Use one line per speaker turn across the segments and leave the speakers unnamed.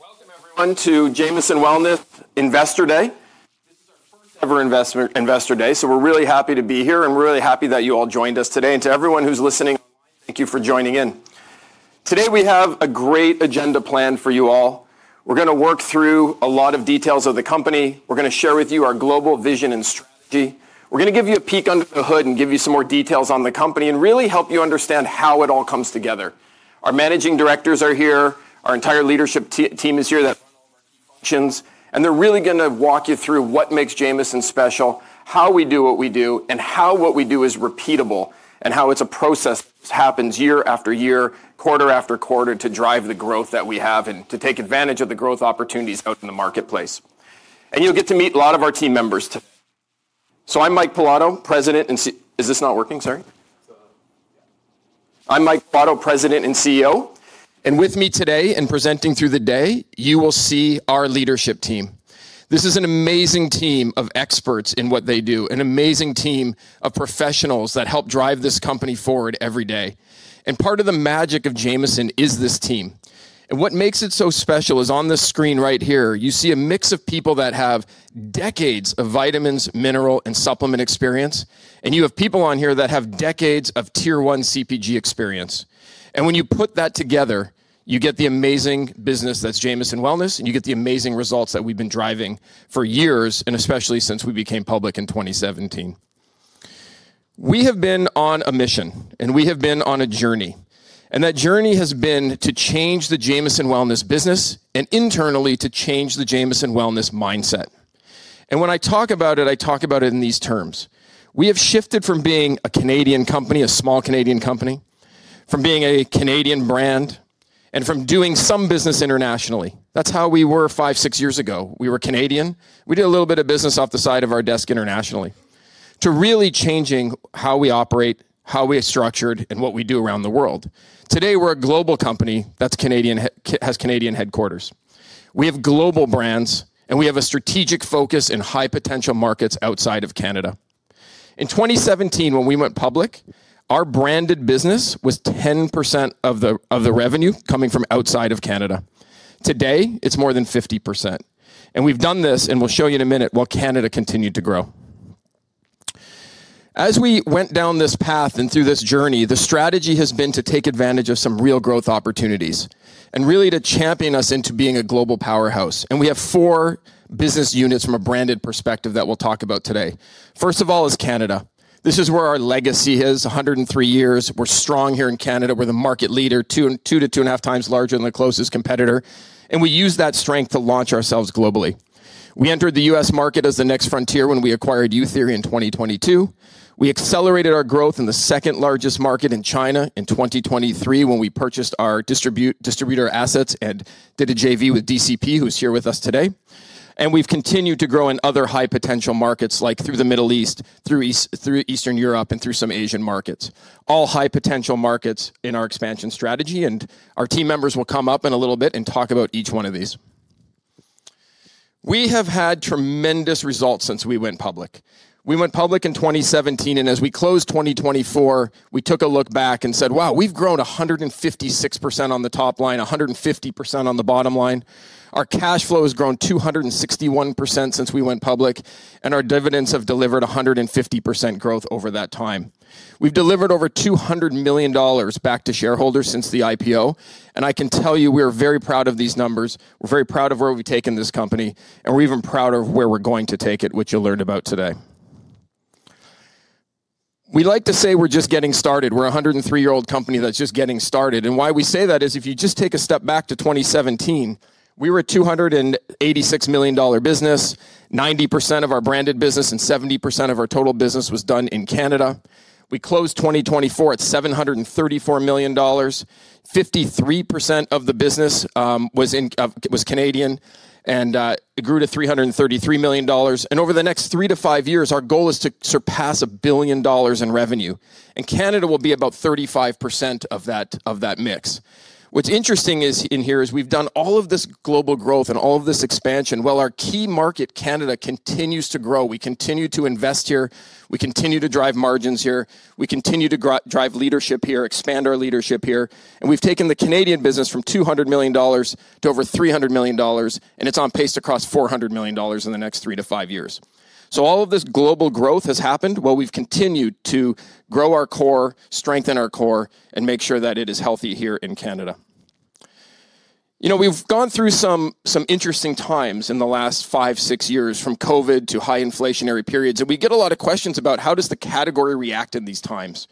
Welcome, everyone, to Jamieson Wellness Investor Day. This is our first-ever Investor Day, so we're really happy to be here, and we're really happy that you all joined us today. To everyone who's listening online, thank you for joining in. Today, we have a great agenda planned for you all. We're going to work through a lot of details of the company. We're going to share with you our global vision and strategy. We're going to give you a peek under the hood and give you some more details on the company and really help you understand how it all comes together. Our managing directors are here. Our entire leadership team is here that runs all of our key functions. They are really going to walk you through what makes Jamieson special, how we do what we do, how what we do is repeatable, and how it is a process that happens year after year, quarter after quarter, to drive the growth that we have and to take advantage of the growth opportunities out in the marketplace. You will get to meet a lot of our team members today. I am Mike Pilato, President and CEO. Is this not working? Sorry. I am Mike Pilato, President and CEO. With me today and presenting through the day, you will see our leadership team. This is an amazing team of experts in what they do, an amazing team of professionals that help drive this company forward every day. Part of the magic of Jamieson is this team. What makes it so special is on this screen right here, you see a mix of people that have decades of vitamins, minerals, and supplement experience. You have people on here that have decades of tier-one CPG experience. When you put that together, you get the amazing business that's Jamieson Wellness, and you get the amazing results that we've been driving for years, especially since we became public in 2017. We have been on a mission, and we have been on a journey. That journey has been to change the Jamieson Wellness business and internally to change the Jamieson Wellness mindset. When I talk about it, I talk about it in these terms. We have shifted from being a Canadian company, a small Canadian company, from being a Canadian brand, and from doing some business internationally. That's how we were five, six years ago. We were Canadian. We did a little bit of business off the side of our desk internationally, to really changing how we operate, how we are structured, and what we do around the world. Today, we're a global company that has Canadian headquarters. We have global brands, and we have a strategic focus in high-potential markets outside of Canada. In 2017, when we went public, our branded business was 10% of the revenue coming from outside of Canada. Today, it's more than 50%. We have done this, and we'll show you in a minute, while Canada continued to grow. As we went down this path and through this journey, the strategy has been to take advantage of some real growth opportunities and really to champion us into being a global powerhouse. We have four business units from a branded perspective that we'll talk about today. First of all is Canada. This is where our legacy is, 103 years. We're strong here in Canada. We're the market leader, two to two and a half times larger than the closest competitor. We use that strength to launch ourselves globally. We entered the U.S. market as the next frontier when we acquired Youtheory in 2022. We accelerated our growth in the second-largest market in China in 2023 when we purchased our distributor assets and did a JV with DCP, who's here with us today. We have continued to grow in other high-potential markets, like through the Middle East, through Eastern Europe, and through some Asian markets, all high-potential markets in our expansion strategy. Our team members will come up in a little bit and talk about each one of these. We have had tremendous results since we went public. We went public in 2017, and as we closed 2024, we took a look back and said, "Wow, we've grown 156% on the top line, 150% on the bottom line." Our cash flow has grown 261% since we went public, and our dividends have delivered 150% growth over that time. We've delivered over $200 million back to shareholders since the IPO. I can tell you, we are very proud of these numbers. We're very proud of where we've taken this company, and we're even proud of where we're going to take it, which you'll learn about today. We like to say we're just getting started. We're a 103-year-old company that's just getting started. Why we say that is if you just take a step back to 2017, we were a $286 million business, 90% of our branded business and 70% of our total business was done in Canada. We closed 2024 at $734 million. 53% of the business was Canadian, and it grew to $333 million. Over the next three to five years, our goal is to surpass $1 billion in revenue. Canada will be about 35% of that mix. What's interesting in here is we've done all of this global growth and all of this expansion while our key market, Canada, continues to grow. We continue to invest here. We continue to drive margins here. We continue to drive leadership here, expand our leadership here. We've taken the Canadian business from $200 million to over $300 million, and it's on pace to cross $400 million in the next three to five years. All of this global growth has happened while we've continued to grow our core, strengthen our core, and make sure that it is healthy here in Canada. We've gone through some interesting times in the last five, six years, from COVID to high inflationary periods. We get a lot of questions about how does the category react in these times.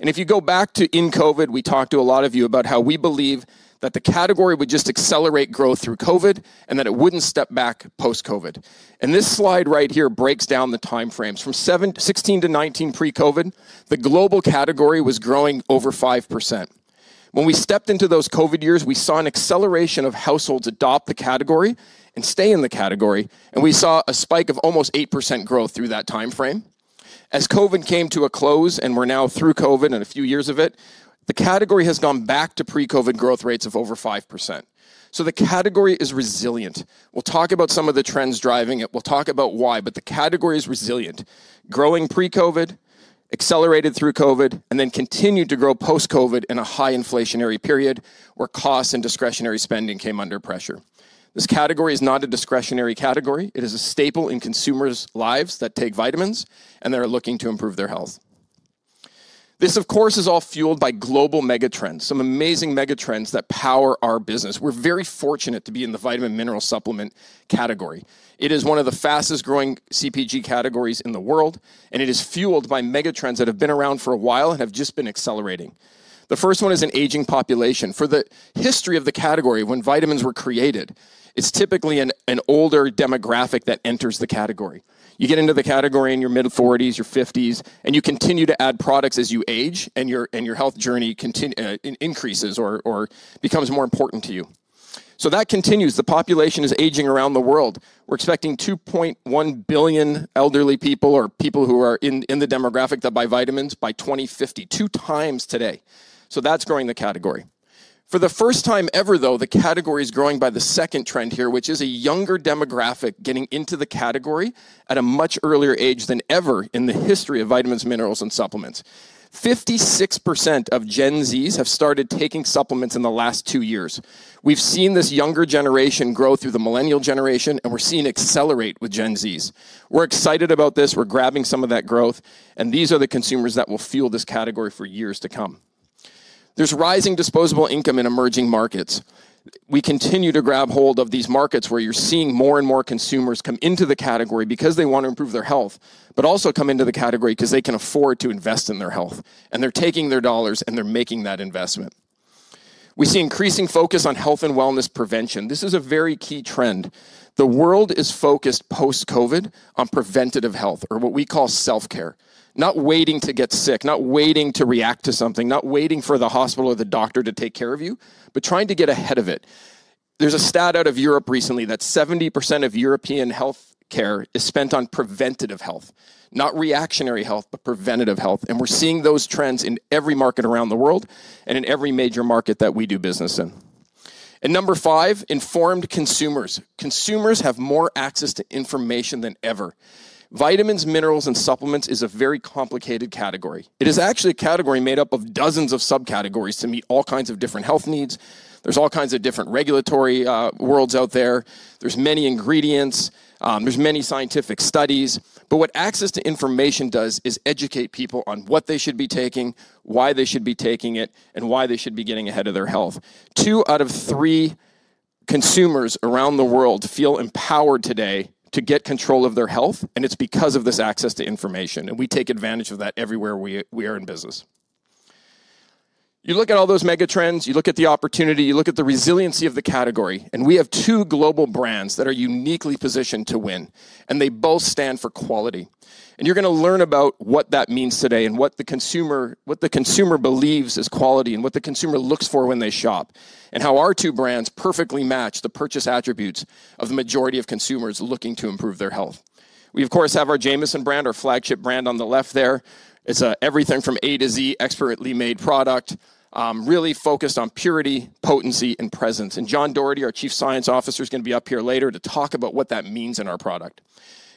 If you go back to in COVID, we talked to a lot of you about how we believe that the category would just accelerate growth through COVID and that it wouldn't step back post-COVID. This slide right here breaks down the timeframes. From 2016 to 2019 pre-COVID, the global category was growing over 5%. When we stepped into those COVID years, we saw an acceleration of households adopt the category and stay in the category. We saw a spike of almost 8% growth through that timeframe. As COVID came to a close and we're now through COVID and a few years of it, the category has gone back to pre-COVID growth rates of over 5%. The category is resilient. We'll talk about some of the trends driving it. We'll talk about why, but the category is resilient, growing pre-COVID, accelerated through COVID, and then continued to grow post-COVID in a high inflationary period where costs and discretionary spending came under pressure. This category is not a discretionary category. It is a staple in consumers' lives that take vitamins and they're looking to improve their health. This, of course, is all fueled by global megatrends, some amazing megatrends that power our business. We're very fortunate to be in the vitamin mineral supplement category. It is one of the fastest-growing CPG categories in the world, and it is fueled by megatrends that have been around for a while and have just been accelerating. The first one is an aging population. For the history of the category, when vitamins were created, it is typically an older demographic that enters the category. You get into the category in your mid-40s, your 50s, and you continue to add products as you age, and your health journey increases or becomes more important to you. That continues. The population is aging around the world. We are expecting 2.1 billion elderly people or people who are in the demographic that buy vitamins by 2050, two times today. That is growing the category. For the first time ever, though, the category is growing by the second trend here, which is a younger demographic getting into the category at a much earlier age than ever in the history of vitamins, minerals, and supplements. 56% of Gen Zs have started taking supplements in the last two years. We've seen this younger generation grow through the millennial generation, and we're seeing it accelerate with Gen Zs. We're excited about this. We're grabbing some of that growth, and these are the consumers that will fuel this category for years to come. There's rising disposable income in emerging markets. We continue to grab hold of these markets where you're seeing more and more consumers come into the category because they want to improve their health, but also come into the category because they can afford to invest in their health. They're taking their dollars, and they're making that investment. We see increasing focus on health and wellness prevention. This is a very key trend. The world is focused post-COVID on preventative health, or what we call self-care, not waiting to get sick, not waiting to react to something, not waiting for the hospital or the doctor to take care of you, but trying to get ahead of it. There's a stat out of Europe recently that 70% of European healthcare is spent on preventative health, not reactionary health, but preventative health. We're seeing those trends in every market around the world and in every major market that we do business in. Number five, informed consumers. Consumers have more access to information than ever. Vitamins, minerals, and supplements is a very complicated category. It is actually a category made up of dozens of subcategories to meet all kinds of different health needs. There are all kinds of different regulatory worlds out there. There are many ingredients. There are many scientific studies. What access to information does is educate people on what they should be taking, why they should be taking it, and why they should be getting ahead of their health. Two out of three consumers around the world feel empowered today to get control of their health, and it is because of this access to information. We take advantage of that everywhere we are in business. You look at all those megatrends, you look at the opportunity, you look at the resiliency of the category, and we have two global brands that are uniquely positioned to win, and they both stand for quality. You are going to learn about what that means today and what the consumer believes is quality and what the consumer looks for when they shop, and how our two brands perfectly match the purchase attributes of the majority of consumers looking to improve their health. We, of course, have our Jamieson brand, our flagship brand on the left there. It is an everything from A to Z expertly made product, really focused on purity, potency, and presence. John Doherty, our Chief Science Officer, is going to be up here later to talk about what that means in our product.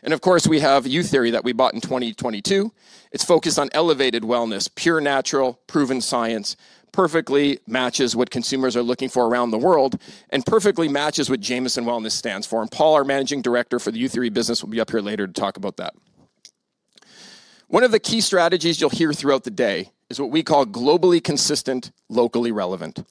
Of course, we have Youtheory that we bought in 2022. It is focused on elevated wellness, pure natural, proven science, perfectly matches what consumers are looking for around the world, and perfectly matches what Jamieson Wellness stands for. Paul, our Managing Director for the Youtheory business, will be up here later to talk about that. One of the key strategies you'll hear throughout the day is what we call globally consistent, locally relevant.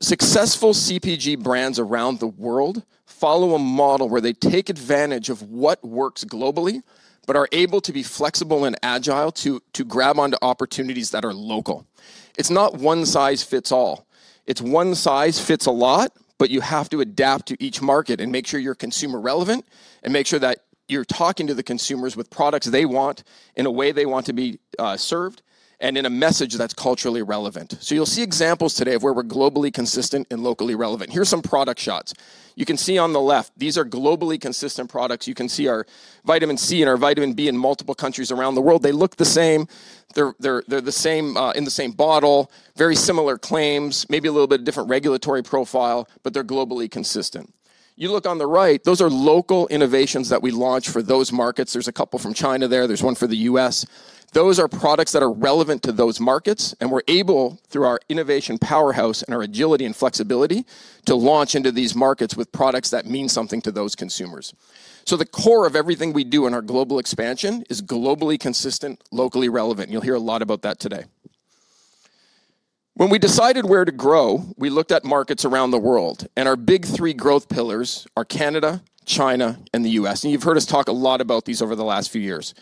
Successful CPG brands around the world follow a model where they take advantage of what works globally, but are able to be flexible and agile to grab onto opportunities that are local. It's not one size fits all. It's one size fits a lot, but you have to adapt to each market and make sure you're consumer relevant and make sure that you're talking to the consumers with products they want in a way they want to be served and in a message that's culturally relevant. You'll see examples today of where we're globally consistent and locally relevant. Here's some product shots. You can see on the left, these are globally consistent products. You can see our vitamin C and our vitamin B in multiple countries around the world. They look the same. They're in the same bottle, very similar claims, maybe a little bit different regulatory profile, but they're globally consistent. You look on the right, those are local innovations that we launch for those markets. There's a couple from China there. There's one for the U.S. Those are products that are relevant to those markets, and we're able, through our innovation powerhouse and our agility and flexibility, to launch into these markets with products that mean something to those consumers. The core of everything we do in our global expansion is globally consistent, locally relevant. You'll hear a lot about that today. When we decided where to grow, we looked at markets around the world, and our big three growth pillars are Canada, China, and the U.S. You have heard us talk a lot about these over the last few years.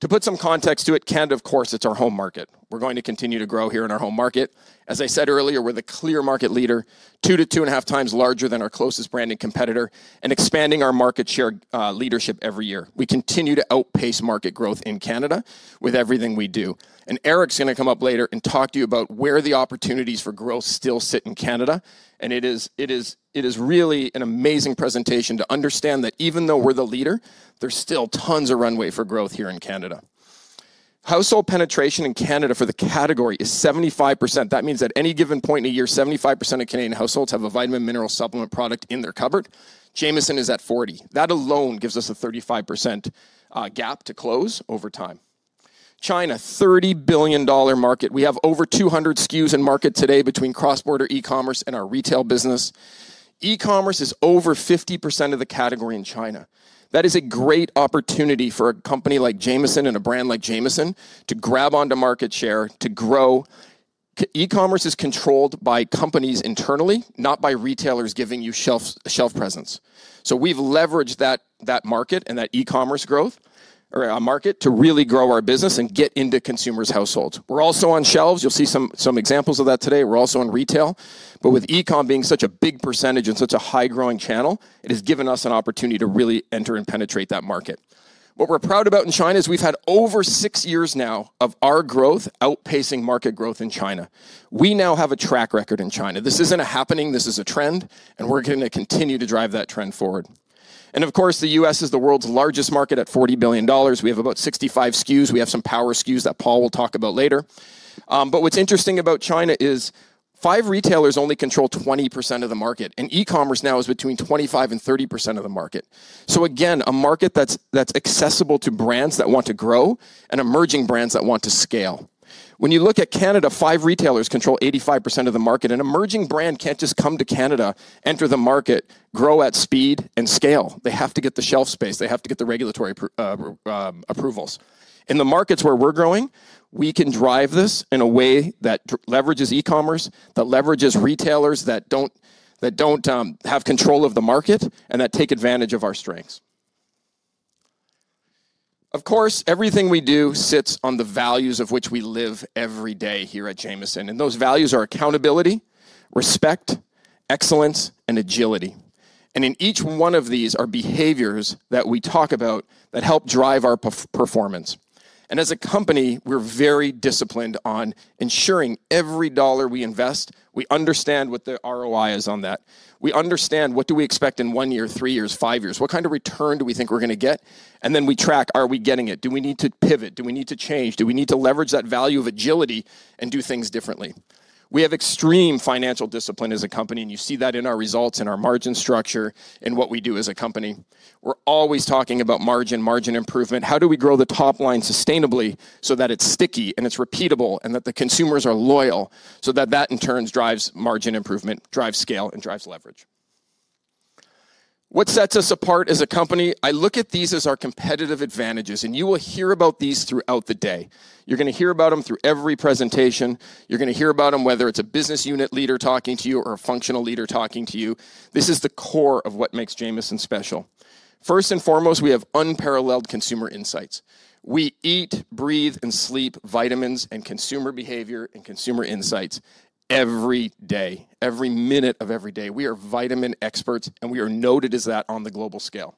To put some context to it, Canada, of course, is our home market. We are going to continue to grow here in our home market. As I said earlier, we are the clear market leader, two to two and a half times larger than our closest branded competitor, and expanding our market share leadership every year. We continue to outpace market growth in Canada with everything we do. Eric is going to come up later and talk to you about where the opportunities for growth still sit in Canada. It is really an amazing presentation to understand that even though we are the leader, there is still tons of runway for growth here in Canada. Household penetration in Canada for the category is 75%. That means at any given point in the year, 75% of Canadian households have a vitamin mineral supplement product in their cupboard. Jamieson is at 40%. That alone gives us a 35% gap to close over time. China, $30 billion market. We have over 200 SKUs in market today between cross-border e-commerce and our retail business. E-commerce is over 50% of the category in China. That is a great opportunity for a company like Jamieson and a brand like Jamieson to grab onto market share, to grow. E-commerce is controlled by companies internally, not by retailers giving you shelf presence. We have leveraged that market and that e-commerce growth or market to really grow our business and get into consumers' households. We are also on shelves. You will see some examples of that today. We are also in retail. With e-com being such a big percentage and such a high-growing channel, it has given us an opportunity to really enter and penetrate that market. What we're proud about in China is we've had over six years now of our growth outpacing market growth in China. We now have a track record in China. This isn't a happening. This is a trend, and we're going to continue to drive that trend forward. Of course, the U.S. is the world's largest market at $40 billion. We have about 65 SKUs. We have some power SKUs that Paul will talk about later. What's interesting about China is five retailers only control 20% of the market, and e-commerce now is between 25-30% of the market. Again, a market that's accessible to brands that want to grow and emerging brands that want to scale. When you look at Canada, five retailers control 85% of the market. An emerging brand can't just come to Canada, enter the market, grow at speed and scale. They have to get the shelf space. They have to get the regulatory approvals. In the markets where we're growing, we can drive this in a way that leverages e-commerce, that leverages retailers that don't have control of the market and that take advantage of our strengths. Of course, everything we do sits on the values of which we live every day here at Jamieson. Those values are accountability, respect, excellence, and agility. In each one of these are behaviors that we talk about that help drive our performance. As a company, we're very disciplined on ensuring every dollar we invest. We understand what the ROI is on that. We understand what do we expect in one year, three years, five years. What kind of return do we think we're going to get? We track, are we getting it? Do we need to pivot? Do we need to change? Do we need to leverage that value of agility and do things differently? We have extreme financial discipline as a company, and you see that in our results, in our margin structure, in what we do as a company. We're always talking about margin, margin improvement. How do we grow the top line sustainably so that it's sticky and it's repeatable and that the consumers are loyal so that that in turn drives margin improvement, drives scale, and drives leverage? What sets us apart as a company? I look at these as our competitive advantages, and you will hear about these throughout the day. You're going to hear about them through every presentation. You're going to hear about them, whether it's a business unit leader talking to you or a functional leader talking to you. This is the core of what makes Jamieson special. First and foremost, we have unparalleled consumer insights. We eat, breathe, and sleep vitamins and consumer behavior and consumer insights every day, every minute of every day. We are vitamin experts, and we are noted as that on the global scale.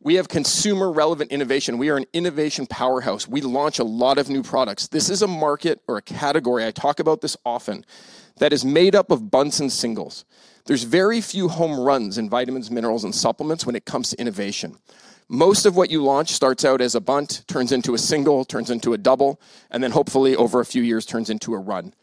We have consumer-relevant innovation. We are an innovation powerhouse. We launch a lot of new products. This is a market or a category, I talk about this often, that is made up of bunts and singles. There's very few home runs in vitamins, minerals, and supplements when it comes to innovation. Most of what you launch starts out as a bunt, turns into a single, turns into a double, and then hopefully over a few years turns into a run.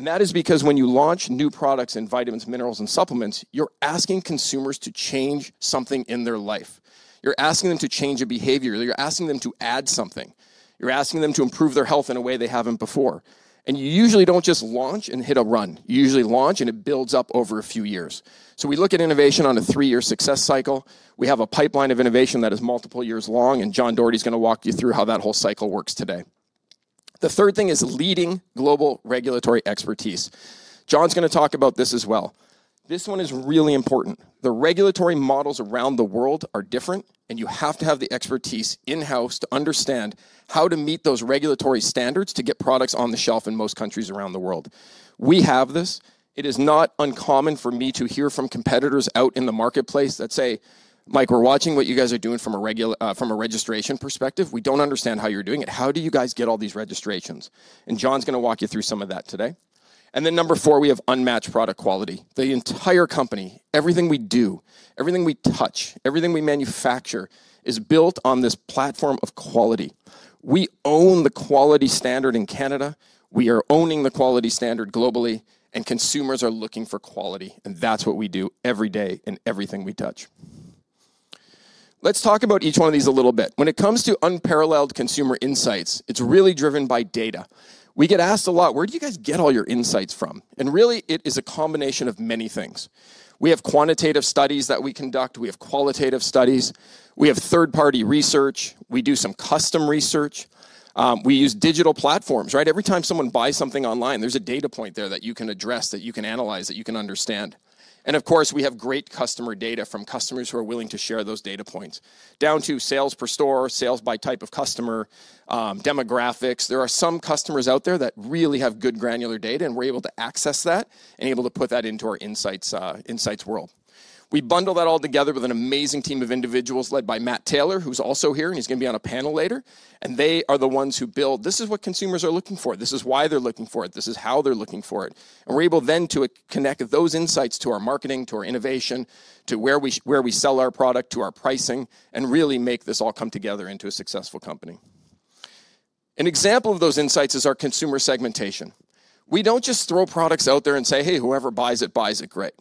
That is because when you launch new products in vitamins, minerals, and supplements, you're asking consumers to change something in their life. You're asking them to change a behavior. You're asking them to add something. You're asking them to improve their health in a way they haven't before. You usually don't just launch and hit a run. You usually launch, and it builds up over a few years. We look at innovation on a three-year success cycle. We have a pipeline of innovation that is multiple years long, and John Dougherty is going to walk you through how that whole cycle works today. The third thing is leading global regulatory expertise. John's going to talk about this as well. This one is really important. The regulatory models around the world are different, and you have to have the expertise in-house to understand how to meet those regulatory standards to get products on the shelf in most countries around the world. We have this. It is not uncommon for me to hear from competitors out in the marketplace that say, "Mike, we're watching what you guys are doing from a registration perspective. We don't understand how you're doing it. How do you guys get all these registrations?" John's going to walk you through some of that today. Number four, we have unmatched product quality. The entire company, everything we do, everything we touch, everything we manufacture is built on this platform of quality. We own the quality standard in Canada. We are owning the quality standard globally, and consumers are looking for quality. That is what we do every day in everything we touch. Let's talk about each one of these a little bit. When it comes to unparalleled consumer insights, it is really driven by data. We get asked a lot, "Where do you guys get all your insights from?" It is a combination of many things. We have quantitative studies that we conduct. We have qualitative studies. We have third-party research. We do some custom research. We use digital platforms, right? Every time someone buys something online, there is a data point there that you can address, that you can analyze, that you can understand. Of course, we have great customer data from customers who are willing to share those data points, down to sales per store, sales by type of customer, demographics. There are some customers out there that really have good granular data, and we're able to access that and able to put that into our insights world. We bundle that all together with an amazing team of individuals led by Matt Taylor, who's also here, and he's going to be on a panel later. They are the ones who build, "This is what consumers are looking for. This is why they're looking for it. This is how they're looking for it." We're able then to connect those insights to our marketing, to our innovation, to where we sell our product, to our pricing, and really make this all come together into a successful company. An example of those insights is our consumer segmentation. We don't just throw products out there and say, "Hey, whoever buys it, buys it." Great.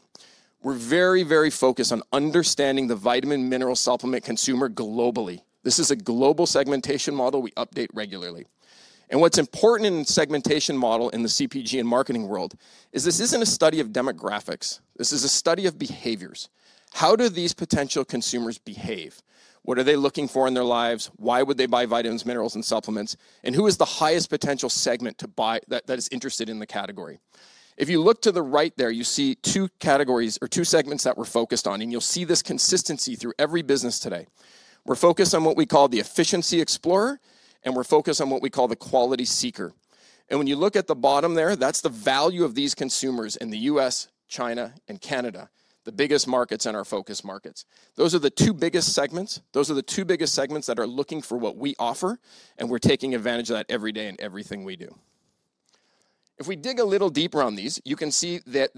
We're very, very focused on understanding the vitamin mineral supplement consumer globally. This is a global segmentation model we update regularly. What's important in the segmentation model in the CPG and marketing world is this isn't a study of demographics. This is a study of behaviors. How do these potential consumers behave? What are they looking for in their lives? Why would they buy vitamins, minerals, and supplements? Who is the highest potential segment that is interested in the category? If you look to the right there, you see two categories or two segments that we're focused on, and you'll see this consistency through every business today. We're focused on what we call the efficiency explorer, and we're focused on what we call the quality seeker. When you look at the bottom there, that's the value of these consumers in the U.S., China, and Canada, the biggest markets and our focus markets. Those are the two biggest segments. Those are the two biggest segments that are looking for what we offer, and we're taking advantage of that every day in everything we do. If we dig a little deeper on these, you can see that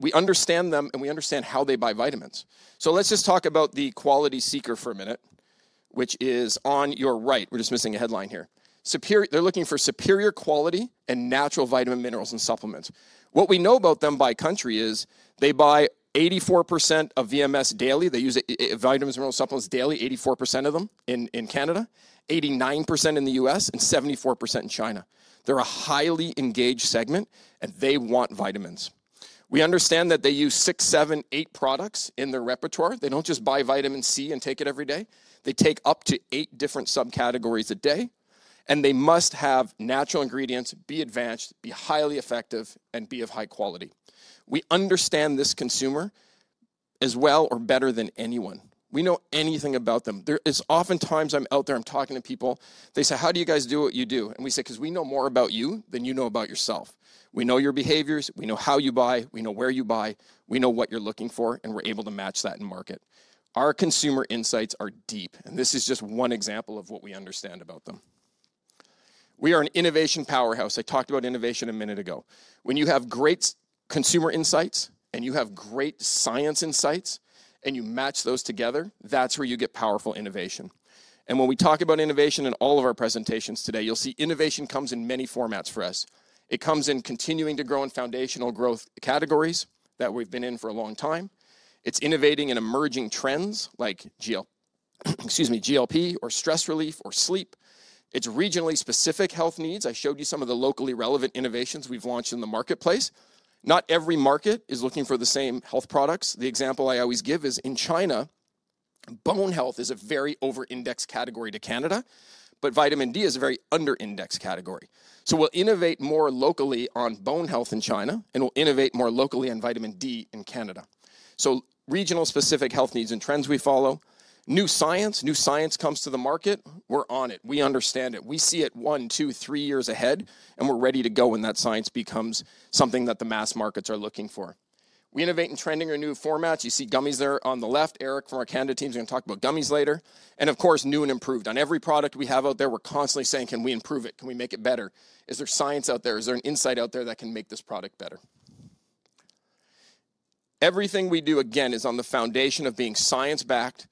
we understand them and we understand how they buy vitamins. Let's just talk about the quality seeker for a minute, which is on your right. We're just missing a headline here. They're looking for superior quality and natural vitamins, minerals, and supplements. What we know about them by country is they buy 84% of VMS daily. They use vitamins, minerals, supplements daily, 84% of them in Canada, 89% in the U.S., and 74% in China. They're a highly engaged segment, and they want vitamins. We understand that they use six, seven, eight products in their repertoire. They don't just buy vitamin C and take it every day. They take up to eight different subcategories a day, and they must have natural ingredients, be advanced, be highly effective, and be of high quality. We understand this consumer as well or better than anyone. We know anything about them. Oftentimes I'm out there, I'm talking to people. They say, "How do you guys do what you do?" We say, "Because we know more about you than you know about yourself. We know your behaviors. We know how you buy. We know where you buy. We know what you're looking for, and we're able to match that in market." Our consumer insights are deep, and this is just one example of what we understand about them. We are an innovation powerhouse. I talked about innovation a minute ago. When you have great consumer insights and you have great science insights and you match those together, that's where you get powerful innovation. When we talk about innovation in all of our presentations today, you'll see innovation comes in many formats for us. It comes in continuing to grow in foundational growth categories that we've been in for a long time. It's innovating in emerging trends like GLP or stress relief or sleep. It's regionally specific health needs. I showed you some of the locally relevant innovations we've launched in the marketplace. Not every market is looking for the same health products. The example I always give is in China, bone health is a very over-indexed category to Canada, but vitamin D is a very under-indexed category. We'll innovate more locally on bone health in China, and we'll innovate more locally on vitamin D in Canada. Regional-specific health needs and trends we follow. New science. New science comes to the market. We're on it. We understand it. We see it one, two, three years ahead, and we're ready to go when that science becomes something that the mass markets are looking for. We innovate in trending or new formats. You see gummies there on the left. Eric from our Canada team is going to talk about gummies later. Of course, new and improved. On every product we have out there, we're constantly saying, "Can we improve it? Can we make it better? Is there science out there? Is there an insight out there that can make this product better? Everything we do, again, is on the foundation of being science-backed,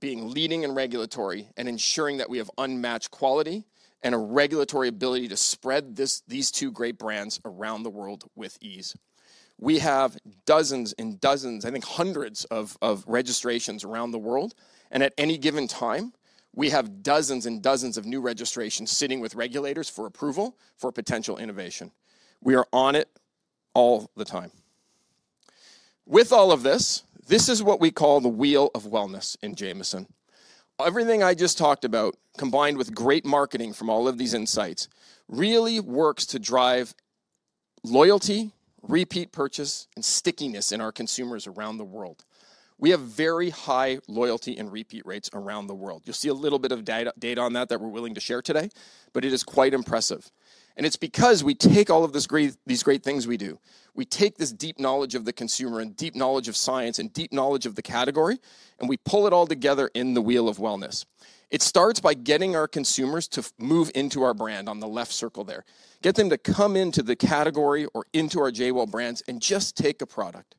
being leading in regulatory, and ensuring that we have unmatched quality and a regulatory ability to spread these two great brands around the world with ease. We have dozens and dozens, I think hundreds of registrations around the world. At any given time, we have dozens and dozens of new registrations sitting with regulators for approval for potential innovation. We are on it all the time. With all of this, this is what we call the wheel of wellness in Jamieson. Everything I just talked about, combined with great marketing from all of these insights, really works to drive loyalty, repeat purchase, and stickiness in our consumers around the world. We have very high loyalty and repeat rates around the world. You'll see a little bit of data on that that we're willing to share today, but it is quite impressive. It is because we take all of these great things we do. We take this deep knowledge of the consumer and deep knowledge of science and deep knowledge of the category, and we pull it all together in the wheel of wellness. It starts by getting our consumers to move into our brand on the left circle there. Get them to come into the category or into our JWell brands and just take a product.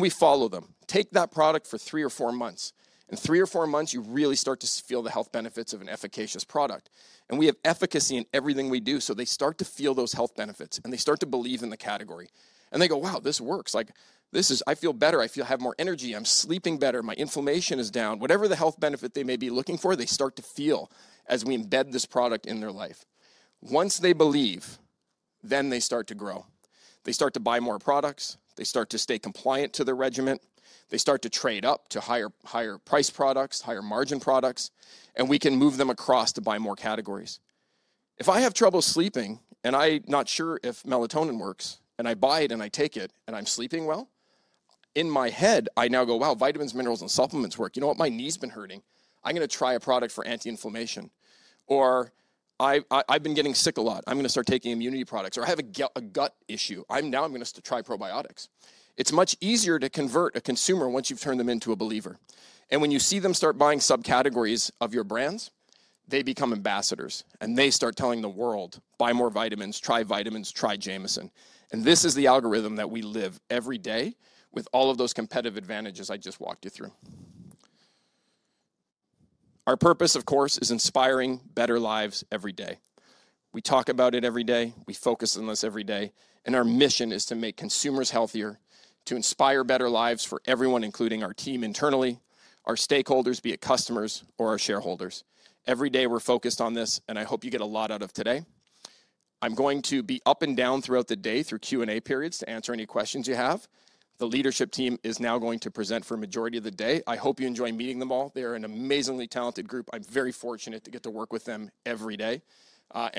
We follow them. Take that product for three or four months. In three or four months, you really start to feel the health benefits of an efficacious product. We have efficacy in everything we do, so they start to feel those health benefits, and they start to believe in the category. They go, "Wow, this works. I feel better. I have more energy. I'm sleeping better. My inflammation is down." Whatever the health benefit they may be looking for, they start to feel as we embed this product in their life. Once they believe, then they start to grow. They start to buy more products. They start to stay compliant to their regimen. They start to trade up to higher-priced products, higher-margin products, and we can move them across to buy more categories. If I have trouble sleeping and I'm not sure if melatonin works, and I buy it and I take it, and I'm sleeping well, in my head, I now go, "Wow, vitamins, minerals, and supplements work. You know what? My knee's been hurting. I'm going to try a product for anti-inflammation." "I've been getting sick a lot. I'm going to start taking immunity products." Or, "I have a gut issue. Now I'm going to try probiotics." It's much easier to convert a consumer once you've turned them into a believer. When you see them start buying subcategories of your brands, they become ambassadors, and they start telling the world, "Buy more vitamins. Try vitamins. Try Jamieson." This is the algorithm that we live every day with all of those competitive advantages I just walked you through. Our purpose, of course, is inspiring better lives every day. We talk about it every day. We focus on this every day. Our mission is to make consumers healthier, to inspire better lives for everyone, including our team internally, our stakeholders, be it customers or our shareholders. Every day, we're focused on this, and I hope you get a lot out of today. I'm going to be up and down throughout the day through Q&A periods to answer any questions you have. The leadership team is now going to present for a majority of the day. I hope you enjoy meeting them all. They are an amazingly talented group. I'm very fortunate to get to work with them every day.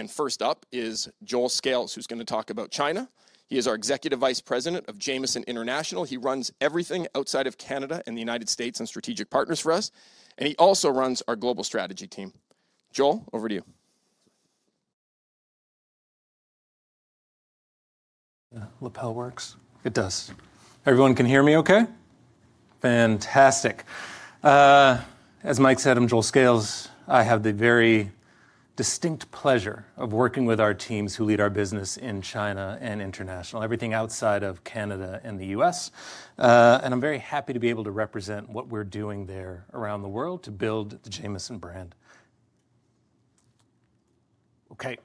First up is Joel Scales, who's going to talk about China. He is our Executive Vice President of Jamieson International. He runs everything outside of Canada and the U.S. and strategic partners for us. He also runs our global strategy team. Joel, over to you. Lapel works. It does.
Everyone can hear me okay? Fantastic. As Mike said, I'm Joel Scales. I have the very distinct pleasure of working with our teams who lead our business in China and international, everything outside of Canada and the U.S. I'm very happy to be able to represent what we're doing there around the world to build the Jamieson brand. Okay.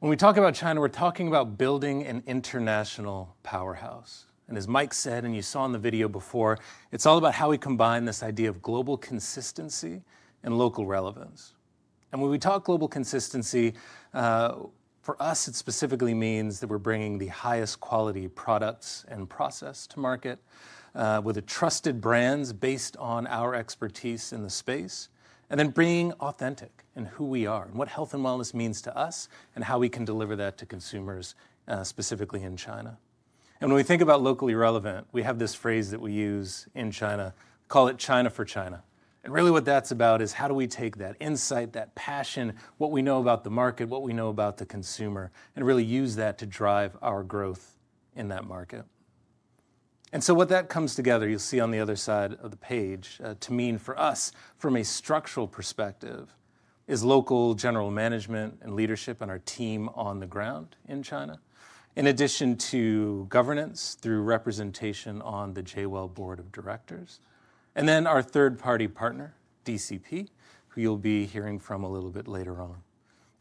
When we talk about China, we're talking about building an international powerhouse. As Mike said, and you saw in the video before, it's all about how we combine this idea of global consistency and local relevance. When we talk global consistency, for us, it specifically means that we're bringing the highest quality products and process to market with trusted brands based on our expertise in the space, and then being authentic in who we are and what health and wellness means to us and how we can deliver that to consumers specifically in China. When we think about locally relevant, we have this phrase that we use in China. We call it China for China. What that is about is how do we take that insight, that passion, what we know about the market, what we know about the consumer, and really use that to drive our growth in that market. What that comes together, you will see on the other side of the page, to mean for us, from a structural perspective, is local general management and leadership and our team on the ground in China, in addition to governance through representation on the Jamieson Wellness board of directors. Our third-party partner, DCP, who you will be hearing from a little bit later on, is also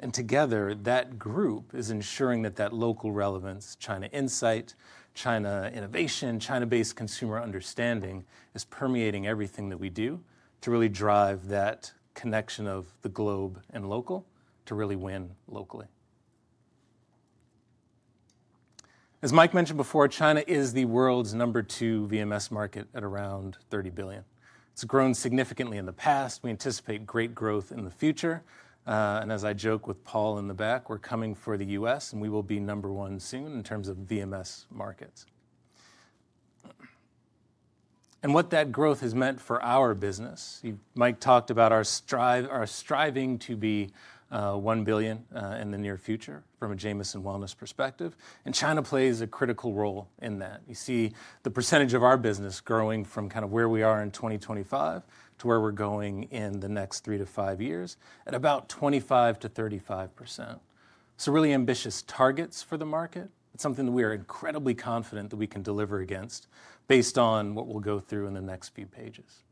involved. Together, that group is ensuring that local relevance, China insight, China innovation, and China-based consumer understanding is permeating everything that we do to really drive that connection of the global and local to really win locally. As Mike mentioned before, China is the world's number two VMS market at around $30 billion. It's grown significantly in the past. We anticipate great growth in the future. As I joke with Paul in the back, we're coming for the U.S., and we will be number one soon in terms of VMS markets. What that growth has meant for our business, Mike talked about our striving to be $1 billion in the near future from a Jamieson Wellness perspective. China plays a critical role in that. You see the percentage of our business growing from kind of where we are in 2025 to where we're going in the next three to five years at about 25%-35%. Really ambitious targets for the market. It's something that we are incredibly confident that we can deliver against based on what we'll go through in the next few pages.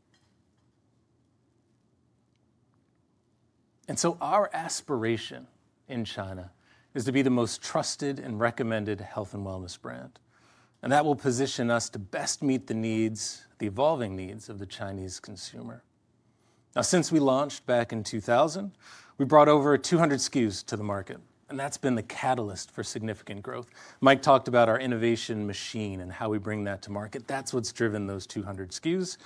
Our aspiration in China is to be the most trusted and recommended health and wellness brand. That will position us to best meet the needs, the evolving needs of the Chinese consumer. Now, since we launched back in 2000, we brought over 200 SKUs to the market, and that's been the catalyst for significant growth. Mike talked about our innovation machine and how we bring that to market. That's what's driven those 200 SKUs,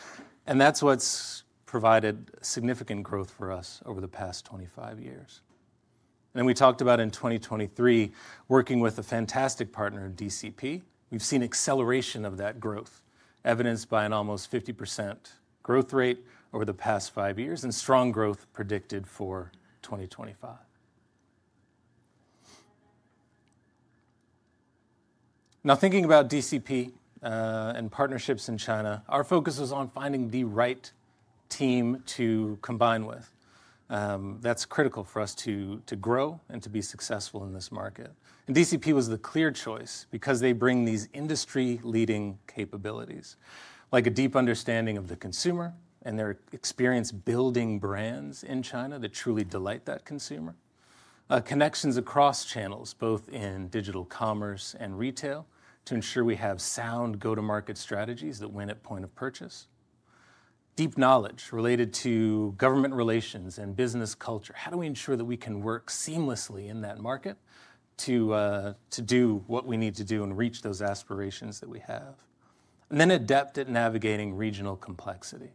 and that's what's provided significant growth for us over the past 25 years. In 2023, working with a fantastic partner, DCP, we have seen acceleration of that growth, evidenced by an almost 50% growth rate over the past five years and strong growth predicted for 2025. Now, thinking about DCP and partnerships in China, our focus is on finding the right team to combine with. That is critical for us to grow and to be successful in this market. DCP was the clear choice because they bring these industry-leading capabilities, like a deep understanding of the consumer and their experience building brands in China that truly delight that consumer, connections across channels, both in digital commerce and retail, to ensure we have sound go-to-market strategies that win at point of purchase, deep knowledge related to government relations and business culture. How do we ensure that we can work seamlessly in that market to do what we need to do and reach those aspirations that we have? Adept at navigating regional complexity,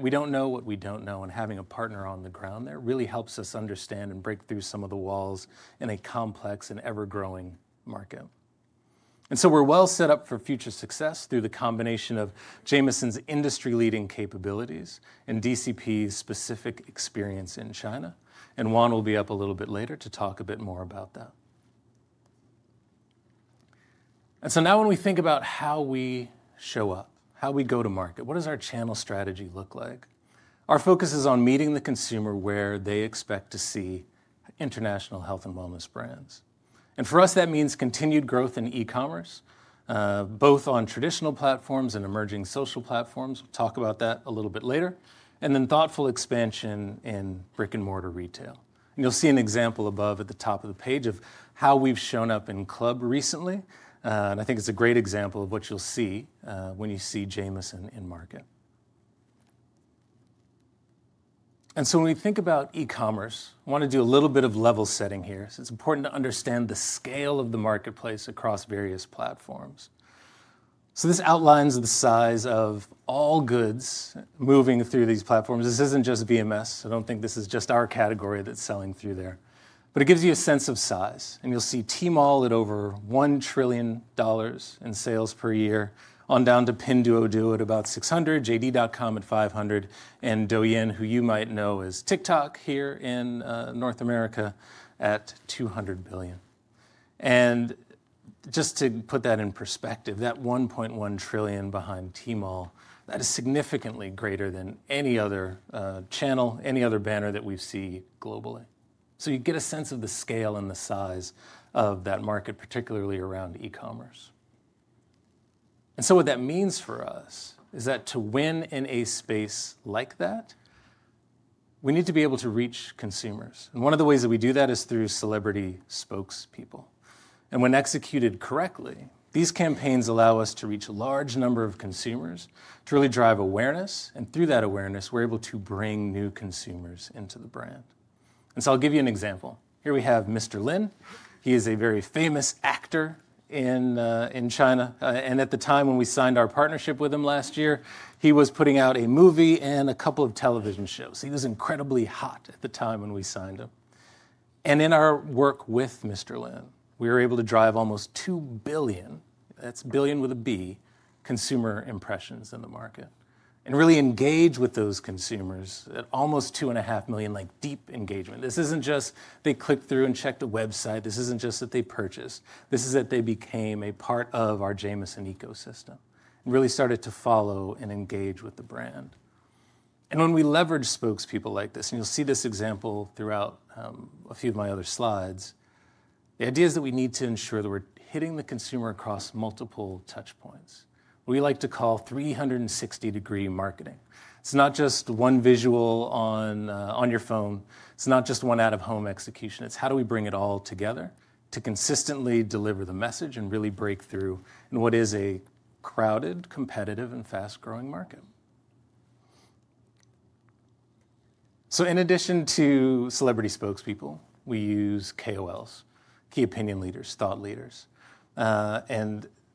we don't know what we don't know, and having a partner on the ground there really helps us understand and break through some of the walls in a complex and ever-growing market. We are well set up for future success through the combination of Jamieson's industry-leading capabilities and DCP's specific experience in China. Juan will be up a little bit later to talk a bit more about that. Now, when we think about how we show up, how we go to market, what does our channel strategy look like? Our focus is on meeting the consumer where they expect to see international health and wellness brands. For us, that means continued growth in e-commerce, both on traditional platforms and emerging social platforms. We'll talk about that a little bit later. Then thoughtful expansion in brick-and-mortar retail. You'll see an example above at the top of the page of how we've shown up in club recently. I think it's a great example of what you'll see when you see Jamieson in market. When we think about e-commerce, I want to do a little bit of level setting here. It's important to understand the scale of the marketplace across various platforms. This outlines the size of all goods moving through these platforms. This isn't just VMS. I don't think this is just our category that's selling through there. It gives you a sense of size. You will see Tmall at over $1 trillion in sales per year, on down to Pinduoduo at about $600 billion, JD.com at $500 billion, and Douyin, who you might know as TikTok here in North America, at $200 billion. Just to put that in perspective, that $1.1 trillion behind Tmall is significantly greater than any other channel, any other banner that we see globally. You get a sense of the scale and the size of that market, particularly around e-commerce. What that means for us is that to win in a space like that, we need to be able to reach consumers. One of the ways that we do that is through celebrity spokespeople. When executed correctly, these campaigns allow us to reach a large number of consumers, to really drive awareness. Through that awareness, we are able to bring new consumers into the brand. I'll give you an example. Here we have Mr. Lin. He is a very famous actor in China. At the time when we signed our partnership with him last year, he was putting out a movie and a couple of television shows. He was incredibly hot at the time when we signed him. In our work with Mr. Lin, we were able to drive almost 2 billion—that is billion with a B—consumer impressions in the market and really engage with those consumers at almost 2.5 million, like deep engagement. This is not just they clicked through and checked the website. This is not just that they purchased. This is that they became a part of our Jamieson ecosystem and really started to follow and engage with the brand. When we leverage spokespeople like this, and you'll see this example throughout a few of my other slides, the idea is that we need to ensure that we're hitting the consumer across multiple touchpoints, what we like to call 360-degree marketing. It's not just one visual on your phone. It's not just one out-of-home execution. It's how do we bring it all together to consistently deliver the message and really break through in what is a crowded, competitive, and fast-growing market. In addition to celebrity spokespeople, we use KOLs, key opinion leaders, thought leaders.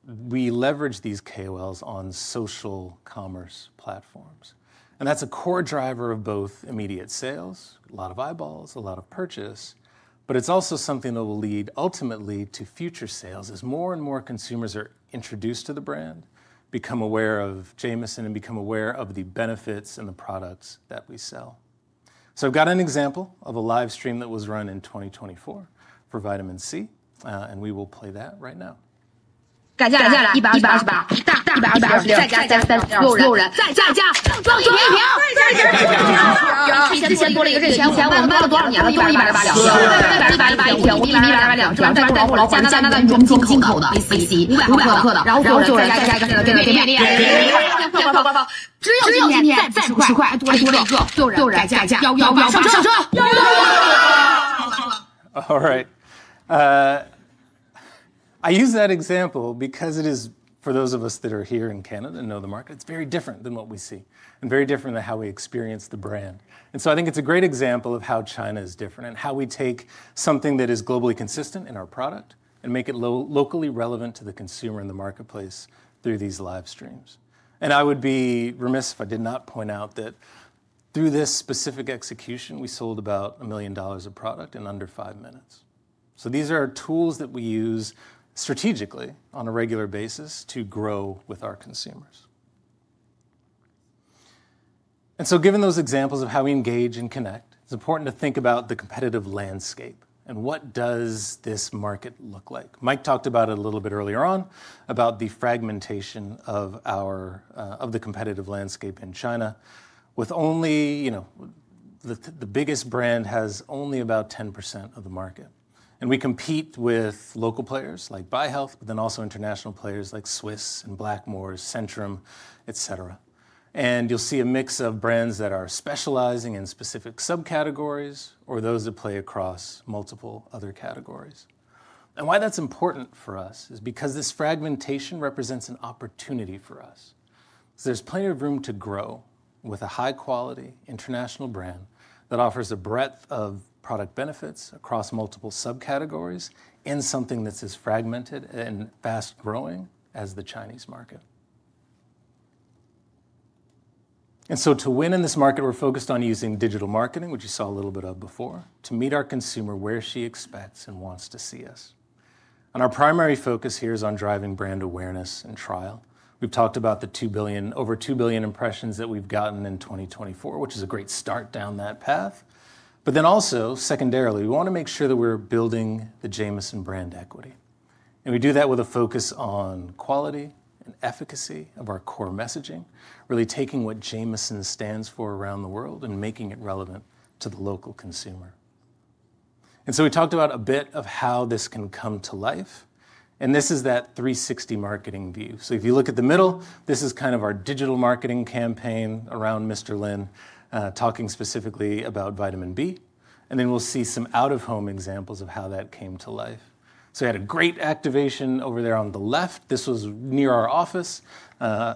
We leverage these KOLs on social commerce platforms. That's a core driver of both immediate sales, a lot of eyeballs, a lot of purchase. It is also something that will lead ultimately to future sales as more and more consumers are introduced to the brand, become aware of Jamieson, and become aware of the benefits and the products that we sell. I have got an example of a live stream that was run in 2024 for vitamin C, and we will play that right now. All right. I use that example because it is, for those of us that are here in Canada and know the market, it's very different than what we see and very different than how we experience the brand. I think it's a great example of how China is different and how we take something that is globally consistent in our product and make it locally relevant to the consumer in the marketplace through these live streams. I would be remiss if I did not point out that through this specific execution, we sold about $1 million of product in under five minutes. These are tools that we use strategically on a regular basis to grow with our consumers. Given those examples of how we engage and connect, it's important to think about the competitive landscape and what does this market look like. Mike talked about it a little bit earlier on, about the fragmentation of the competitive landscape in China, with only the biggest brand has only about 10% of the market. We compete with local players like By-Health, but then also international players like Swisse and Blackmores, Centrum, et cetera. You will see a mix of brands that are specializing in specific subcategories or those that play across multiple other categories. Why that is important for us is because this fragmentation represents an opportunity for us. There is plenty of room to grow with a high-quality international brand that offers a breadth of product benefits across multiple subcategories in something that is as fragmented and fast-growing as the Chinese market. To win in this market, we're focused on using digital marketing, which you saw a little bit of before, to meet our consumer where she expects and wants to see us. Our primary focus here is on driving brand awareness and trial. We've talked about the over 2 billion impressions that we've gotten in 2024, which is a great start down that path. Also, secondarily, we want to make sure that we're building the Jamieson brand equity. We do that with a focus on quality and efficacy of our core messaging, really taking what Jamieson stands for around the world and making it relevant to the local consumer. We talked about a bit of how this can come to life. This is that 360 marketing view. If you look at the middle, this is kind of our digital marketing campaign around Mr. Lin, talking specifically about vitamin B. You will see some out-of-home examples of how that came to life. We had a great activation over there on the left. This was near our office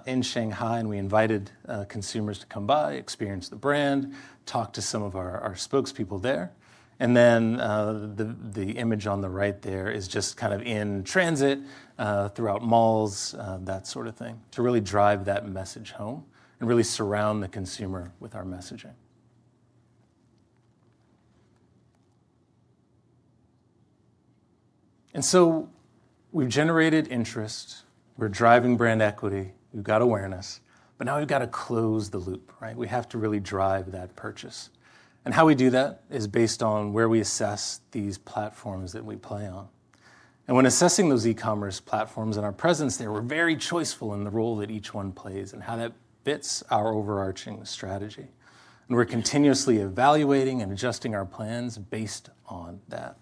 in Shanghai, and we invited consumers to come by, experience the brand, talk to some of our spokespeople there. The image on the right there is just kind of in transit throughout malls, that sort of thing, to really drive that message home and really surround the consumer with our messaging. We have generated interest. We are driving brand equity. We have got awareness. Now we have got to close the loop. We have to really drive that purchase. How we do that is based on where we assess these platforms that we play on. When assessing those e-commerce platforms and our presence there, we're very choiceful in the role that each one plays and how that fits our overarching strategy. We're continuously evaluating and adjusting our plans based on that.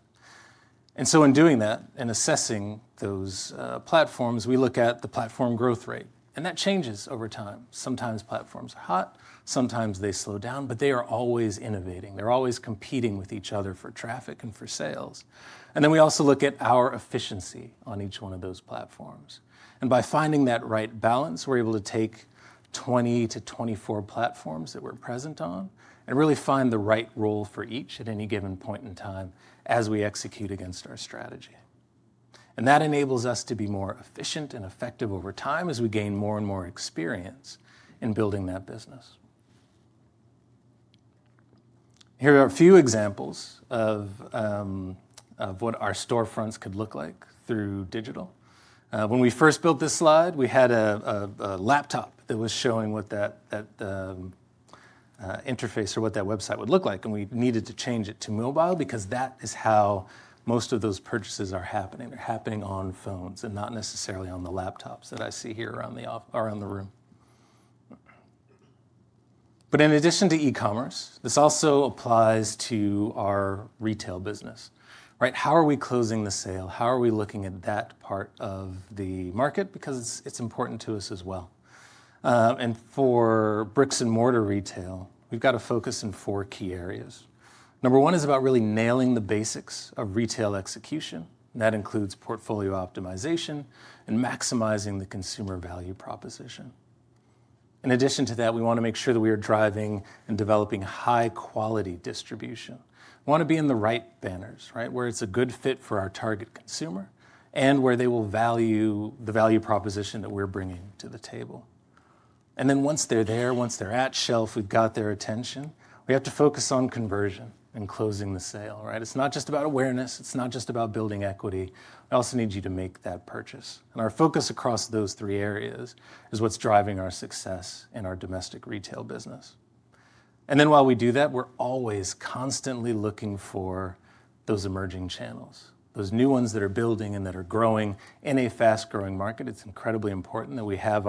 In doing that and assessing those platforms, we look at the platform growth rate. That changes over time. Sometimes platforms are hot. Sometimes they slow down, but they are always innovating. They're always competing with each other for traffic and for sales. We also look at our efficiency on each one of those platforms. By finding that right balance, we're able to take 20-24 platforms that we're present on and really find the right role for each at any given point in time as we execute against our strategy. That enables us to be more efficient and effective over time as we gain more and more experience in building that business. Here are a few examples of what our storefronts could look like through digital. When we first built this slide, we had a laptop that was showing what that interface or what that website would look like. We needed to change it to mobile because that is how most of those purchases are happening. They're happening on phones and not necessarily on the laptops that I see here around the room. In addition to e-commerce, this also applies to our retail business. How are we closing the sale? How are we looking at that part of the market? It is important to us as well. For brick-and-mortar retail, we've got to focus in four key areas. Number one is about really nailing the basics of retail execution. That includes portfolio optimization and maximizing the consumer value proposition. In addition to that, we want to make sure that we are driving and developing high-quality distribution. We want to be in the right banners, where it's a good fit for our target consumer and where they will value the value proposition that we're bringing to the table. Once they're there, once they're at shelf, we've got their attention. We have to focus on conversion and closing the sale. It's not just about awareness. It's not just about building equity. We also need you to make that purchase. Our focus across those three areas is what's driving our success in our domestic retail business. While we do that, we're always constantly looking for those emerging channels, those new ones that are building and that are growing in a fast-growing market. It's incredibly important that we have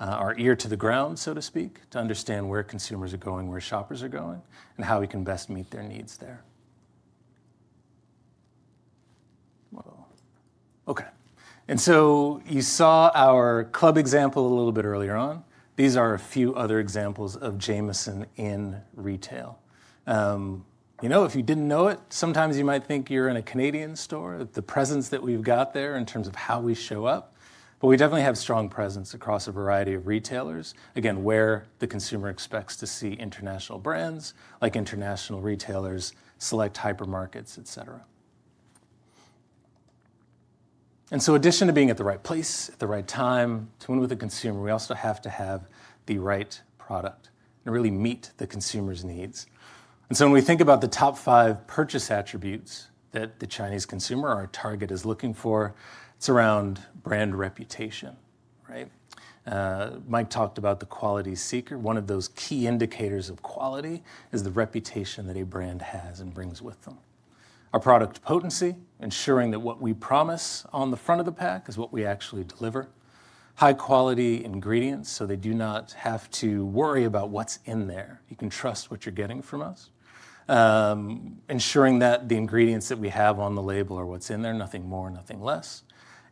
our ear to the ground, so to speak, to understand where consumers are going, where shoppers are going, and how we can best meet their needs there. You saw our club example a little bit earlier on. These are a few other examples of Jamieson in retail. If you didn't know it, sometimes you might think you're in a Canadian store, the presence that we've got there in terms of how we show up. We definitely have strong presence across a variety of retailers, again, where the consumer expects to see international brands, like international retailers, select hypermarkets, et cetera. In addition to being at the right place, at the right time to win with the consumer, we also have to have the right product and really meet the consumer's needs. When we think about the top five purchase attributes that the Chinese consumer or our target is looking for, it is around brand reputation. Mike talked about the quality seeker. One of those key indicators of quality is the reputation that a brand has and brings with them. Our product potency, ensuring that what we promise on the front of the pack is what we actually deliver. High-quality ingredients so they do not have to worry about what is in there. You can trust what you are getting from us, ensuring that the ingredients that we have on the label are what is in there, nothing more and nothing less.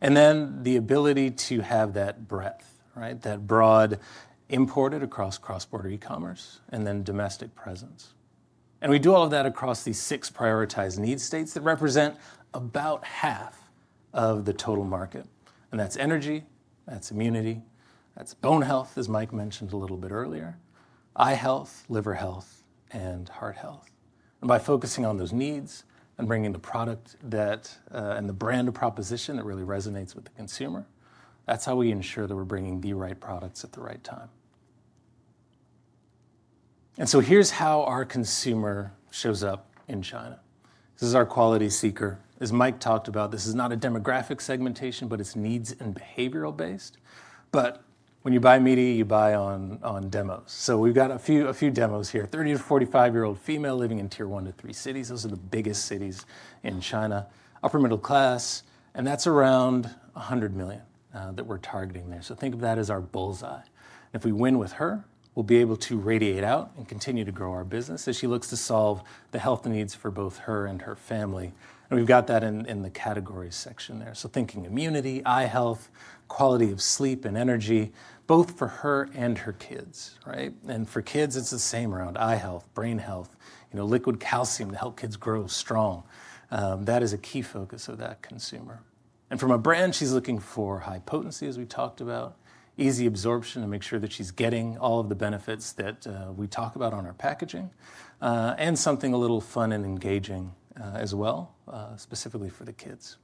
The ability to have that breadth, that broad imported across cross-border e-commerce and then domestic presence. We do all of that across these six prioritized needs states that represent about half of the total market. That is energy. That is immunity. That is bone health, as Mike mentioned a little bit earlier, eye health, liver health, and heart health. By focusing on those needs and bringing the product and the brand proposition that really resonates with the consumer, that is how we ensure that we are bringing the right products at the right time. Here is how our consumer shows up in China. This is our quality seeker, as Mike talked about. This is not a demographic segmentation, but it is needs and behavioral based. When you buy media, you buy on demos. We have got a few demos here. 30 to 45-year-old female living in tier one to three cities. Those are the biggest cities in China, upper middle class. That is around 100 million that we're targeting there. Think of that as our bullseye. If we win with her, we'll be able to radiate out and continue to grow our business as she looks to solve the health needs for both her and her family. We have that in the category section there. Thinking immunity, eye health, quality of sleep and energy, both for her and her kids. For kids, it's the same around eye health, brain health, liquid calcium to help kids grow strong. That is a key focus of that consumer. For my brand, she's looking for high potency, as we talked about, easy absorption to make sure that she's getting all of the benefits that we talk about on our packaging, and something a little fun and engaging as well, specifically for the kids.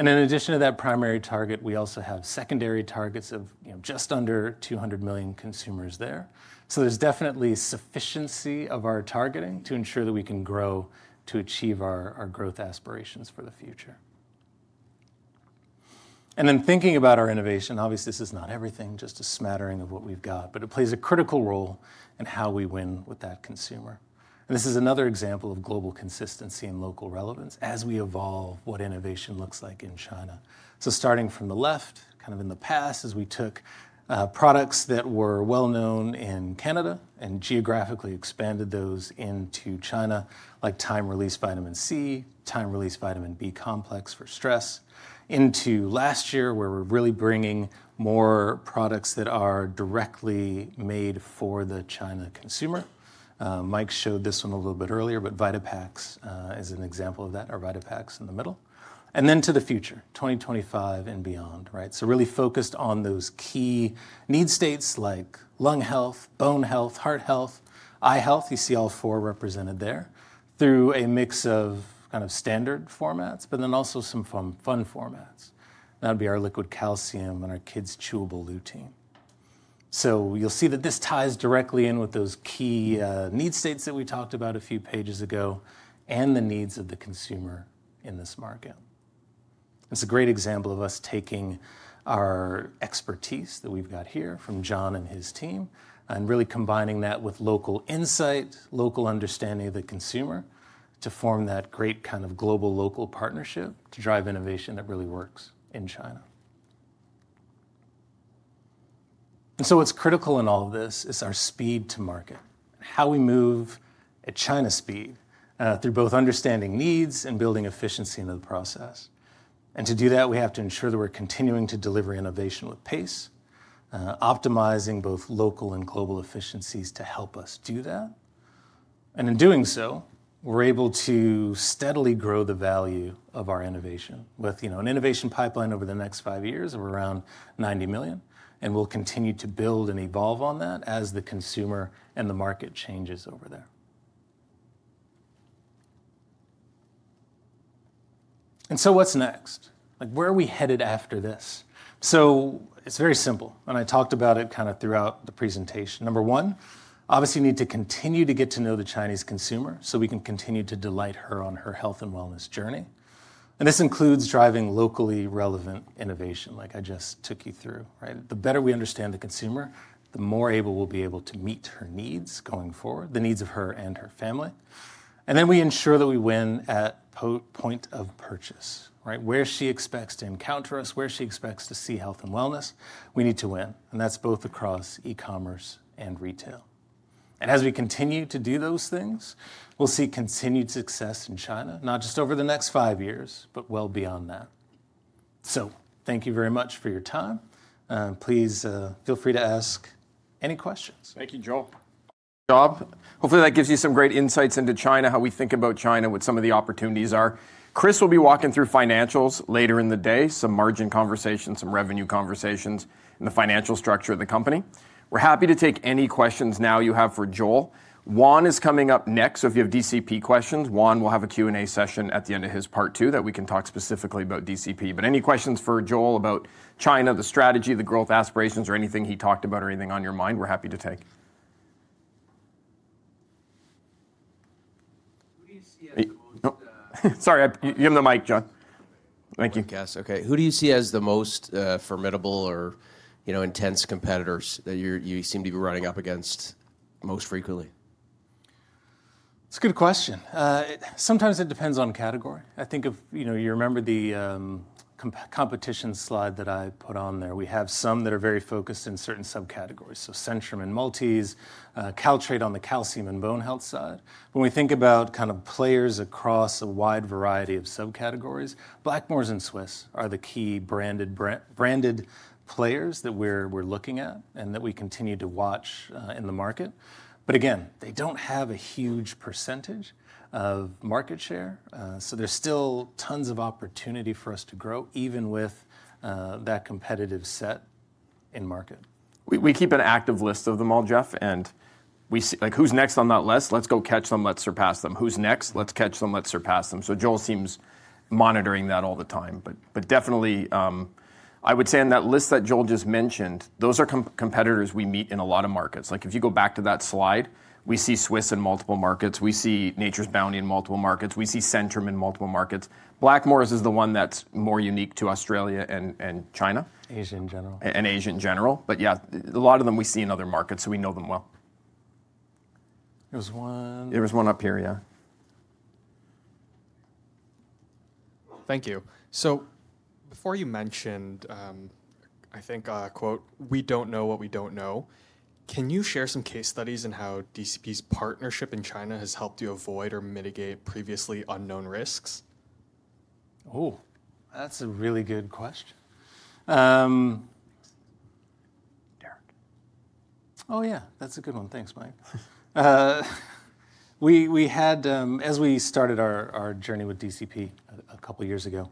In addition to that primary target, we also have secondary targets of just under 200 million consumers there. There is definitely sufficiency of our targeting to ensure that we can grow to achieve our growth aspirations for the future. Thinking about our innovation, obviously, this is not everything, just a smattering of what we've got, but it plays a critical role in how we win with that consumer. This is another example of global consistency and local relevance as we evolve what innovation looks like in China. Starting from the left, kind of in the past, as we took products that were well-known in Canada and geographically expanded those into China, like time-released vitamin C, time-released vitamin B complex for stress, into last year, where we're really bringing more products that are directly made for the China consumer. Mike showed this one a little bit earlier, but Vita Packs is an example of that, our Vita Packs in the middle. To the future, 2025 and beyond. Really focused on those key needs states like lung health, bone health, heart health, eye health. You see all four represented there through a mix of kind of standard formats, but then also some fun formats. That would be our liquid calcium and our kids' chewable lutein. You'll see that this ties directly in with those key needs states that we talked about a few pages ago and the needs of the consumer in this market. It's a great example of us taking our expertise that we've got here from John and his team and really combining that with local insight, local understanding of the consumer to form that great kind of global local partnership to drive innovation that really works in China. What's critical in all of this is our speed to market, how we move at China speed through both understanding needs and building efficiency into the process. To do that, we have to ensure that we're continuing to deliver innovation with pace, optimizing both local and global efficiencies to help us do that. In doing so, we're able to steadily grow the value of our innovation with an innovation pipeline over the next five years of around 90 million. We'll continue to build and evolve on that as the consumer and the market changes over there. What's next? Where are we headed after this? It's very simple. I talked about it kind of throughout the presentation. Number one, obviously, we need to continue to get to know the Chinese consumer so we can continue to delight her on her health and wellness journey. This includes driving locally relevant innovation, like I just took you through. The better we understand the consumer, the more able we'll be able to meet her needs going forward, the needs of her and her family. We ensure that we win at point of purchase, where she expects to encounter us, where she expects to see health and wellness. We need to win. That is both across e-commerce and retail. As we continue to do those things, we will see continued success in China, not just over the next five years, but well beyond that. Thank you very much for your time. Please feel free to ask any questions.
Thank you, Joel. Hopefully, that gives you some great insights into China, how we think about China, what some of the opportunities are. Chris will be walking through financials later in the day, some margin conversations, some revenue conversations, and the financial structure of the company. We're happy to take any questions now you have for Joel. Juan is coming up next. If you have DCP questions, Juan will have a Q&A session at the end of his part too that we can talk specifically about DCP. Any questions for Joel about China, the strategy, the growth aspirations, or anything he talked about or anything on your mind, we're happy to take. Sorry. Give him the mic, John. Thank you.
Okay. Who do you see as the most formidable or intense competitors that you seem to be running up against most frequently? That's a good question. Sometimes it depends on category. I think if you remember the competition slide that I put on there. We have some that are very focused in certain subcategories, so Centrum and multis, Caltrate on the calcium and bone health side. When we think about kind of players across a wide variety of subcategories, Blackmores and Swisse are the key branded players that we're looking at and that we continue to watch in the market. They don't have a huge percentage of market share. There is still tons of opportunity for us to grow, even with that competitive set in market.
We keep an active list of them all, Jeff. Who's next on that list? Let's go catch them. Let's surpass them. Who's next? Let's catch them. Let's surpass them. Joel seems monitoring that all the time. I would say on that list that Joel just mentioned, those are competitors we meet in a lot of markets. If you go back to that slide, we see Swisse in multiple markets. We see Nature's Bounty in multiple markets. We see Centrum in multiple markets. Blackmores is the one that's more unique to Australia and China. Asia in general. Asia in general. Yeah, a lot of them we see in other markets. So we know them well. There was one. There was one up here, yeah. Thank you. Before you mentioned, I think, quote, "We don't know what we don't know." Can you share some case studies in how DCP's partnership in China has helped you avoid or mitigate previously unknown risks? Oh, that's a really good question. That's a good one. Thanks, Mike. As we started our journey with DCP a couple of years ago,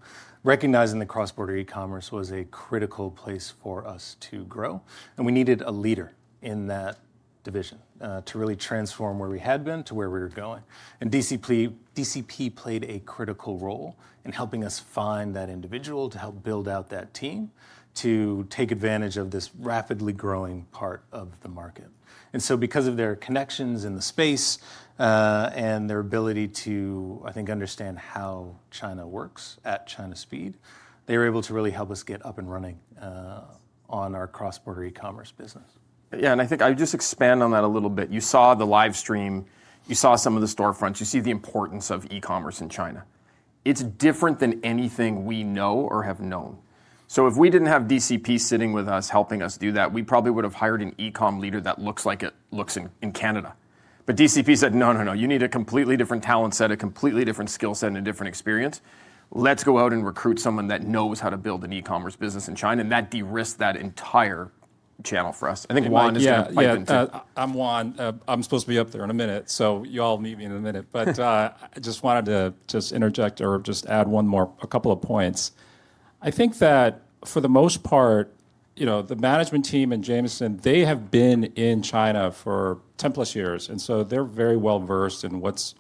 recognizing that cross-border e-commerce was a critical place for us to grow. We needed a leader in that division to really transform where we had been to where we were going. DCP played a critical role in helping us find that individual, to help build out that team, to take advantage of this rapidly growing part of the market. Because of their connections in the space and their ability to, I think, understand how China works at China speed, they were able to really help us get up and running on our cross-border e-commerce business. Yeah. I think I would just expand on that a little bit. You saw the live stream. You saw some of the storefronts. You see the importance of e-commerce in China. It is different than anything we know or have known. If we did not have DCP sitting with us helping us do that, we probably would have hired an e-com leader that looks like it looks in Canada. DCP said, "No, no, no. You need a completely different talent set, a completely different skill set, and a different experience. Let's go out and recruit someone that knows how to build an e-commerce business in China." That de-risked that entire channel for us. I think Juan is going to pipe into it.
I'm Juan. I'm supposed to be up there in a minute. You all need me in a minute. I just wanted to add one more, a couple of points. I think that for the most part, the management team and Jamieson, they have been in China for 10 plus years. They are very well versed in what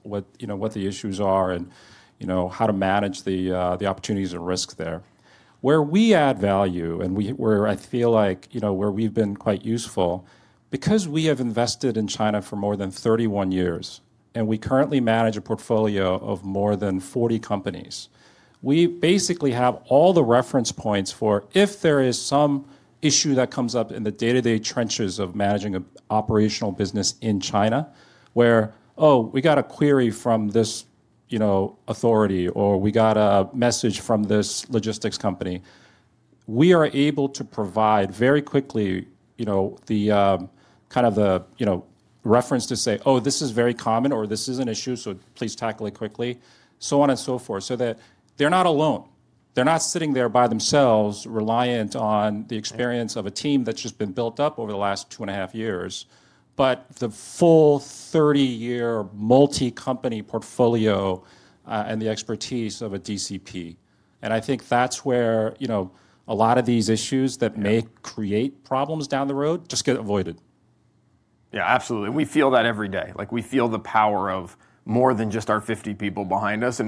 the issues are and how to manage the opportunities and risk there. Where we add value and where I feel like where we've been quite useful, because we have invested in China for more than 31 years, and we currently manage a portfolio of more than 40 companies, we basically have all the reference points for if there is some issue that comes up in the day-to-day trenches of managing an operational business in China where, "Oh, we got a query from this authority," or, "We got a message from this logistics company." We are able to provide very quickly kind of the reference to say, "Oh, this is very common," or, "This is an issue, so please tackle it quickly," so on and so forth, so that they're not alone. They're not sitting there by themselves reliant on the experience of a team that's just been built up over the last two and a half years, but the full 30-year multi-company portfolio and the expertise of DCP. I think that's where a lot of these issues that may create problems down the road just get avoided.
Yeah, absolutely. We feel that every day. We feel the power of more than just our 50 people behind us.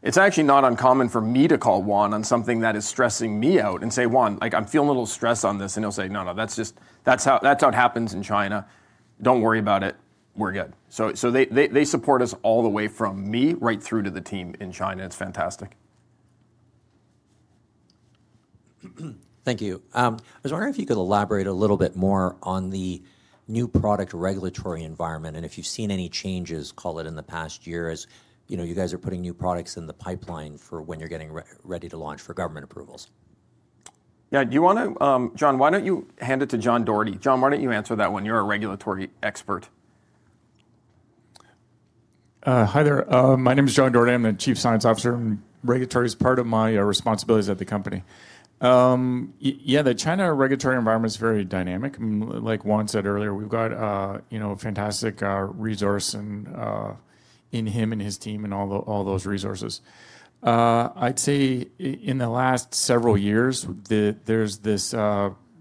It's actually not uncommon for me to call Juan on something that is stressing me out and say, "Juan, I'm feeling a little stress on this." He'll say, "No, no. That's how it happens in China. Don't worry about it. We're good." They support us all the way from me right through to the team in China. It's fantastic.
Thank you. I was wondering if you could elaborate a little bit more on the new product regulatory environment and if you've seen any changes, call it, in the past year as you guys are putting new products in the pipeline for when you're getting ready to launch for government approvals.
Yeah. Do you want to, John, why don't you hand it to John Dougherty? John, why don't you answer that one? You're a regulatory expert.
Hi there. My name is John Dougherty. I'm the Chief Science Officer. Regulatory is part of my responsibilities at the company. Yeah, the China regulatory environment is very dynamic. Like Juan said earlier, we've got a fantastic resource in him and his team and all those resources. I'd say in the last several years, there's this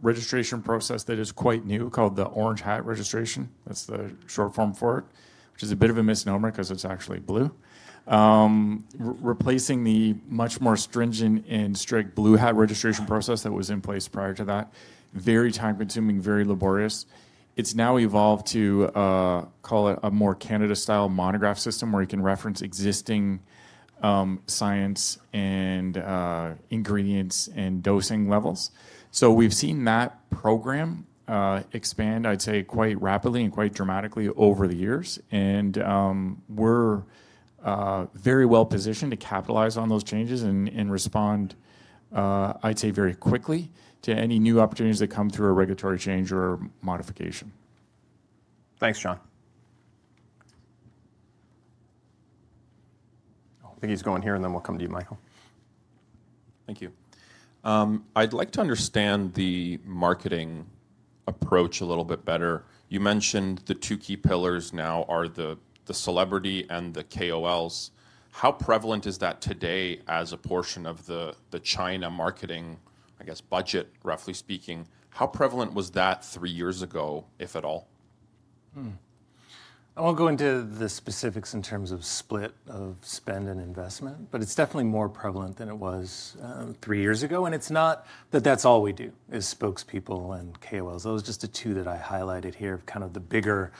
registration process that is quite new called the orange hat registration. That's the short form for it, which is a bit of a misnomer because it's actually blue. Replacing the much more stringent and strict blue hat registration process that was in place prior to that, very time-consuming, very laborious. It's now evolved to call it a more Canada-style monograph system where you can reference existing science and ingredients and dosing levels. I've seen that program expand, I'd say, quite rapidly and quite dramatically over the years. We are very well positioned to capitalize on those changes and respond, I'd say, very quickly to any new opportunities that come through a regulatory change or modification.
Thanks, John. I think he's going here, and then we'll come to you, Michael. Thank you. I'd like to understand the marketing approach a little bit better. You mentioned the two key pillars now are the celebrity and the KOLs. How prevalent is that today as a portion of the China marketing, I guess, budget, roughly speaking? How prevalent was that three years ago, if at all?
I won't go into the specifics in terms of split of spend and investment, but it's definitely more prevalent than it was three years ago. It's not that that's all we do as spokespeople and KOLs. Those are just the two that I highlighted here of kind of the bigger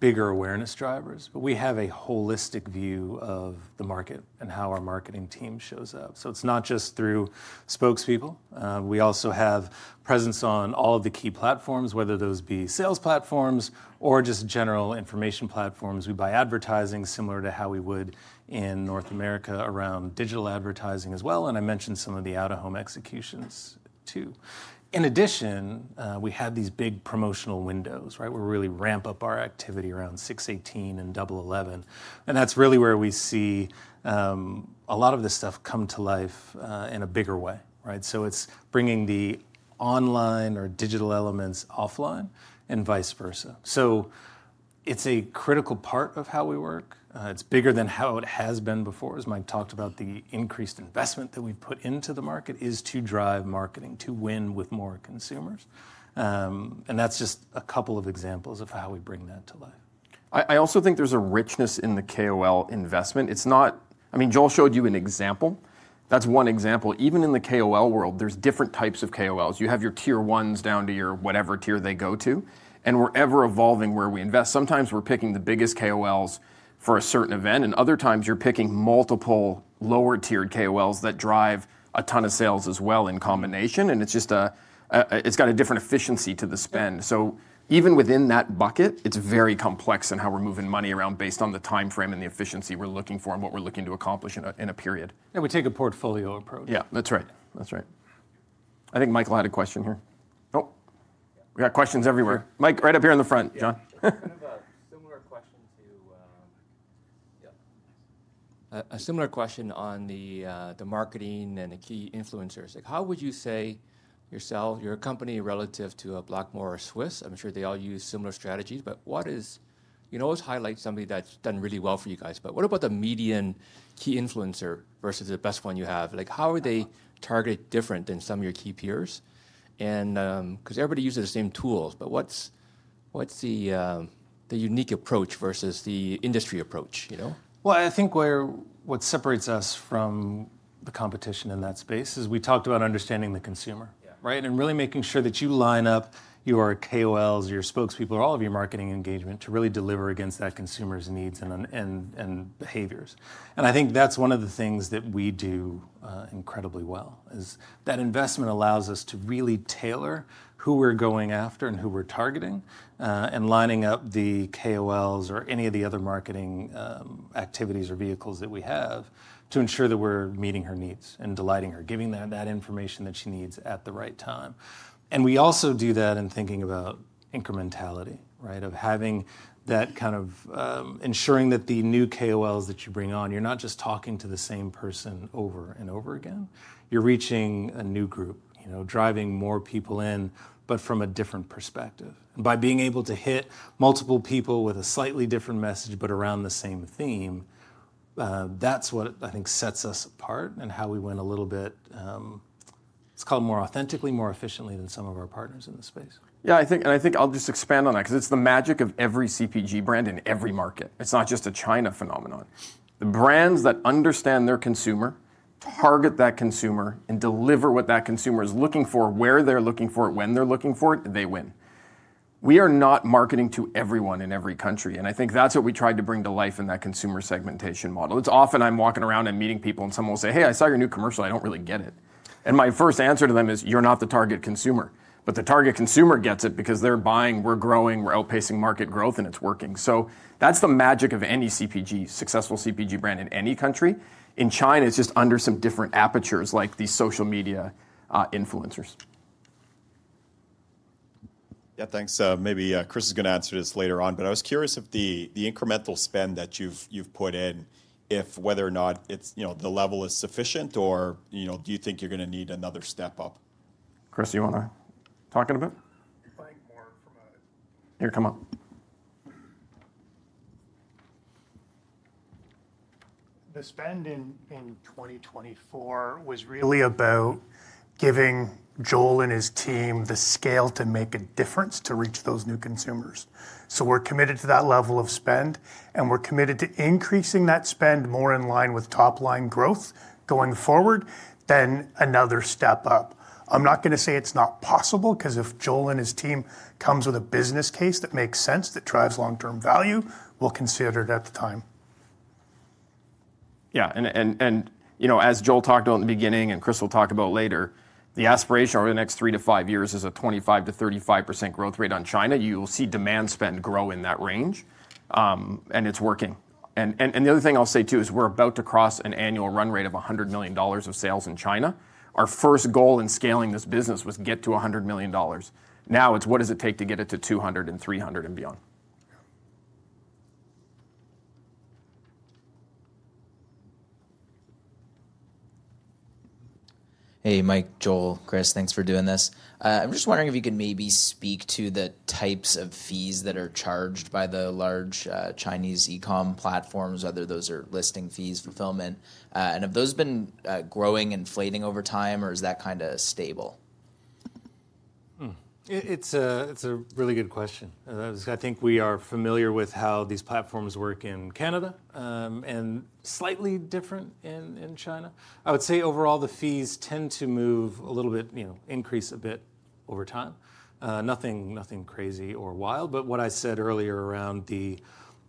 awareness drivers. We have a holistic view of the market and how our marketing team shows up. It's not just through spokespeople. We also have presence on all of the key platforms, whether those be sales platforms or just general information platforms. We buy advertising similar to how we would in North America around digital advertising as well. I mentioned some of the out-of-home executions too. In addition, we have these big promotional windows. We really ramp up our activity around 6/18 and 11/11. That is really where we see a lot of this stuff come to life in a bigger way. It is bringing the online or digital elements offline and vice versa. It is a critical part of how we work. It is bigger than how it has been before. As Mike talked about, the increased investment that we have put into the market is to drive marketing, to win with more consumers. That is just a couple of examples of how we bring that to life.
I also think there's a richness in the KOL investment. I mean, Joel showed you an example. That's one example. Even in the KOL world, there's different types of KOLs. You have your tier ones down to your whatever tier they go to. We're ever evolving where we invest. Sometimes we're picking the biggest KOLs for a certain event. Other times, you're picking multiple lower-tiered KOLs that drive a ton of sales as well in combination. It's got a different efficiency to the spend. Even within that bucket, it's very complex in how we're moving money around based on the time frame and the efficiency we're looking for and what we're looking to accomplish in a period. We take a portfolio approach. Yeah, that's right. That's right. I think Michael had a question here. Oh, we got questions everywhere. Mike, right up here in the front, John. A similar question on the marketing and the key influencers. How would you say yourself, your company relative to a Blackmores or Swisse? I'm sure they all use similar strategies. You can always highlight somebody that's done really well for you guys. What about the median key influencer versus the best one you have? How are they targeted different than some of your key peers? Because everybody uses the same tools. What's the unique approach versus the industry approach? I think what separates us from the competition in that space is we talked about understanding the consumer, right, and really making sure that you line up your KOLs, your spokespeople, all of your marketing engagement to really deliver against that consumer's needs and behaviors. I think that's one of the things that we do incredibly well. That investment allows us to really tailor who we're going after and who we're targeting and lining up the KOLs or any of the other marketing activities or vehicles that we have to ensure that we're meeting her needs and delighting her, giving that information that she needs at the right time. We also do that in thinking about incrementality, of having that kind of ensuring that the new KOLs that you bring on, you're not just talking to the same person over and over again. You're reaching a new group, driving more people in, but from a different perspective. By being able to hit multiple people with a slightly different message, but around the same theme, that's what I think sets us apart and how we win a little bit, let's call it more authentically, more efficiently than some of our partners in the space. Yeah, and I think I'll just expand on that because it's the magic of every CPG brand in every market. It's not just a China phenomenon. The brands that understand their consumer, target that consumer, and deliver what that consumer is looking for, where they're looking for it, when they're looking for it, they win. We are not marketing to everyone in every country. I think that's what we tried to bring to life in that consumer segmentation model. It's often I'm walking around and meeting people, and someone will say, "Hey, I saw your new commercial. I don't really get it." My first answer to them is, "You're not the target consumer." The target consumer gets it because they're buying, we're growing, we're outpacing market growth, and it's working. That's the magic of any CPG, successful CPG brand in any country. In China, it's just under some different apertures like these social media influencers. Yeah, thanks. Maybe Chris is going to answer this later on. I was curious if the incremental spend that you've put in, if whether or not the level is sufficient, or do you think you're going to need another step up? Chris, do you want to talk in a bit?
I'd like more from a.
Here, come on.
The spend in 2024 was really about giving Joel and his team the scale to make a difference to reach those new consumers. We are committed to that level of spend, and we are committed to increasing that spend more in line with top-line growth going forward than another step up. I'm not going to say it's not possible because if Joel and his team comes with a business case that makes sense that drives long-term value, we'll consider it at the time.
Yeah. As Joel talked about in the beginning and Chris will talk about later, the aspiration over the next three to five years is a 25%-35% growth rate on China. You will see demand spend grow in that range, and it's working. The other thing I'll say too is we're about to cross an annual run rate of $100 million of sales in China. Our first goal in scaling this business was to get to $100 million. Now it's what does it take to get it to 200 and 300 and beyond. Hey, Mike, Joel, Chris, thanks for doing this. I'm just wondering if you could maybe speak to the types of fees that are charged by the large Chinese e-comm platforms, whether those are listing fees, fulfillment. Have those been growing and fading over time, or is that kind of stable? It's a really good question. I think we are familiar with how these platforms work in Canada and slightly different in China. I would say overall the fees tend to move a little bit, increase a bit over time. Nothing crazy or wild. What I said earlier around the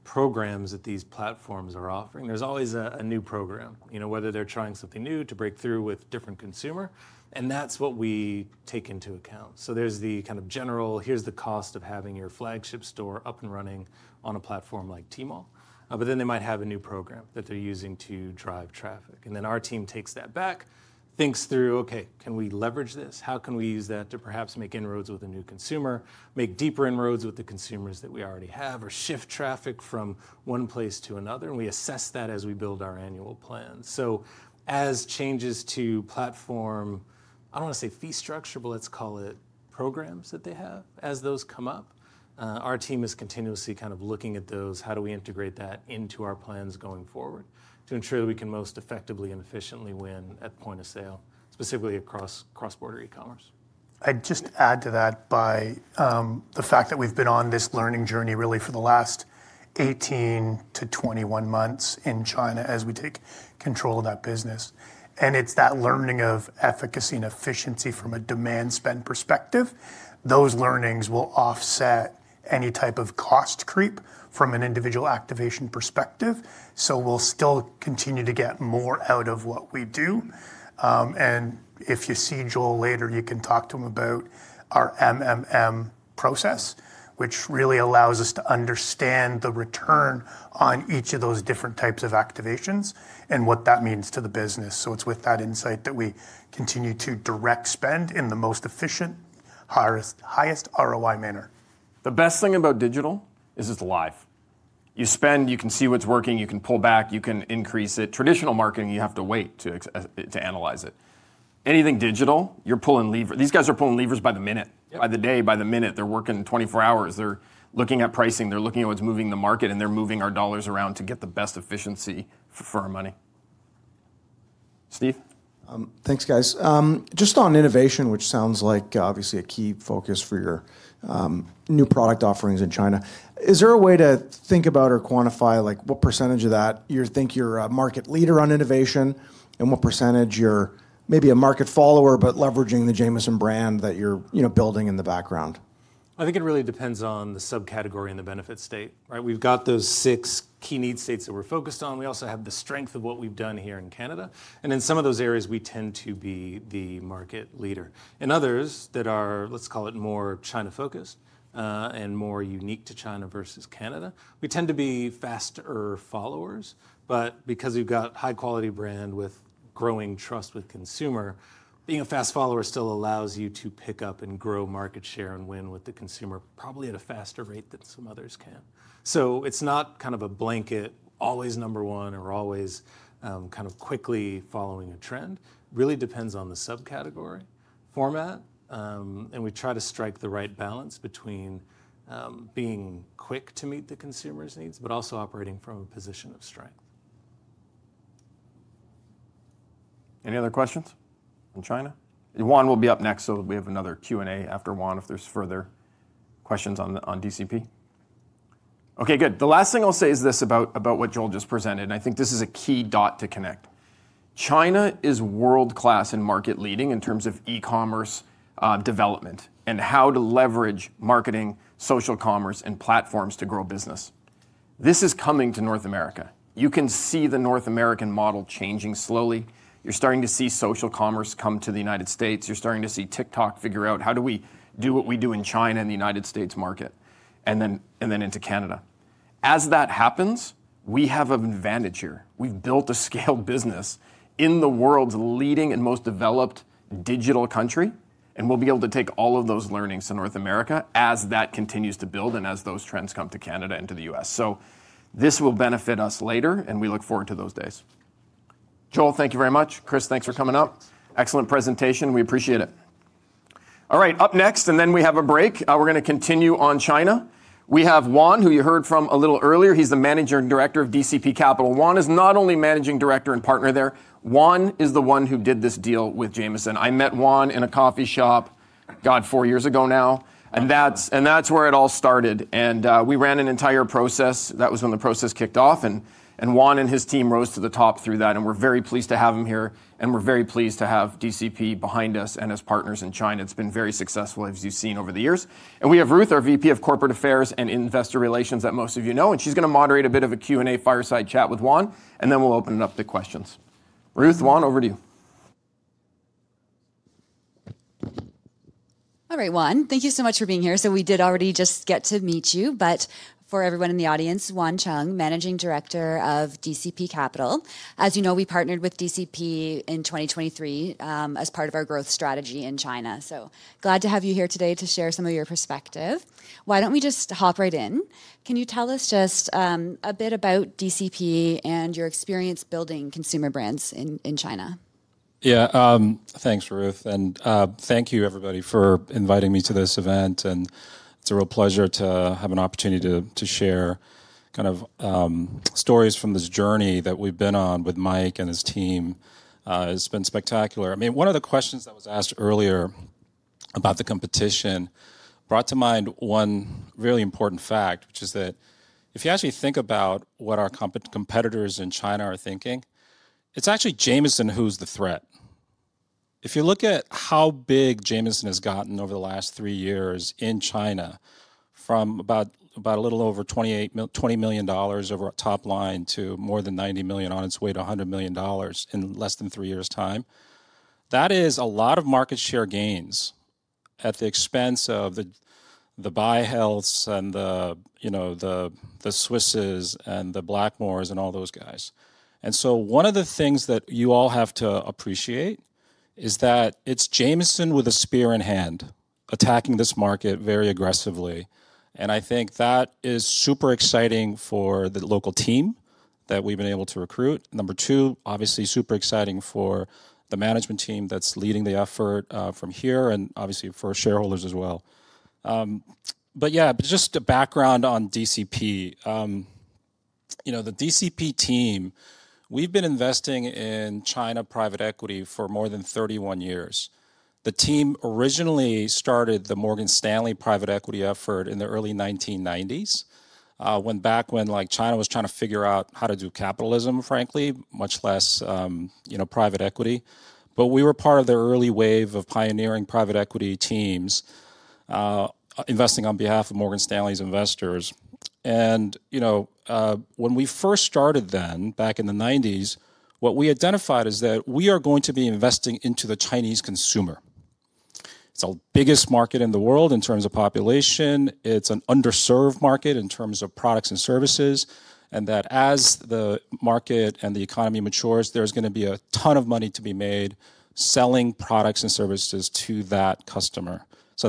programs that these platforms are offering, there's always a new program, whether they're trying something new to break through with different consumer. That's what we take into account. There's the kind of general, here's the cost of having your flagship store up and running on a platform like Tmall. They might have a new program that they're using to drive traffic. Our team takes that back, thinks through, "Okay, can we leverage this? How can we use that to perhaps make inroads with a new consumer, make deeper inroads with the consumers that we already have, or shift traffic from one place to another? We assess that as we build our annual plan. As changes to platform, I do not want to say fee structure, but let's call it programs that they have. As those come up, our team is continuously kind of looking at those, how do we integrate that into our plans going forward to ensure that we can most effectively and efficiently win at point of sale, specifically across cross-border e-commerce. I'd just add to that by the fact that we've been on this learning journey really for the last 18 to 21 months in China as we take control of that business. It's that learning of efficacy and efficiency from a demand spend perspective. Those learnings will offset any type of cost creep from an individual activation perspective. We'll still continue to get more out of what we do. If you see Joel later, you can talk to him about our process, which really allows us to understand the return on each of those different types of activations and what that means to the business. It's with that insight that we continue to direct spend in the most efficient, highest ROI manner. The best thing about digital is it's live. You spend, you can see what's working, you can pull back, you can increase it. Traditional marketing, you have to wait to analyze it. Anything digital, you're pulling levers. These guys are pulling levers by the minute, by the day, by the minute. They're working 24 hours. They're looking at pricing. They're looking at what's moving the market, and they're moving our dollars around to get the best efficiency for our money. Steve?
Thanks, guys. Just on innovation, which sounds like obviously a key focus for your new product offerings in China. Is there a way to think about or quantify what percentage of that you think you're a market leader on innovation and what percentage you're maybe a market follower, but leveraging the Jamieson brand that you're building in the background?
I think it really depends on the subcategory and the benefit state. We've got those six key need states that we're focused on. We also have the strength of what we've done here in Canada. In some of those areas, we tend to be the market leader. In others that are, let's call it more China-focused and more unique to China versus Canada, we tend to be faster followers. Because you've got a high-quality brand with growing trust with consumer, being a fast follower still allows you to pick up and grow market share and win with the consumer probably at a faster rate than some others can. It is not kind of a blanket always number one or always kind of quickly following a trend. It really depends on the subcategory, format. We try to strike the right balance between being quick to meet the consumer's needs, but also operating from a position of strength. Any other questions on China? Juan will be up next, so we have another Q&A after Juan if there's further questions on DCP. Okay, good. The last thing I'll say is this about what Joel just presented. I think this is a key dot to connect. China is world-class and market-leading in terms of e-commerce development and how to leverage marketing, social commerce, and platforms to grow business. This is coming to North America. You can see the North American model changing slowly. You're starting to see social commerce come to the United States. You're starting to see TikTok figure out how do we do what we do in China in the United States market and then into Canada. As that happens, we have an advantage here. We've built a scaled business in the world's leading and most developed digital country. We'll be able to take all of those learnings to North America as that continues to build and as those trends come to Canada and to the U.S. This will benefit us later, and we look forward to those days. Joel, thank you very much. Chris, thanks for coming up. Excellent presentation. We appreciate it. All right, up next, and then we have a break. We're going to continue on China. We have Juan, who you heard from a little earlier. He's the Managing Director of DCP Capital. Juan is not only Managing Director and partner there. Juan is the one who did this deal with Jamieson. I met Juan in a coffee shop, God, four years ago now. That's where it all started. We ran an entire process. That was when the process kicked off. Juan and his team rose to the top through that. We are very pleased to have him here. We are very pleased to have DCP behind us and as partners in China. It has been very successful, as you have seen over the years. We have Ruth, our VP of Corporate Affairs and Investor Relations that most of you know. She is going to moderate a bit of a Q&A fireside chat with Juan. We will open it up to questions. Ruth, Juan, over to you.
All right, Juan, thank you so much for being here. We did already just get to meet you. For everyone in the audience, Juan Chung, Managing Director of DCP Capital. As you know, we partnered with DCP in 2023 as part of our growth strategy in China. Glad to have you here today to share some of your perspective. Why don't we just hop right in? Can you tell us just a bit about DCP and your experience building consumer brands in China?
Yeah, thanks, Ruth. Thank you, everybody, for inviting me to this event. It's a real pleasure to have an opportunity to share kind of stories from this journey that we've been on with Mike and his team. It's been spectacular. I mean, one of the questions that was asked earlier about the competition brought to mind one really important fact, which is that if you actually think about what our competitors in China are thinking, it's actually Jamieson who's the threat. If you look at how big Jamieson has gotten over the last three years in China from about a little over $20 million over top line to more than $90 million on its way to $100 million in less than three years' time, that is a lot of market share gains at the expense of the By-Healths and the Swisses and the Blackmores and all those guys. One of the things that you all have to appreciate is that it is Jamieson with a spear in hand attacking this market very aggressively. I think that is super exciting for the local team that we have been able to recruit. Number two, obviously super exciting for the management team that is leading the effort from here and obviously for shareholders as well. Just a background on DCP. The DCP team, we've been investing in China private equity for more than 31 years. The team originally started the Morgan Stanley private equity effort in the early 1990s, back when China was trying to figure out how to do capitalism, frankly, much less private equity. We were part of the early wave of pioneering private equity teams investing on behalf of Morgan Stanley's investors. When we first started then, back in the 1990s, what we identified is that we are going to be investing into the Chinese consumer. It's the biggest market in the world in terms of population. It's an underserved market in terms of products and services. As the market and the economy matures, there's going to be a ton of money to be made selling products and services to that customer.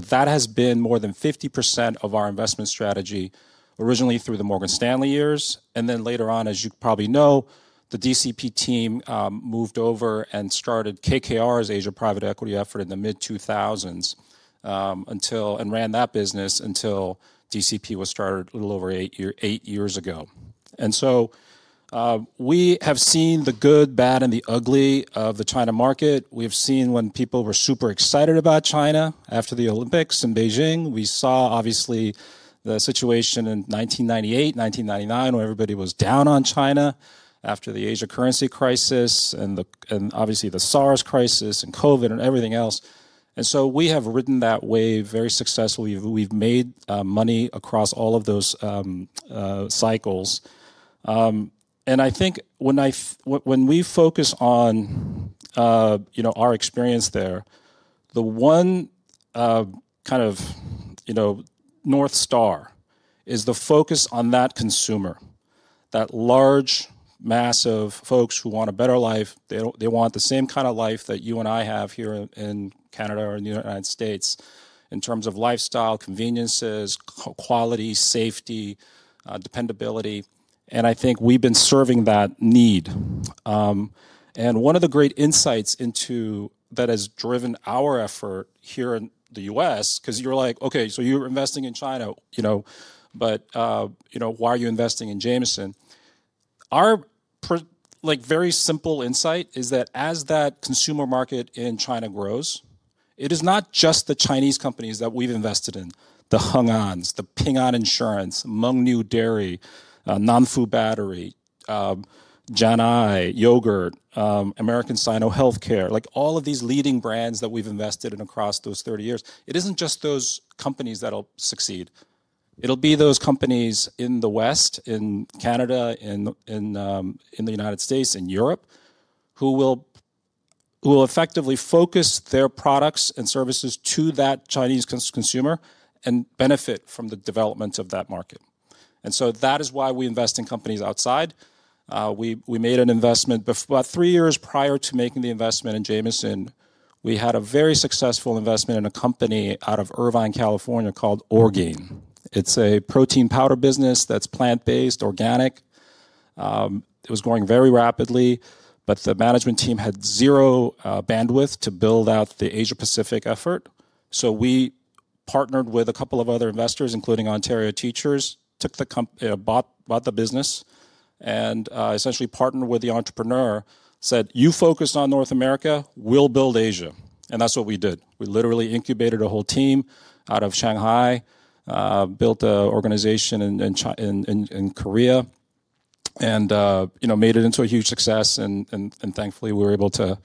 That has been more than 50% of our investment strategy originally through the Morgan Stanley years. Later on, as you probably know, the DCP team moved over and started KKR's Asia Private Equity effort in the mid-2000s and ran that business until DCP was started a little over eight years ago. We have seen the good, bad, and the ugly of the China market. We have seen when people were super excited about China after the Olympics in Beijing. We saw, obviously, the situation in 1998, 1999, when everybody was down on China after the Asia currency crisis and obviously the SARS crisis and COVID and everything else. We have ridden that wave very successfully. We've made money across all of those cycles. I think when we focus on our experience there, the one kind of north star is the focus on that consumer, that large, massive folks who want a better life. They want the same kind of life that you and I have here in Canada or in the United States in terms of lifestyle, conveniences, quality, safety, dependability. I think we've been serving that need. One of the great insights into that has driven our effort here in the U.S., because you're like, "Okay, so you're investing in China, but why are you investing in Jamieson?" Our very simple insight is that as that consumer market in China grows, it is not just the Chinese companies that we've invested in, the Hengans, the Ping An Insurance, Mengniu Dairy, Nanfu Battery, Jian'ai, yogurt, American-Sino Healthcare, like all of these leading brands that we've invested in across those 30 years. It isn't just those companies that'll succeed. It will be those companies in the West, in Canada, in the United States, in Europe, who will effectively focus their products and services to that Chinese consumer and benefit from the development of that market. That is why we invest in companies outside. We made an investment about three years prior to making the investment in Jamieson. We had a very successful investment in a company out of Irvine, California called Orgain. It's a protein powder business that's plant-based, organic. It was growing very rapidly, but the management team had zero bandwidth to build out the Asia Pacific effort. We partnered with a couple of other investors, including Ontario Teachers, bought the business and essentially partnered with the entrepreneur, said, "You focus on North America, we'll build Asia." That is what we did. We literally incubated a whole team out of Shanghai, built an organization in Korea, and made it into a huge success. Thankfully, we were able to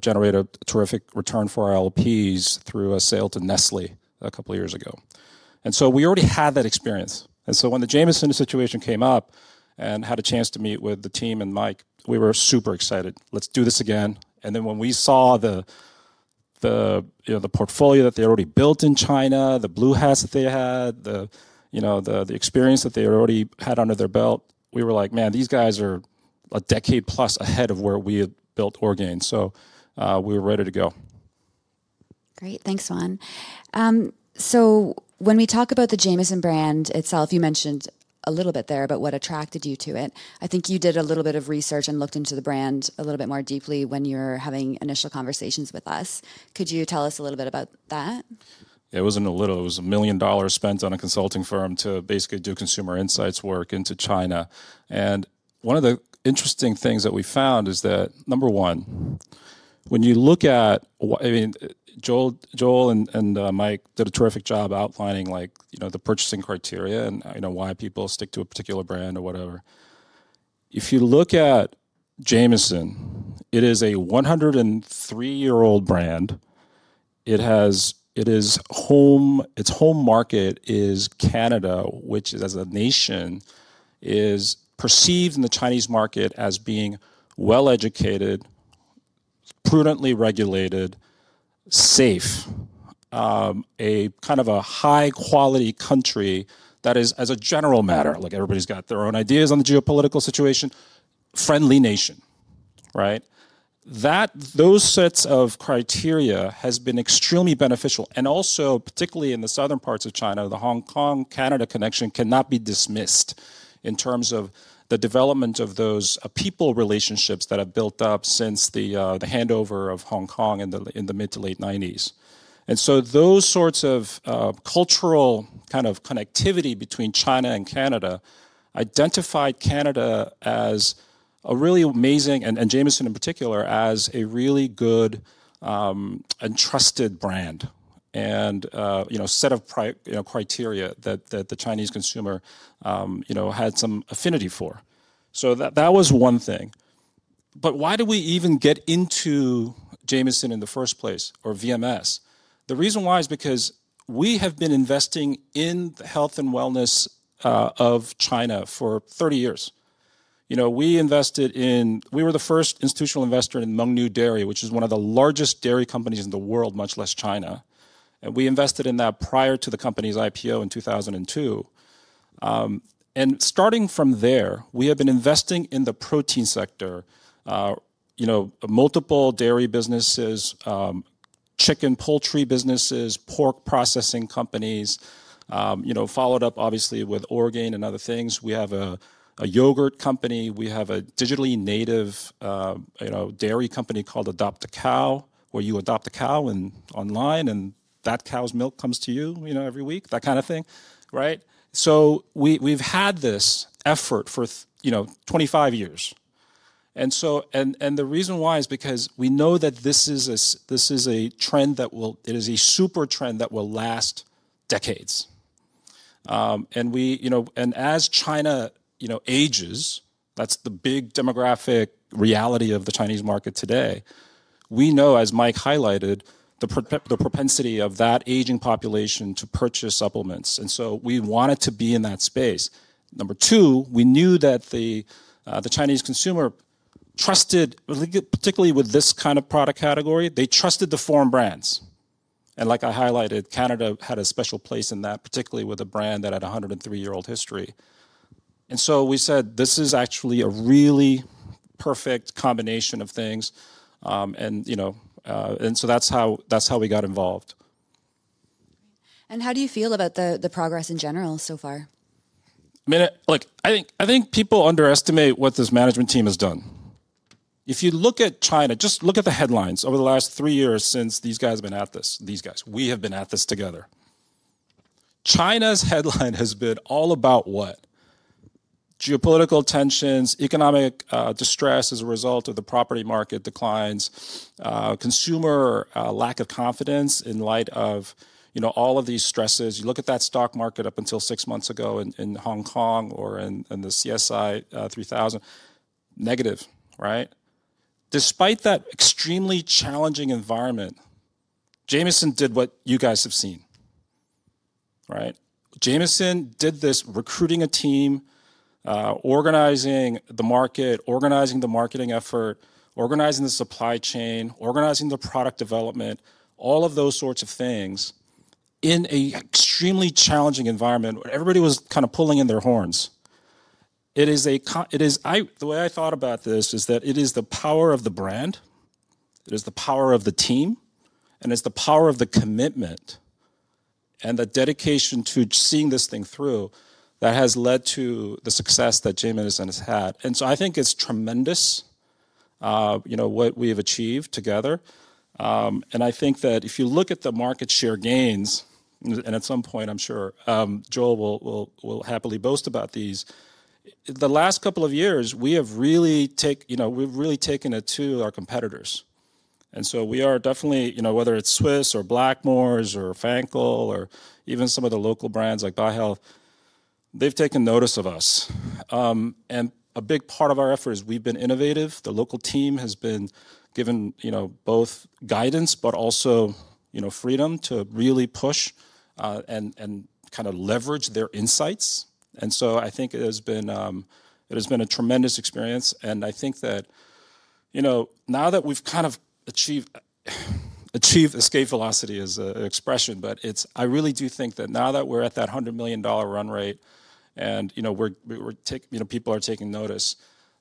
generate a terrific return for our LPs through a sale to Nestlé a couple of years ago. We already had that experience. When the Jamieson situation came up and had a chance to meet with the team and Mike, we were super excited. Let's do this again. Then when we saw the portfolio that they had already built in China, the blue hats that they had, the experience that they had already had under their belt, we were like, "Man, these guys are a decade plus ahead of where we had built Orgain." We were ready to go.
Great. Thanks, Juan. When we talk about the Jamieson brand itself, you mentioned a little bit there about what attracted you to it. I think you did a little bit of research and looked into the brand a little bit more deeply when you were having initial conversations with us. Could you tell us a little bit about that?
It wasn't a little. It was $1 million spent on a consulting firm to basically do consumer insights work into China. One of the interesting things that we found is that, number one, when you look at Joel and Mike did a terrific job outlining the purchasing criteria and why people stick to a particular brand or whatever. If you look at Jamieson, it is a 103-year-old brand. Its home market is Canada, which as a nation is perceived in the Chinese market as being well-educated, prudently regulated, safe, a kind of a high-quality country that is, as a general matter, like everybody's got their own ideas on the geopolitical situation, friendly nation. Those sets of criteria have been extremely beneficial. Also, particularly in the southern parts of China, the Hong Kong-Canada connection cannot be dismissed in terms of the development of those people relationships that have built up since the handover of Hong Kong in the mid to late 1990s. Those sorts of cultural kind of connectivity between China and Canada identified Canada as a really amazing, and Jamieson in particular, as a really good and trusted brand and set of criteria that the Chinese consumer had some affinity for. That was one thing. Why did we even get into Jamieson in the first place or VMS? The reason why is because we have been investing in the health and wellness of China for 30 years. We invested in, we were the first institutional investor in Mengniu Dairy, which is one of the largest dairy companies in the world, much less China. We invested in that prior to the company's IPO in 2002. Starting from there, we have been investing in the protein sector, multiple dairy businesses, chicken poultry businesses, pork processing companies, followed up obviously with Orgain and other things. We have a yogurt company. We have a digitally native dairy company called Adopt a Cow, where you adopt a cow online and that cow's milk comes to you every week, that kind of thing. We have had this effort for 25 years. The reason why is because we know that this is a trend that will, it is a super trend that will last decades. As China ages, that is the big demographic reality of the Chinese market today. We know, as Mike highlighted, the propensity of that aging population to purchase supplements. We wanted to be in that space. Number two, we knew that the Chinese consumer trusted, particularly with this kind of product category, they trusted the foreign brands. Like I highlighted, Canada had a special place in that, particularly with a brand that had a 103-year-old history. We said, "This is actually a really perfect combination of things." That is how we got involved.
How do you feel about the progress in general so far?
I mean, I think people underestimate what this management team has done. If you look at China, just look at the headlines over the last three years since these guys have been at this, these guys, we have been at this together. China's headline has been all about what? Geopolitical tensions, economic distress as a result of the property market declines, consumer lack of confidence in light of all of these stresses. You look at that stock market up until six months ago in Hong Kong or in the CSI 300, negative. Despite that extremely challenging environment, Jamieson did what you guys have seen. Jamieson did this recruiting a team, organizing the market, organizing the marketing effort, organizing the supply chain, organizing the product development, all of those sorts of things in an extremely challenging environment where everybody was kind of pulling in their horns. The way I thought about this is that it is the power of the brand, it is the power of the team, and it is the power of the commitment and the dedication to seeing this thing through that has led to the success that Jamieson has had. I think it is tremendous what we have achieved together. I think that if you look at the market share gains, and at some point, I am sure Joel will happily boast about these, the last couple of years, we have really taken it to our competitors. We are definitely, whether it is Swisse or Blackmores or Fancl or even some of the local brands like Byhealth, they have taken notice of us. A big part of our effort is we have been innovative. The local team has been given both guidance, but also freedom to really push and kind of leverage their insights. I think it has been a tremendous experience. I think that now that we've kind of achieved escape velocity as an expression, I really do think that now that we're at that $100 million run rate and people are taking notice,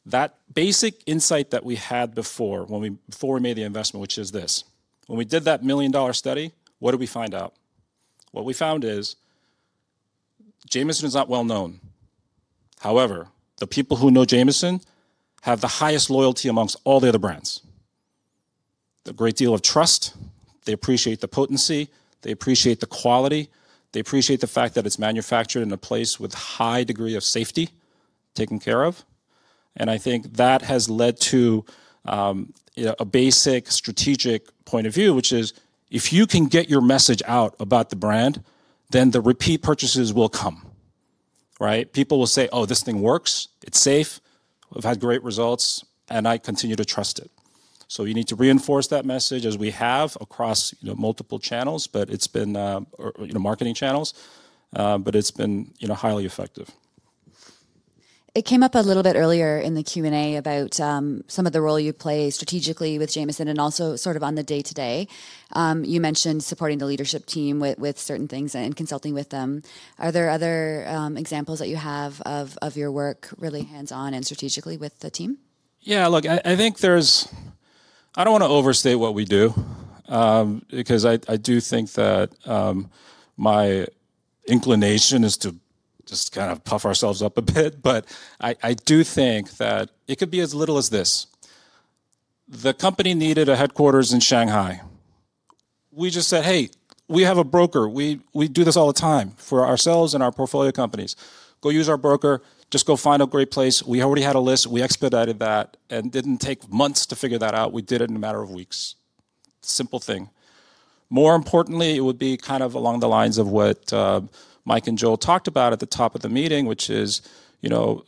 that basic insight that we had before we made the investment, which is this. When we did that million-dollar study, what did we find out? What we found is Jamieson is not well-known. However, the people who know Jamieson have the highest loyalty amongst all the other brands. The great deal of trust, they appreciate the potency, they appreciate the quality, they appreciate the fact that it's manufactured in a place with a high degree of safety taken care of. I think that has led to a basic strategic point of view, which is if you can get your message out about the brand, then the repeat purchases will come. People will say, "Oh, this thing works. It's safe. We've had great results, and I continue to trust it." You need to reinforce that message as we have across multiple channels, but it's been marketing channels, but it's been highly effective.
It came up a little bit earlier in the Q&A about some of the role you play strategically with Jamieson and also sort of on the day-to-day. You mentioned supporting the leadership team with certain things and consulting with them. Are there other examples that you have of your work really hands-on and strategically with the team?
Yeah, look, I think there's, I don't want to overstate what we do because I do think that my inclination is to just kind of puff ourselves up a bit, but I do think that it could be as little as this. The company needed a headquarters in Shanghai. We just said, "Hey, we have a broker. We do this all the time for ourselves and our portfolio companies. Go use our broker. Just go find a great place." We already had a list. We expedited that and did not take months to figure that out. We did it in a matter of weeks. Simple thing. More importantly, it would be kind of along the lines of what Mike and Joel talked about at the top of the meeting, which is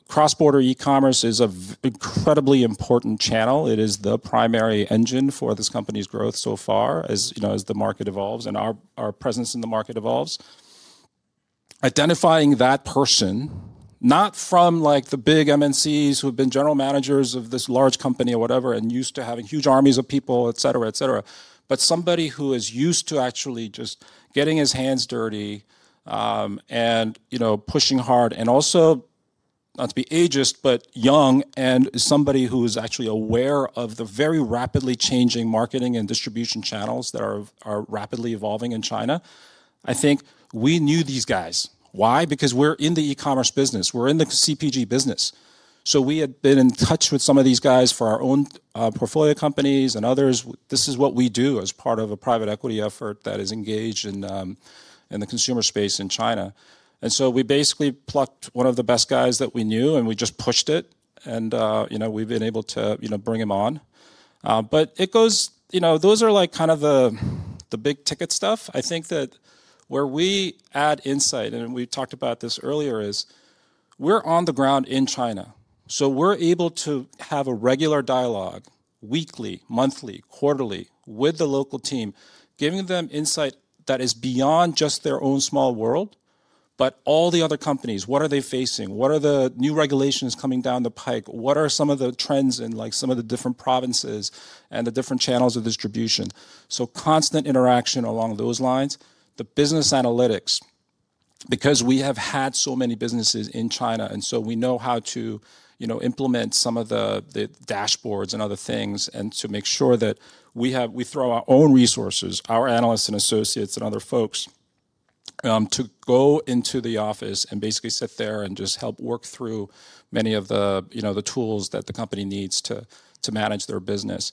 cross-border e-commerce is an incredibly important channel. It is the primary engine for this company's growth so far as the market evolves and our presence in the market evolves. Identifying that person, not from the big MNCs who have been general managers of this large company or whatever and used to having huge armies of people, et cetera, et cetera, but somebody who is used to actually just getting his hands dirty and pushing hard and also not to be ageist, but young and somebody who is actually aware of the very rapidly changing marketing and distribution channels that are rapidly evolving in China. I think we knew these guys. Why? Because we're in the e-commerce business. We're in the CPG business. So we had been in touch with some of these guys for our own portfolio companies and others. This is what we do as part of a private equity effort that is engaged in the consumer space in China. We basically plucked one of the best guys that we knew and we just pushed it and we've been able to bring him on. Those are kind of the big ticket stuff. I think that where we add insight, and we talked about this earlier, is we're on the ground in China. We are able to have a regular dialogue weekly, monthly, quarterly with the local team, giving them insight that is beyond just their own small world, but all the other companies. What are they facing? What are the new regulations coming down the pike? What are some of the trends in some of the different provinces and the different channels of distribution? Constant interaction along those lines. The business analytics, because we have had so many businesses in China and so we know how to implement some of the dashboards and other things and to make sure that we throw our own resources, our analysts and associates and other folks to go into the office and basically sit there and just help work through many of the tools that the company needs to manage their business.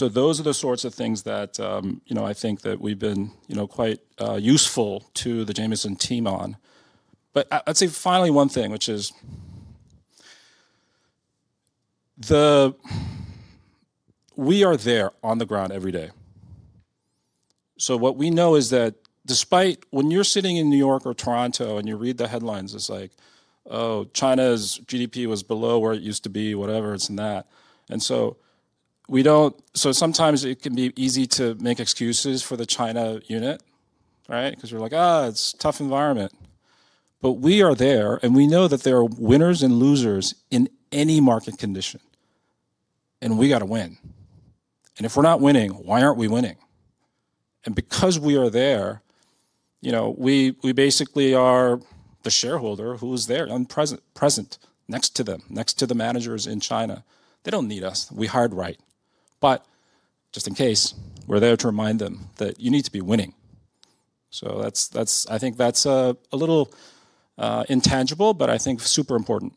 Those are the sorts of things that I think that we've been quite useful to the Jamieson team on. I'd say finally one thing, which is we are there on the ground every day. What we know is that despite when you're sitting in New York or Toronto and you read the headlines, it's like, "Oh, China's GDP was below where it used to be, whatever, it's in that." Sometimes it can be easy to make excuses for the China unit because you're like, it's a tough environment. We are there and we know that there are winners and losers in any market condition. We got to win. If we're not winning, why aren't we winning? Because we are there, we basically are the shareholder who is there and present next to them, next to the managers in China. They don't need us. We hired right. Just in case, we're there to remind them that you need to be winning. I think that's a little intangible, but I think super important.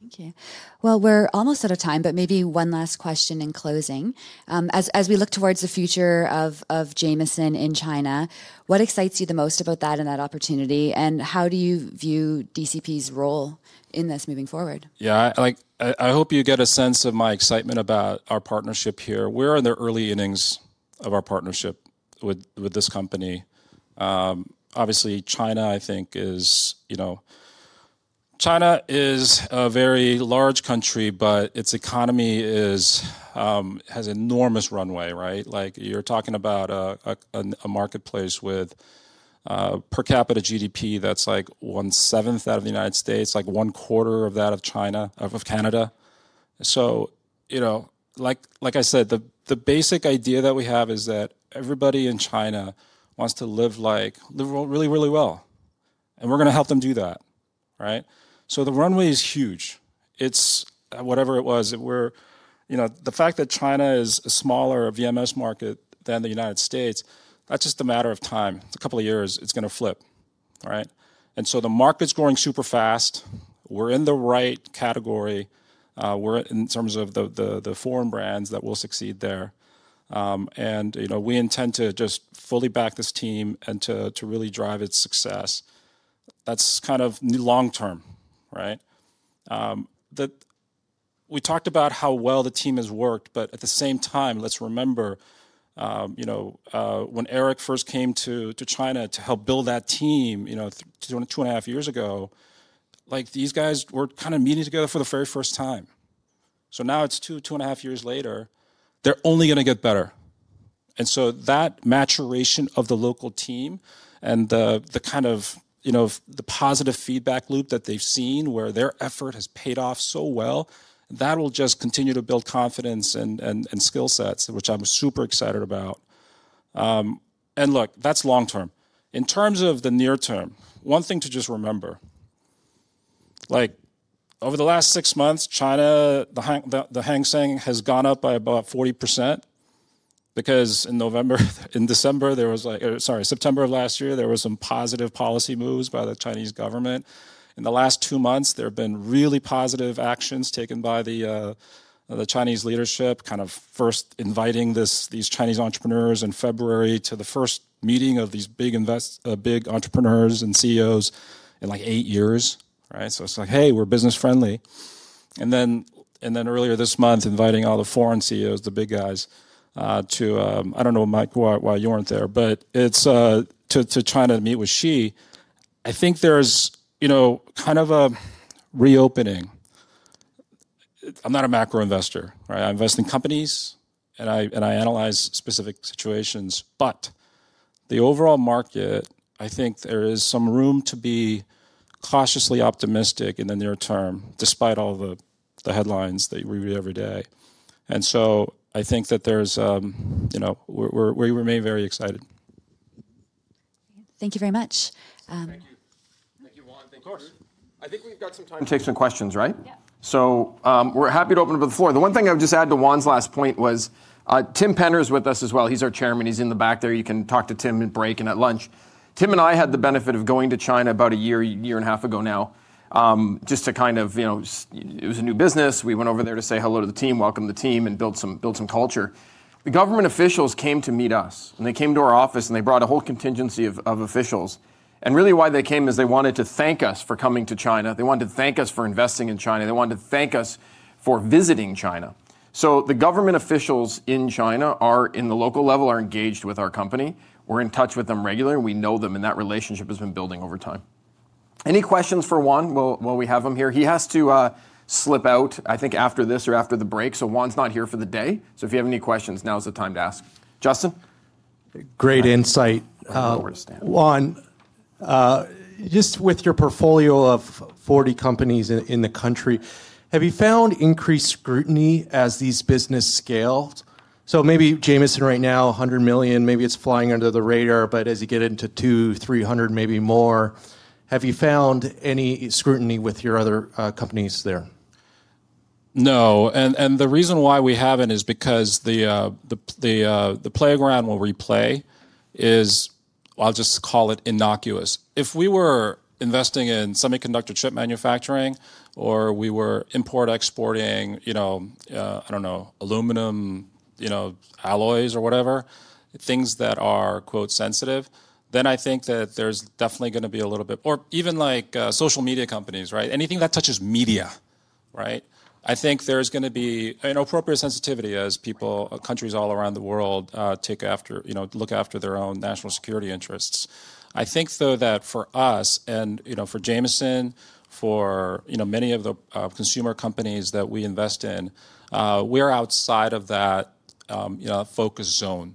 Thank you. We're almost out of time, but maybe one last question in closing. As we look towards the future of Jamieson in China, what excites you the most about that and that opportunity? How do you view DCP's role in this moving forward?
Yeah, I hope you get a sense of my excitement about our partnership here. We're in the early innings of our partnership with this company. Obviously, China, I think, is a very large country, but its economy has an enormous runway. You're talking about a marketplace with per capita GDP that's like one seventh of the United States, like one quarter of that of Canada. Like I said, the basic idea that we have is that everybody in China wants to live really, really well. We're going to help them do that. The runway is huge. It's whatever it was. The fact that China is a smaller VMS market than the United States, that's just a matter of time. It's a couple of years, it's going to flip. The market's growing super fast. We're in the right category in terms of the foreign brands that will succeed there. We intend to just fully back this team and to really drive its success. That's kind of long term. We talked about how well the team has worked, but at the same time, let's remember when Eric first came to China to help build that team two and a half years ago, these guys were kind of meeting together for the very first time. Now it's two, two and a half years later, they're only going to get better. That maturation of the local team and the kind of positive feedback loop that they've seen where their effort has paid off so well, that will just continue to build confidence and skill sets, which I'm super excited about. Look, that's long term. In terms of the near term, one thing to just remember, over the last six months, China, the Hang Seng has gone up by about 40% because in November, in December, there was, sorry, September of last year, there were some positive policy moves by the Chinese government. In the last two months, there have been really positive actions taken by the Chinese leadership, kind of first inviting these Chinese entrepreneurs in February to the first meeting of these big entrepreneurs and CEOs in like eight years. It is like, "Hey, we're business friendly." Earlier this month, inviting all the foreign CEOs, the big guys to, I do not know, Mike, why you were not there, but to China to meet with Xi. I think there is kind of a reopening. I am not a macro investor. I invest in companies and I analyze specific situations. The overall market, I think there is some room to be cautiously optimistic in the near term despite all the headlines that we read every day. I think that we remain very excited.
Thank you very much.
Thank you. Thank you, Juan. Thank you.
Of course.
I think we've got some time.
Take some questions, right?
Yeah.We're happy to open up the floor. The one thing I would just add to Juan's last point was Tim Penner is with us as well. He's our Chairman. He's in the back there. You can talk to Tim at break and at lunch. Tim and I had the benefit of going to China about a year, year and a half ago now just to kind of, it was a new business. We went over there to say hello to the team, welcome the team, and build some culture. The government officials came to meet us and they came to our office and they brought a whole contingency of officials. Really why they came is they wanted to thank us for coming to China. They wanted to thank us for investing in China. They wanted to thank us for visiting China. The government officials in China are in the local level, are engaged with our company. We're in touch with them regularly. We know them and that relationship has been building over time. Any questions for Juan while we have him here? He has to slip out, I think, after this or after the break. Juan's not here for the day. If you have any questions, now is the time to ask. Justin. Great insight. Juan, just with your portfolio of 40 companies in the country, have you found increased scrutiny as these business scale? Maybe Jamieson right now, $100 million, maybe it's flying under the radar, but as you get into $200 million, $300 million, maybe more, have you found any scrutiny with your other companies there?
No. The reason why we haven't is because the playground we will play is, I'll just call it innocuous. If we were investing in semiconductor chip manufacturing or we were import-exporting, I don't know, aluminum, alloys or whatever, things that are "sensitive," then I think that there's definitely going to be a little bit, or even like social media companies, anything that touches media. I think there's going to be an appropriate sensitivity as countries all around the world look after their own national security interests. I think though that for us and for Jamieson, for many of the consumer companies that we invest in, we are outside of that focus zone.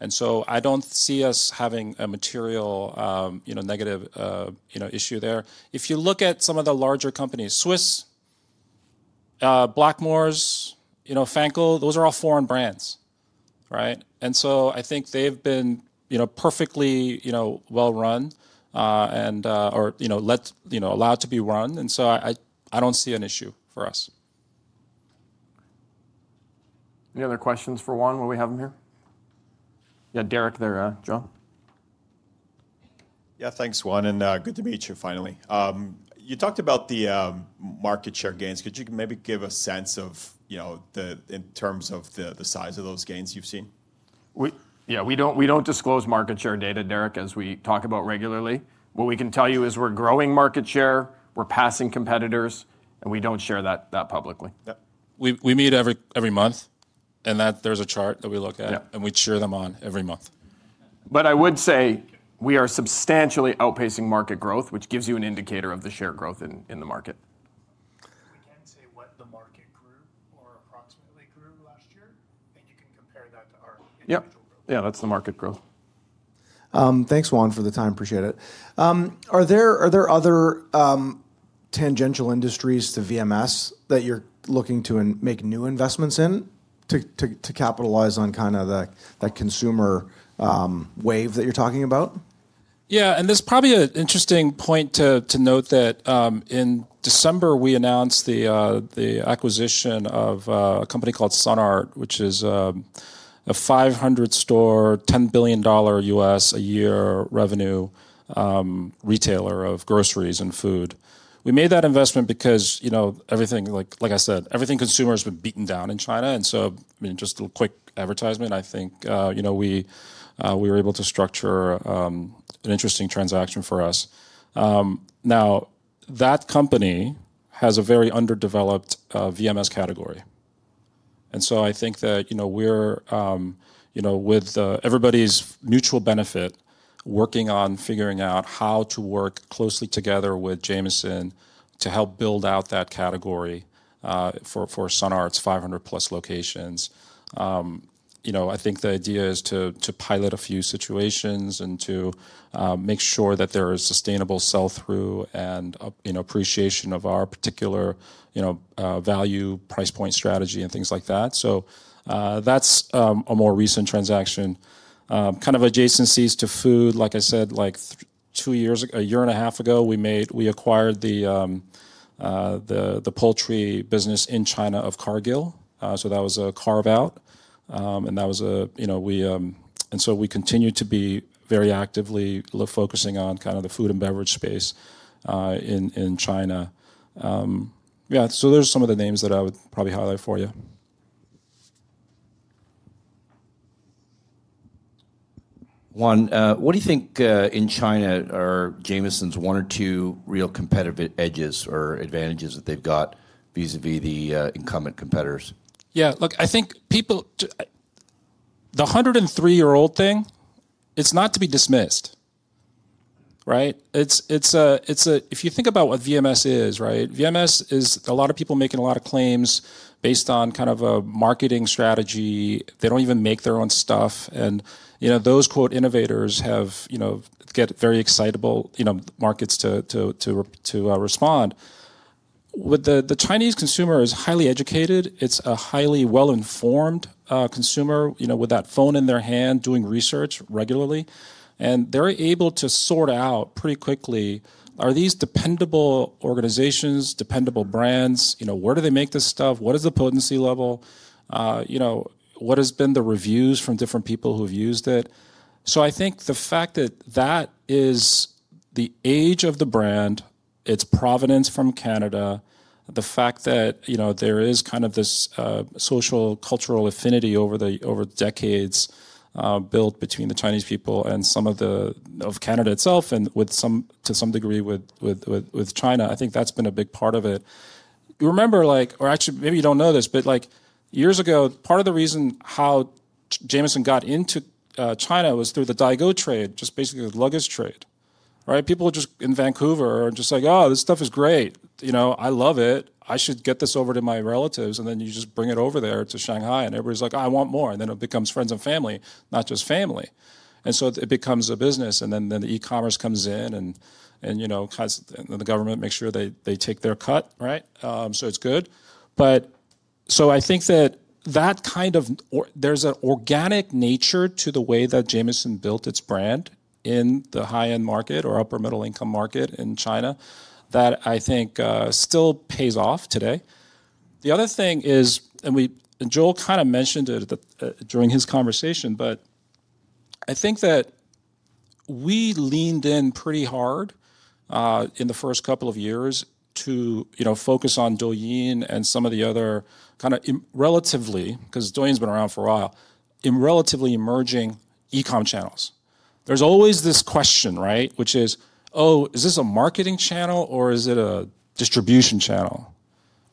I don't see us having a material negative issue there. If you look at some of the larger companies, Swisse, Blackmores, FANCL, those are all foreign brands. I think they've been perfectly well run or allowed to be run. I don't see an issue for us.
Any other questions for Juan while we have him here? Yeah, Derek there, John. Yeah, thanks, Juan. Good to meet you finally. You talked about the market share gains. Could you maybe give a sense of in terms of the size of those gains you've seen? Yeah, we don't disclose market share data, Derek, as we talk about regularly. What we can tell you is we're growing market share, we're passing competitors, and we don't share that publicly.
We meet every month and there's a chart that we look at and we share them on every month. I would say we are substantially outpacing market growth, which gives you an indicator of the share growth in the market. Yeah, that's the market growth. Thanks, Juan, for the time. Appreciate it. Are there other tangential industries to VMS that you're looking to make new investments in to capitalize on kind of that consumer wave that you're talking about?
Yeah. There's probably an interesting point to note that in December, we announced the acquisition of a company called Sun Art, which is a 500-store, $10 billion US a year revenue retailer of groceries and food. We made that investment because, like I said, everything consumers have been beaten down in China. Just a little quick advertisement, I think we were able to structure an interesting transaction for us. Now, that company has a very underdeveloped VMS category. I think that we're, with everybody's mutual benefit, working on figuring out how to work closely together with Jamieson to help build out that category for Sun Art's 500-plus locations. I think the idea is to pilot a few situations and to make sure that there is sustainable sell-through and appreciation of our particular value price point strategy and things like that. That is a more recent transaction. Kind of adjacencies to food, like I said, like a year and a half ago, we acquired the poultry business in China of Cargill. That was a carve-out. We continue to be very actively focusing on kind of the food and beverage space in China. Yeah, those are some of the names that I would probably highlight for you. Juan, what do you think in China are Jamieson's one or two real competitive edges or advantages that they've got vis-à-vis the incumbent competitors?
Yeah, look, I think the 103-year-old thing, it's not to be dismissed. If you think about what VMS is, VMS is a lot of people making a lot of claims based on kind of a marketing strategy. They don't even make their own stuff. Those "innovators" get very excitable markets to respond. The Chinese consumer is highly educated. It's a highly well-informed consumer with that phone in their hand doing research regularly. They're able to sort out pretty quickly, are these dependable organizations, dependable brands? Where do they make this stuff? What is the potency level? What has been the reviews from different people who have used it? I think the fact that that is the age of the brand, its provenance from Canada, the fact that there is kind of this social cultural affinity over the decades built between the Chinese people and some of Canada itself and to some degree with China, I think that's been a big part of it. Remember, or actually maybe you don't know this, but years ago, part of the reason how Jamieson got into China was through the Daigou trade, just basically the luggage trade. People just in Vancouver are just like, "Oh, this stuff is great. I love it. I should get this over to my relatives." You just bring it over there to Shanghai and everybody's like, "I want more." It becomes friends and family, not just family. It becomes a business. Then the e-commerce comes in and the government makes sure they take their cut. It is good. I think that there is an organic nature to the way that Jamieson built its brand in the high-end market or upper-middle-income market in China that I think still pays off today. The other thing is, and Joel kind of mentioned it during his conversation, I think that we leaned in pretty hard in the first couple of years to focus on Douyin and some of the other kind of relatively, because Douyin's been around for a while, in relatively emerging e-com channels. There is always this question, which is, "Oh, is this a marketing channel or is it a distribution channel?"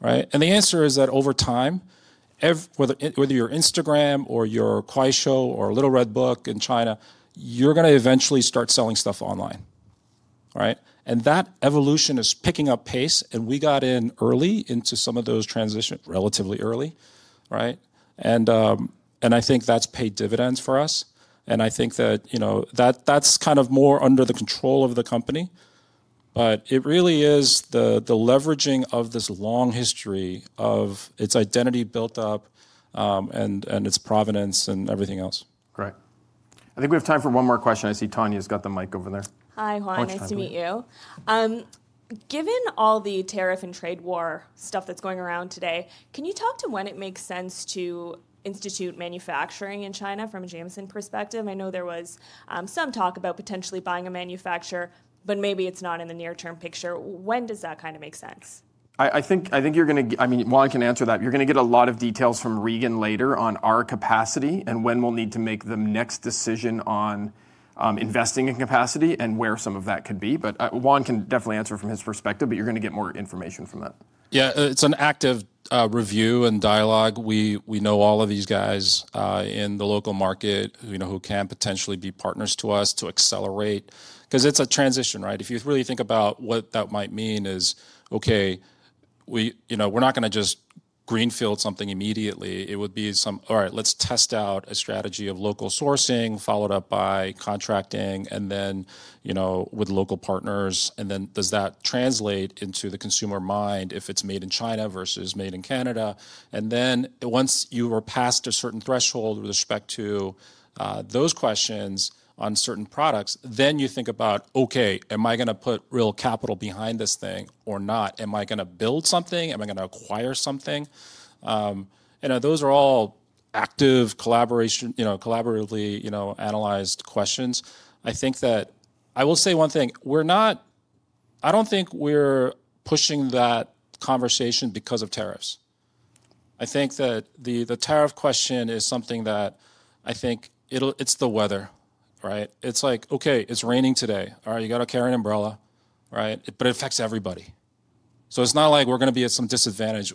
The answer is that over time, whether you are Instagram or you are Kuaishou or Little Red Book in China, you are going to eventually start selling stuff online. That evolution is picking up pace. We got in early into some of those transitions relatively early. I think that's paid dividends for us. I think that that's kind of more under the control of the company. It really is the leveraging of this long history of its identity built up and its provenance and everything else. Great. I think we have time for one more question. I see Tanya's got the mic over there.
Hi, Juan. Nice to meet you. Given all the tariff and trade war stuff that's going around today, can you talk to when it makes sense to institute manufacturing in China from a Jamieson perspective? I know there was some talk about potentially buying a manufacturer, but maybe it's not in the near-term picture. When does that kind of make sense?
I think you're going to, I mean, Juan can answer that. You're going to get a lot of details from Regan later on our capacity and when we'll need to make the next decision on investing in capacity and where some of that could be. Juan can definitely answer from his perspective, but you're going to get more information from that.
Yeah, it's an active review and dialogue. We know all of these guys in the local market who can potentially be partners to us to accelerate because it's a transition. If you really think about what that might mean is, okay, we're not going to just greenfield something immediately. It would be some, all right, let's test out a strategy of local sourcing followed up by contracting and then with local partners. Does that translate into the consumer mind if it's made in China versus made in Canada? Once you are past a certain threshold with respect to those questions on certain products, you think about, okay, am I going to put real capital behind this thing or not? Am I going to build something? Am I going to acquire something? Those are all active, collaboratively analyzed questions. I think that I will say one thing. I don't think we're pushing that conversation because of tariffs. I think that the tariff question is something that I think it's the weather. It's like, okay, it's raining today. All right, you got to carry an umbrella, but it affects everybody. It's not like we're going to be at some disadvantage.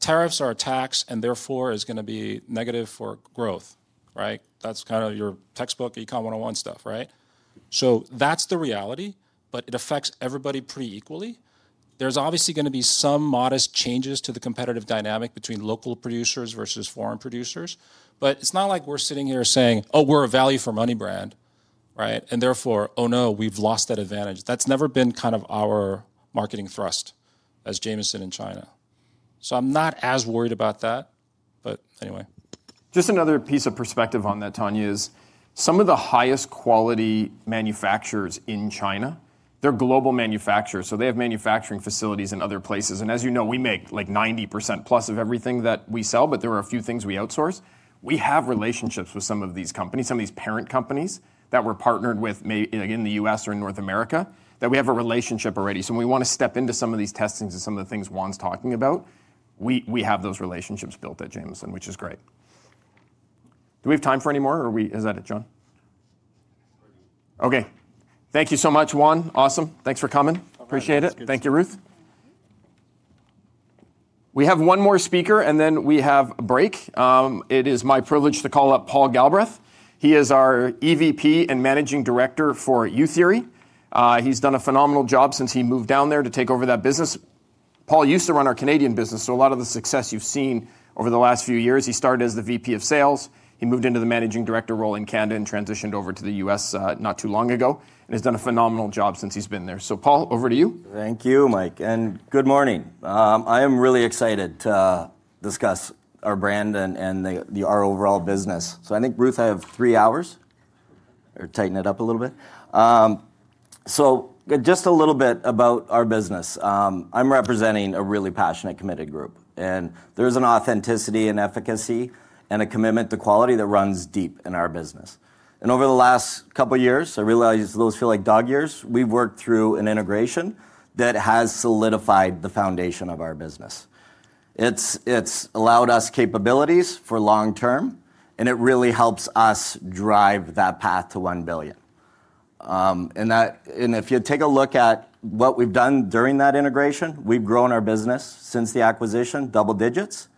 Tariffs are a tax and therefore it's going to be negative for growth. That's kind of your textbook, e-com 101 stuff. That's the reality, but it affects everybody pretty equally. There's obviously going to be some modest changes to the competitive dynamic between local producers versus foreign producers. It's not like we're sitting here saying, "Oh, we're a value for money brand." And therefore, "Oh no, we've lost that advantage." That's never been kind of our marketing thrust as Jamieson in China. I'm not as worried about that, but anyway.
Just another piece of perspective on that, Tanya, is some of the highest quality manufacturers in China, they're global manufacturers. They have manufacturing facilities in other places. As you know, we make like 90% plus of everything that we sell, but there are a few things we outsource. We have relationships with some of these companies, some of these parent companies that we're partnered with in the U.S. or in North America that we have a relationship already. When we want to step into some of these testings and some of the things Juan's talking about, we have those relationships built at Jamieson, which is great. Do we have time for any more or is that it, John? Thank you so much, Juan. Awesome. Thanks for coming. Appreciate it. Thank you, Ruth. We have one more speaker and then we have a break. It is my privilege to call up Paul Galbraith. He is our EVP and Managing Director for Youtheory. He's done a phenomenal job since he moved down there to take over that business. Paul used to run our Canadian business. So a lot of the success you've seen over the last few years, he started as the VP of Sales. He moved into the Managing Director role in Canada and transitioned over to the US not too long ago and has done a phenomenal job since he's been there. So Paul, over to you.
Thank you, Mike. Good morning. I am really excited to discuss our brand and our overall business. I think, Ruth, I have three hours or tighten it up a little bit. Just a little bit about our business. I'm representing a really passionate, committed group. There is an authenticity and efficacy and a commitment to quality that runs deep in our business. Over the last couple of years, I realize those feel like dog years, we've worked through an integration that has solidified the foundation of our business. It has allowed us capabilities for long term, and it really helps us drive that path to 1 billion. If you take a look at what we've done during that integration, we've grown our business since the acquisition, double digits.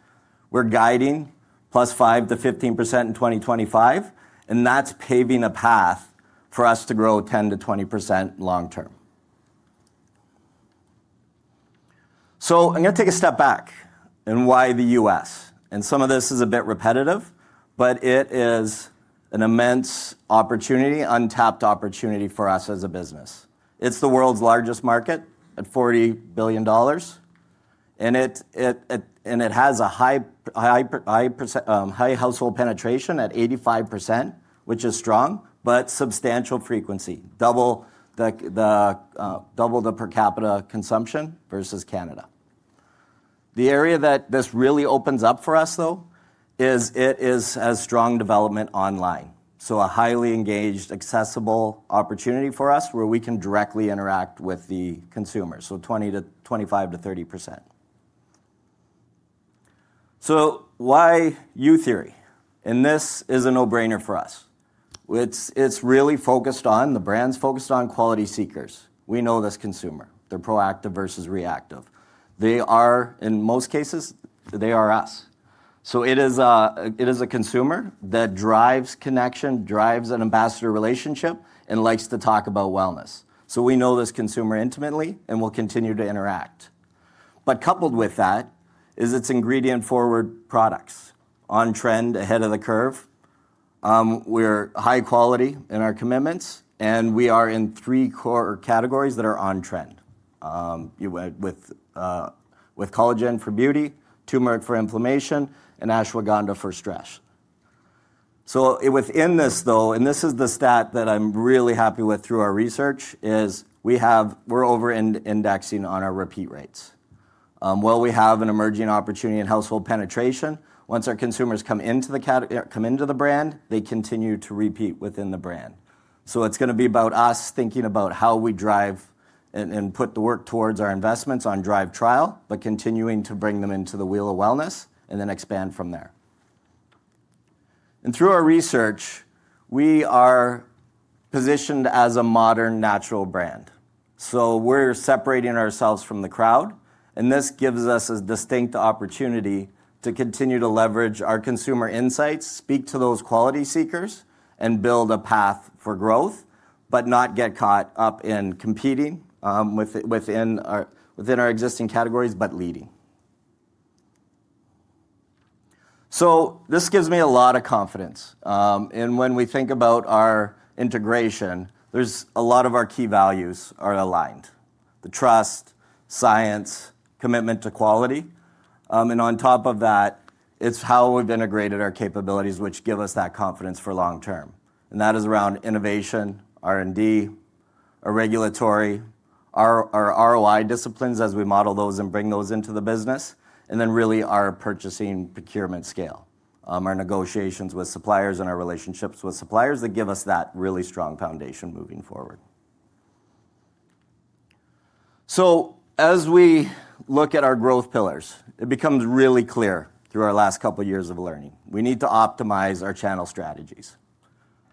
We're guiding plus 5-15% in 2025. That is paving a path for us to grow 10-20% long term. I am going to take a step back and why the US. Some of this is a bit repetitive, but it is an immense opportunity, untapped opportunity for us as a business. It is the world's largest market at $40 billion. It has a high household penetration at 85%, which is strong, but substantial frequency, double the per capita consumption versus Canada. The area that this really opens up for us, though, is it is as strong development online. A highly engaged, accessible opportunity for us where we can directly interact with the consumers. 20-25-30%. Why youtheory? This is a no-brainer for us. It is really focused on the brand's focused on quality seekers. We know this consumer. They are proactive versus reactive. In most cases, they are us. It is a consumer that drives connection, drives an ambassador relationship, and likes to talk about wellness. We know this consumer intimately and will continue to interact. Coupled with that is its ingredient-forward products, on-trend, ahead of the curve. We are high quality in our commitments, and we are in three core categories that are on-trend with collagen for beauty, turmeric for inflammation, and ashwagandha for stress. Within this, though, and this is the stat that I'm really happy with through our research, is we're over-indexing on our repeat rates. While we have an emerging opportunity in household penetration, once our consumers come into the brand, they continue to repeat within the brand. It is going to be about us thinking about how we drive and put the work towards our investments on drive trial, but continuing to bring them into the wheel of wellness and then expand from there. Through our research, we are positioned as a modern natural brand. We are separating ourselves from the crowd. This gives us a distinct opportunity to continue to leverage our consumer insights, speak to those quality seekers, and build a path for growth, but not get caught up in competing within our existing categories, but leading. This gives me a lot of confidence. When we think about our integration, a lot of our key values are aligned: the trust, science, commitment to quality. On top of that, it is how we have integrated our capabilities, which give us that confidence for long term. That is around innovation, R&D, our regulatory, our ROI disciplines as we model those and bring those into the business, and then really our purchasing procurement scale, our negotiations with suppliers and our relationships with suppliers that give us that really strong foundation moving forward. As we look at our growth pillars, it becomes really clear through our last couple of years of learning. We need to optimize our channel strategies.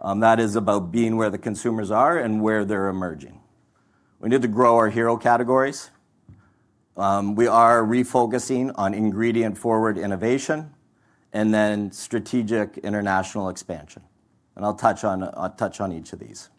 That is about being where the consumers are and where they're emerging. We need to grow our hero categories. We are refocusing on ingredient-forward innovation and then strategic international expansion. I'll touch on each of these.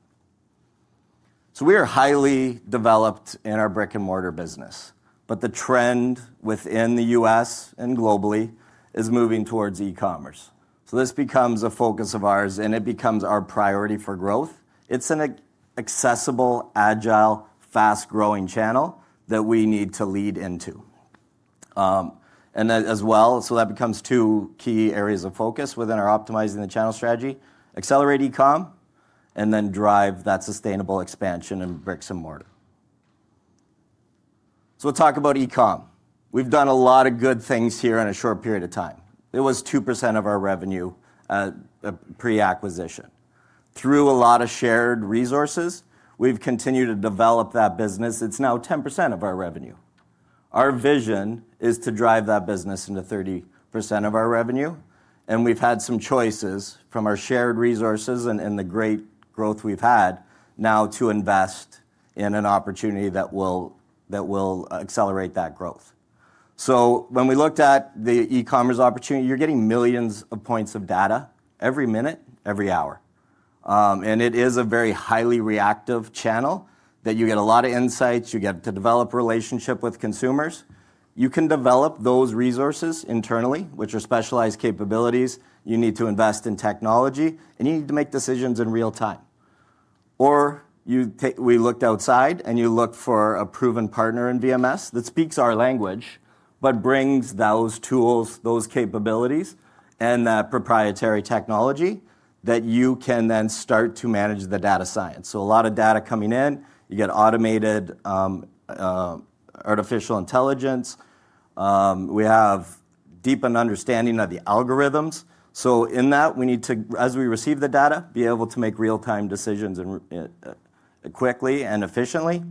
We are highly developed in our brick-and-mortar business, but the trend within the U.S. and globally is moving towards e-commerce. This becomes a focus of ours, and it becomes our priority for growth. It's an accessible, agile, fast-growing channel that we need to lead into. As well, that becomes two key areas of focus within our optimizing the channel strategy: accelerate e-com, and then drive that sustainable expansion in bricks and mortar. We'll talk about e-com. We've done a lot of good things here in a short period of time. It was 2% of our revenue pre-acquisition. Through a lot of shared resources, we've continued to develop that business. It's now 10% of our revenue. Our vision is to drive that business into 30% of our revenue. We've had some choices from our shared resources and the great growth we've had now to invest in an opportunity that will accelerate that growth. When we looked at the e-commerce opportunity, you're getting millions of points of data every minute, every hour. It is a very highly reactive channel that you get a lot of insights. You get to develop a relationship with consumers. You can develop those resources internally, which are specialized capabilities. You need to invest in technology, and you need to make decisions in real time. We looked outside and you look for a proven partner in VMS that speaks our language, but brings those tools, those capabilities, and that proprietary technology that you can then start to manage the data science. A lot of data coming in, you get automated artificial intelligence. We have deepened understanding of the algorithms. In that, we need to, as we receive the data, be able to make real-time decisions quickly and efficiently.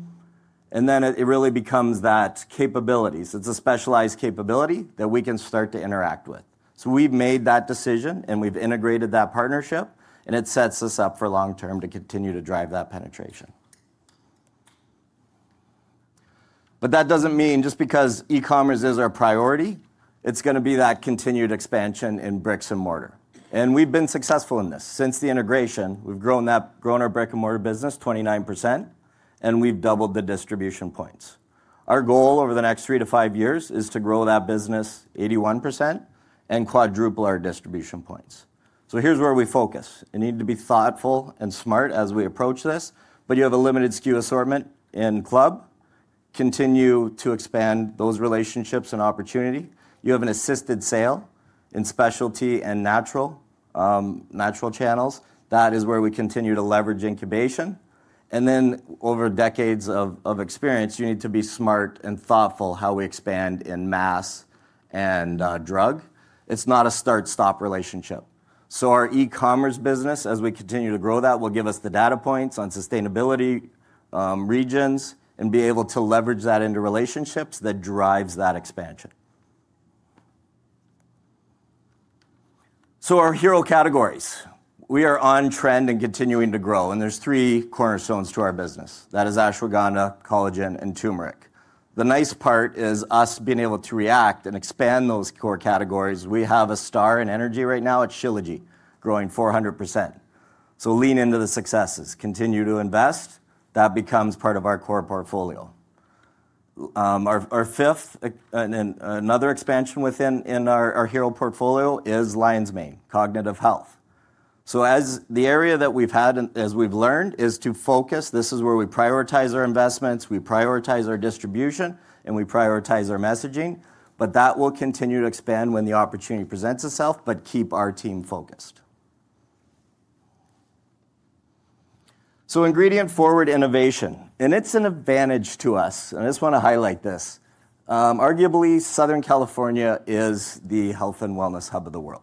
It really becomes that capability. It is a specialized capability that we can start to interact with. We have made that decision and we have integrated that partnership, and it sets us up for long term to continue to drive that penetration. That does not mean just because e-commerce is our priority, it is going to be that continued expansion in bricks and mortar. We have been successful in this. Since the integration, we have grown our brick-and-mortar business 29%, and we have doubled the distribution points. Our goal over the next three to five years is to grow that business 81% and quadruple our distribution points. Here is where we focus. You need to be thoughtful and smart as we approach this, but you have a limited SKU assortment in club. Continue to expand those relationships and opportunity. You have an assisted sale in specialty and natural channels. That is where we continue to leverage incubation. Over decades of experience, you need to be smart and thoughtful how we expand in mass and drug. It's not a start-stop relationship. Our e-commerce business, as we continue to grow that, will give us the data points on sustainability regions and be able to leverage that into relationships that drives that expansion. Our hero categories, we are on-trend and continuing to grow. There are three cornerstones to our business. That is ashwagandha, collagen, and turmeric. The nice part is us being able to react and expand those core categories. We have a star in energy right now at Shilajit, growing 400%. Lean into the successes. Continue to invest. That becomes part of our core portfolio. Our fifth, another expansion within our hero portfolio is Lion's Mane, cognitive health. The area that we've had, as we've learned, is to focus. This is where we prioritize our investments. We prioritize our distribution, and we prioritize our messaging. That will continue to expand when the opportunity presents itself, but keep our team focused. Ingredient-forward innovation. It is an advantage to us. I just want to highlight this. Arguably, Southern California is the health and wellness hub of the world.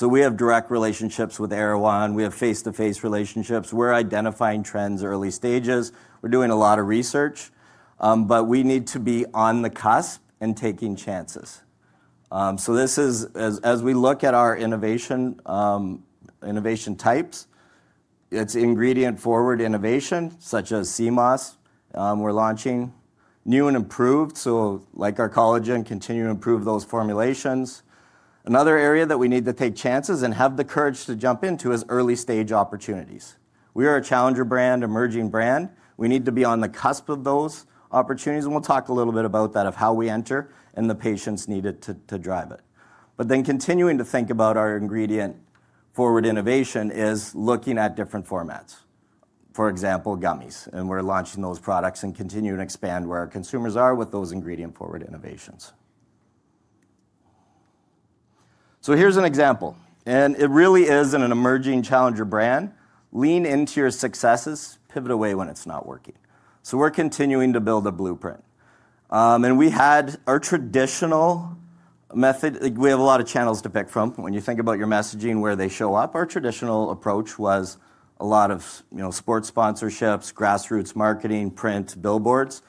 We have direct relationships with Erewhon. We have face-to-face relationships. We are identifying trends early stages. We are doing a lot of research, but we need to be on the cusp and taking chances. As we look at our innovation types, it is ingredient-forward innovation, such as Sea Moss. We are launching new and improved. Like our collagen, continue to improve those formulations. Another area that we need to take chances and have the courage to jump into is early-stage opportunities. We are a challenger brand, emerging brand. We need to be on the cusp of those opportunities. We'll talk a little bit about that, of how we enter and the patience needed to drive it. Continuing to think about our ingredient-forward innovation is looking at different formats. For example, gummies. We're launching those products and continue to expand where our consumers are with those ingredient-forward innovations. Here's an example. It really is an emerging challenger brand. Lean into your successes. Pivot away when it's not working. We're continuing to build a blueprint. We had our traditional method. We have a lot of channels to pick from. When you think about your messaging, where they show up, our traditional approach was a lot of sports sponsorships, grassroots marketing, print, billboards.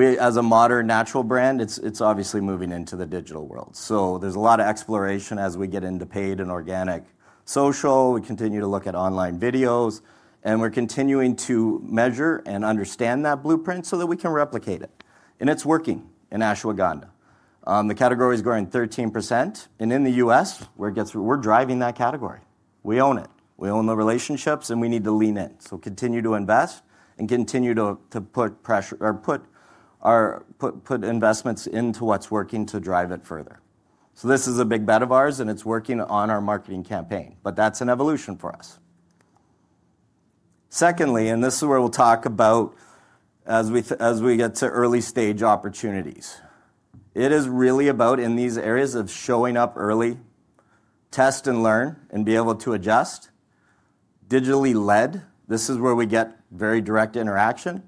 As a modern natural brand, it's obviously moving into the digital world. There is a lot of exploration as we get into paid and organic social. We continue to look at online videos. We are continuing to measure and understand that blueprint so that we can replicate it. It is working in ashwagandha. The category is growing 13%. In the U.S., we are driving that category. We own it. We own the relationships, and we need to lean in. Continue to invest and continue to put investments into what is working to drive it further. This is a big bet of ours, and it is working on our marketing campaign. That is an evolution for us. Secondly, and this is where we will talk about as we get to early-stage opportunities. It is really about, in these areas, showing up early, test and learn, and being able to adjust. Digitally led, this is where we get very direct interaction,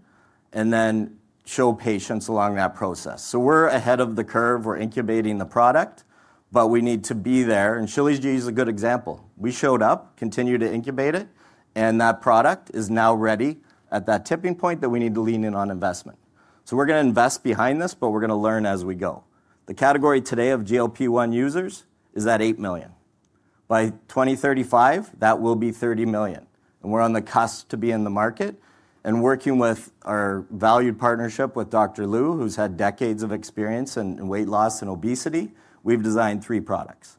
and then show patience along that process. We are ahead of the curve. We are incubating the product, but we need to be there. Shilajit is a good example. We showed up, continued to incubate it, and that product is now ready at that tipping point that we need to lean in on investment. We are going to invest behind this, but we are going to learn as we go. The category today of GLP-1 users is at 8 million. By 2035, that will be 30 million. We are on the cusp to be in the market. Working with our valued partnership with Dr. Lau, who has had decades of experience in weight loss and obesity, we have designed three products.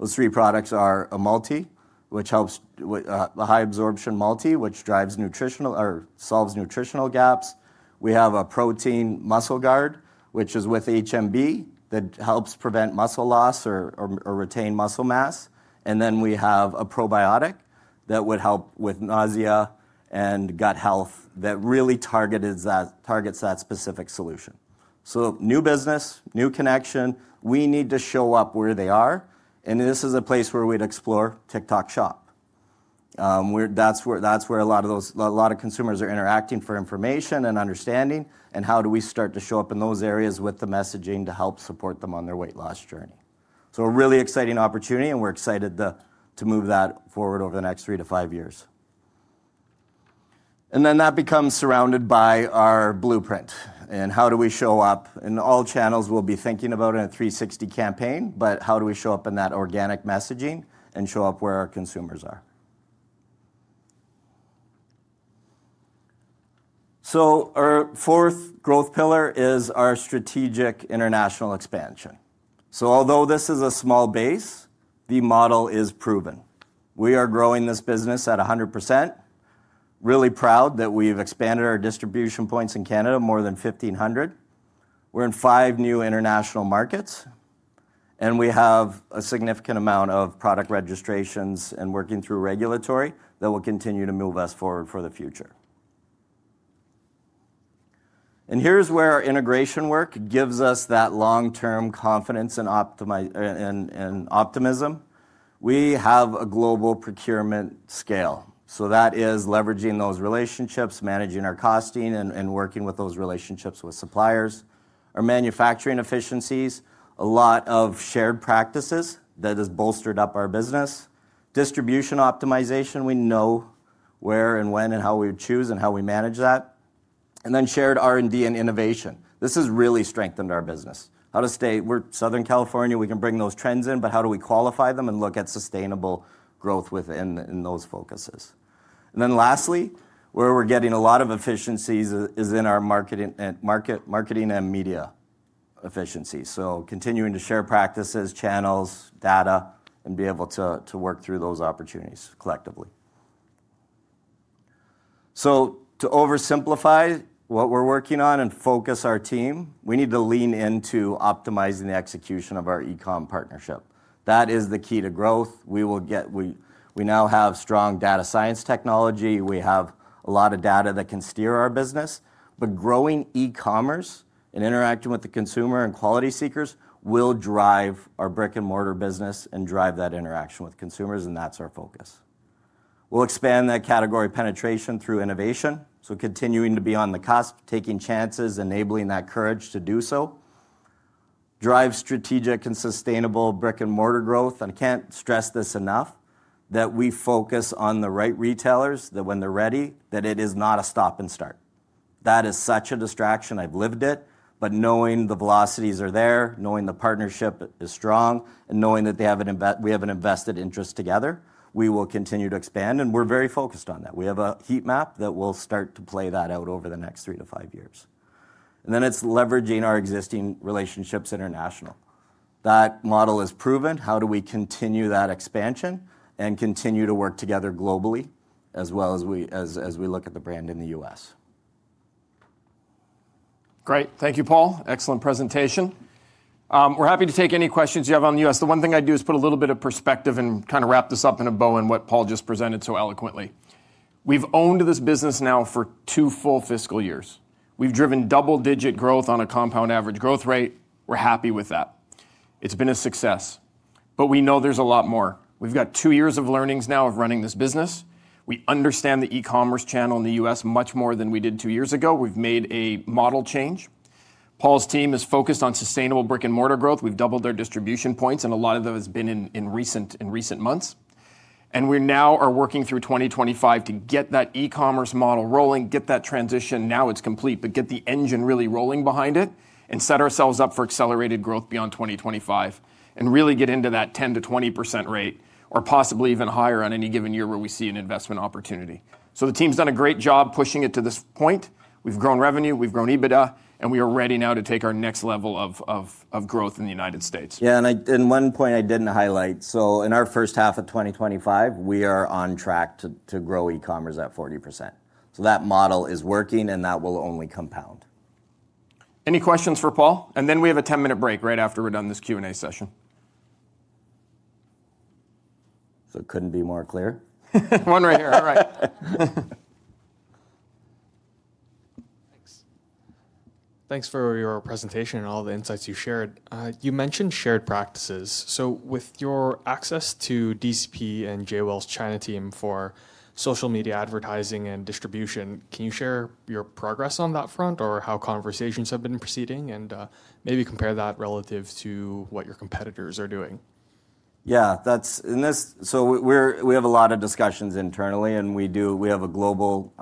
Those three products are a multi, which helps the high-absorption multi, which solves nutritional gaps. We have a protein muscle guard, which is with HMB that helps prevent muscle loss or retain muscle mass. Then we have a probiotic that would help with nausea and gut health that really targets that specific solution. New business, new connection. We need to show up where they are. This is a place where we'd explore TikTok Shop. That's where a lot of consumers are interacting for information and understanding. How do we start to show up in those areas with the messaging to help support them on their weight loss journey? A really exciting opportunity, and we're excited to move that forward over the next three to five years. That becomes surrounded by our blueprint. How do we show up? All channels will be thinking about it in a 360 campaign, but how do we show up in that organic messaging and show up where our consumers are? Our fourth growth pillar is our strategic international expansion. Although this is a small base, the model is proven. We are growing this business at 100%. Really proud that we've expanded our distribution points in Canada, more than 1,500. We're in five new international markets, and we have a significant amount of product registrations and working through regulatory that will continue to move us forward for the future. Here's where our integration work gives us that long-term confidence and optimism. We have a global procurement scale. That is leveraging those relationships, managing our costing, and working with those relationships with suppliers. Our manufacturing efficiencies, a lot of shared practices that have bolstered up our business. Distribution optimization, we know where and when and how we would choose and how we manage that. Then shared R&D and innovation. This has really strengthened our business. We're Southern California. We can bring those trends in, but how do we qualify them and look at sustainable growth within those focuses? Lastly, where we're getting a lot of efficiencies is in our marketing and media efficiencies. Continuing to share practices, channels, data, and be able to work through those opportunities collectively. To oversimplify what we're working on and focus our team, we need to lean into optimizing the execution of our e-comm partnership. That is the key to growth. We now have strong data science technology. We have a lot of data that can steer our business. Growing e-commerce and interacting with the consumer and quality seekers will drive our brick-and-mortar business and drive that interaction with consumers, and that's our focus. We'll expand that category penetration through innovation. Continuing to be on the cusp, taking chances, enabling that courage to do so. Drive strategic and sustainable brick-and-mortar growth. I can't stress this enough that we focus on the right retailers that when they're ready, that it is not a stop and start. That is such a distraction. I've lived it. Knowing the velocities are there, knowing the partnership is strong, and knowing that we have an invested interest together, we will continue to expand. We're very focused on that. We have a heat map that will start to play that out over the next three to five years. Then it's leveraging our existing relationships international. That model is proven. How do we continue that expansion and continue to work together globally as well as we look at the brand in the US?
Great. Thank you, Paul. Excellent presentation. We're happy to take any questions you have on the US. The one thing I do is put a little bit of perspective and kind of wrap this up in a bow in what Paul just presented so eloquently. We've owned this business now for two full fiscal years. We've driven double-digit growth on a compound average growth rate. We're happy with that. It's been a success. We know there's a lot more. We've got two years of learnings now of running this business. We understand the e-commerce channel in the US much more than we did two years ago. We've made a model change. Paul's team is focused on sustainable brick-and-mortar growth. We've doubled our distribution points, and a lot of that has been in recent months. We now are working through 2025 to get that e-commerce model rolling, get that transition. Now it's complete, but get the engine really rolling behind it and set ourselves up for accelerated growth beyond 2025 and really get into that 10%-20% rate or possibly even higher on any given year where we see an investment opportunity. The team's done a great job pushing it to this point. We've grown revenue. We've grown EBITDA, and we are ready now to take our next level of growth in the United States.
Yeah. One point I did not highlight. In our first half of 2025, we are on track to grow e-commerce at 40%. That model is working, and that will only compound.
Any questions for Paul? We have a 10-minute break right after we're done this Q&A session. It couldn't be more clear. One right here. All right.
Thanks. Thanks for your presentation and all the insights you shared. You mentioned shared practices. With your access to DCP and Jamieson Wellness's China team for social media advertising and distribution, can you share your progress on that front or how conversations have been proceeding and maybe compare that relative to what your competitors are doing? Yeah. We have a lot of discussions internally, and we have a global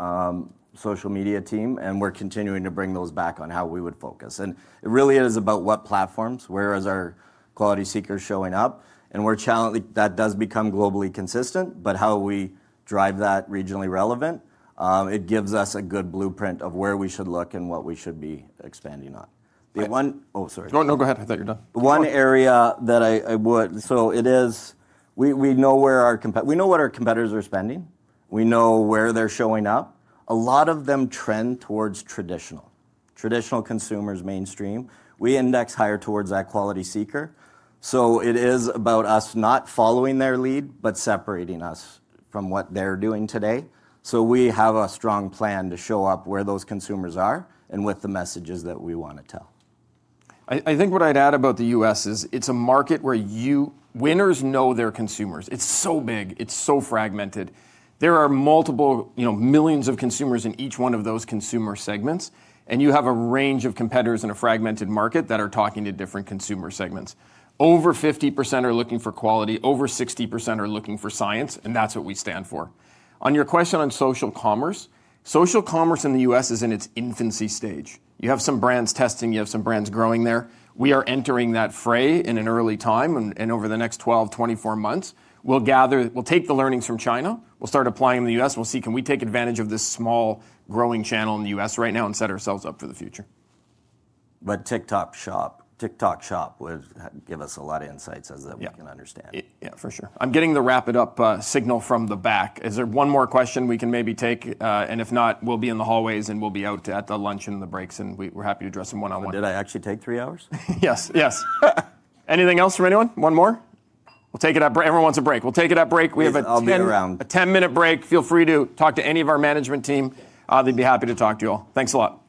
social media team, and we're continuing to bring those back on how we would focus. It really is about what platforms, where are our quality seekers showing up. That does become globally consistent, but how we drive that regionally relevant, it gives us a good blueprint of where we should look and what we should be expanding on. Oh, sorry.No, no. Go ahead. I thought you were done. One area that I would—so it is—we know where our competitors are spending. We know where they're showing up. A lot of them trend towards traditional. Traditional consumers, mainstream. We index higher towards that quality seeker. It is about us not following their lead, but separating us from what they're doing today. We have a strong plan to show up where those consumers are and with the messages that we want to tell.
I think what I'd add about the U.S. is it's a market where winners know their consumers. It's so big. It's so fragmented. There are millions of consumers in each one of those consumer segments, and you have a range of competitors in a fragmented market that are talking to different consumer segments. Over 50% are looking for quality. Over 60% are looking for science, and that's what we stand for. On your question on social commerce, social commerce in the U.S. is in its infancy stage. You have some brands testing. You have some brands growing there. We are entering that fray in an early time. Over the next 12-24 months, we'll take the learnings from China. We'll start applying in the U.S. We'll see, can we take advantage of this small growing channel in the U.S. right now and set ourselves up for the future?
TikTok Shop would give us a lot of insights as we can understand.
Yeah, for sure. I'm getting the wrap-it-up signal from the back. Is there one more question we can maybe take? If not, we'll be in the hallways and we'll be out at the lunch and the breaks, and we're happy to address them one-on-one. Did I actually take three hours? Yes, yes. Anything else from anyone? One more? We'll take it at break. Everyone wants a break. We'll take it at break. We have a 10-minute break. Feel free to talk to any of our management team. They'd be happy to talk to you all. Thanks a lot.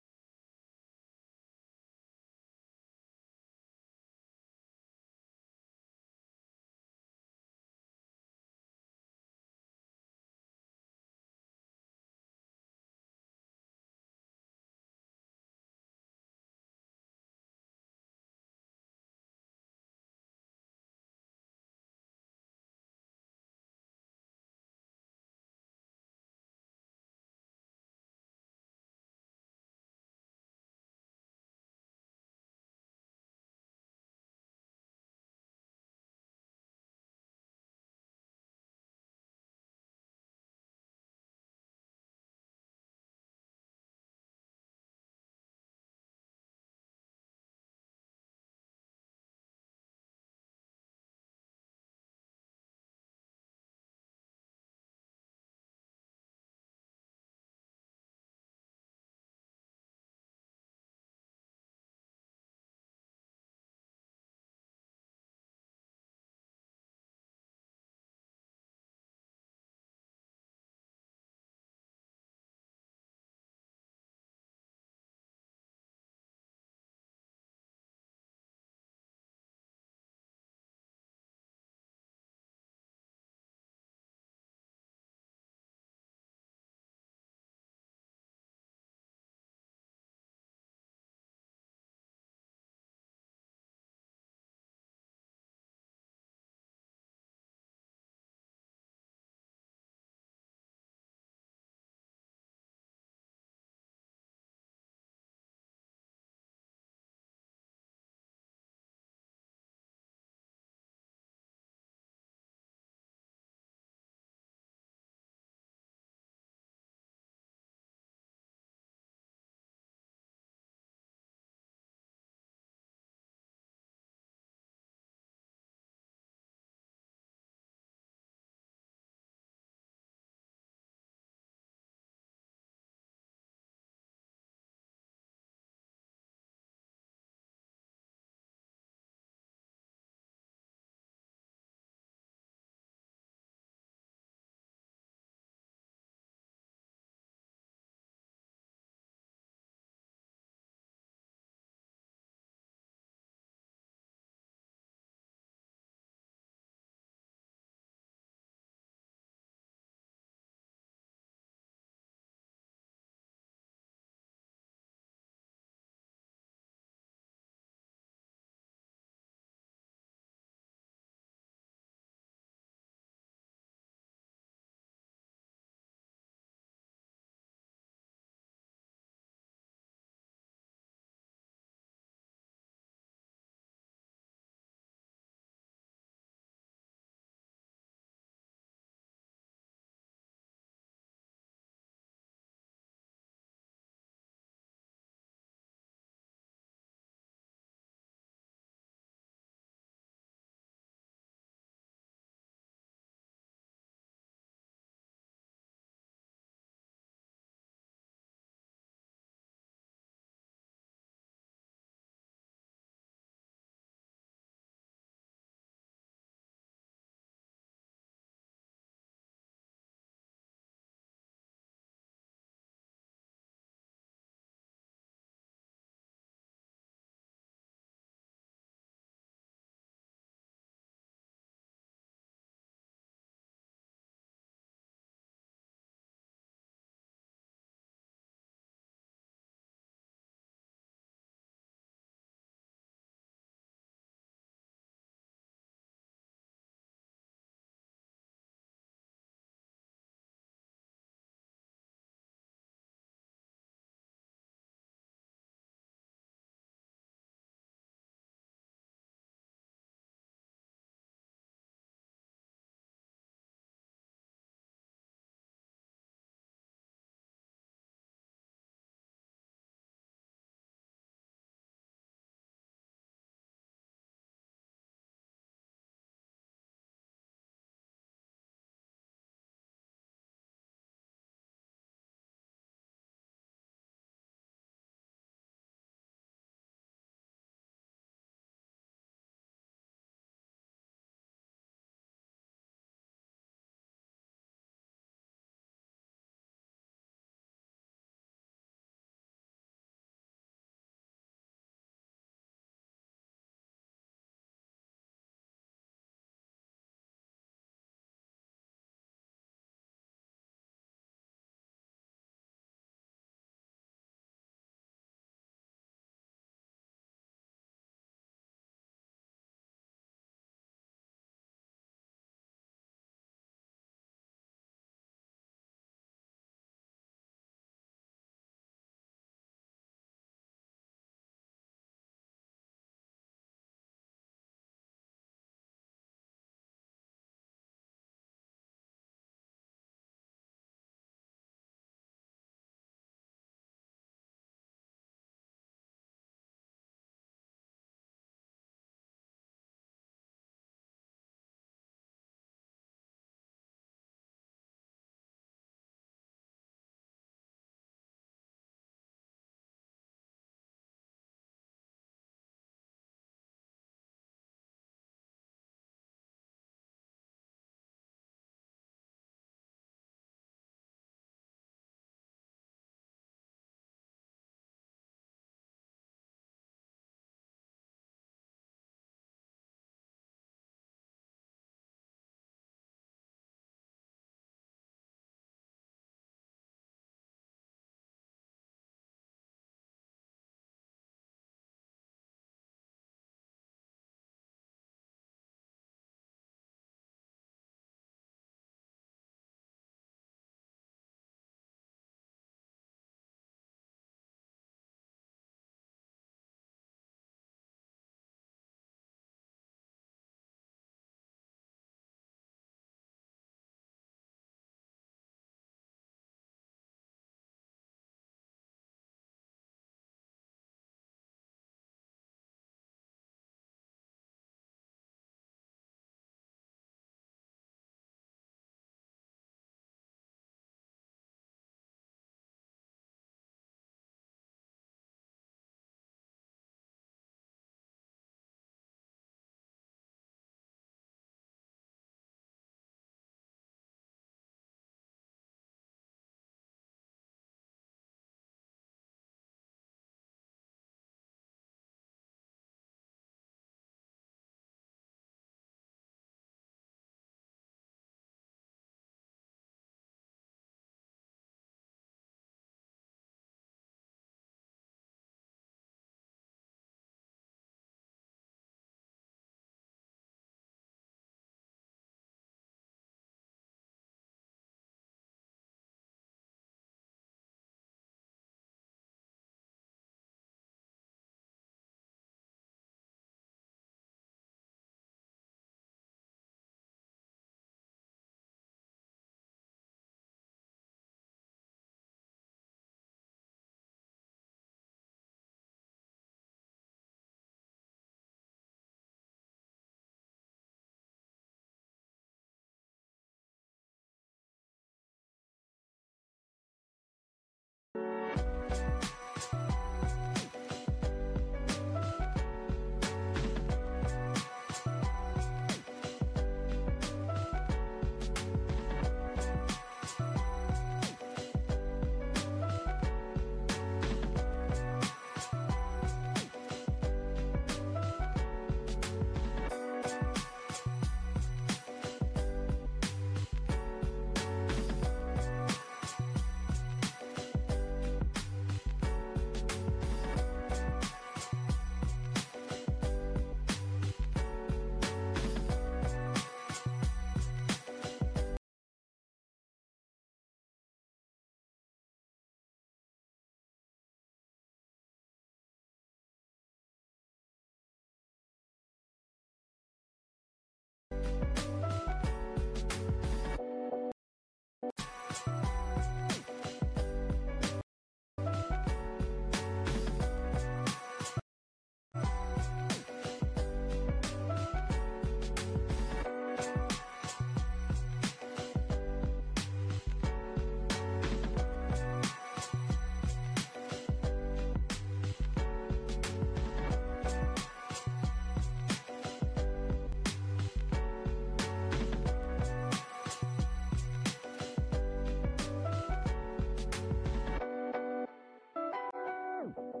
All right.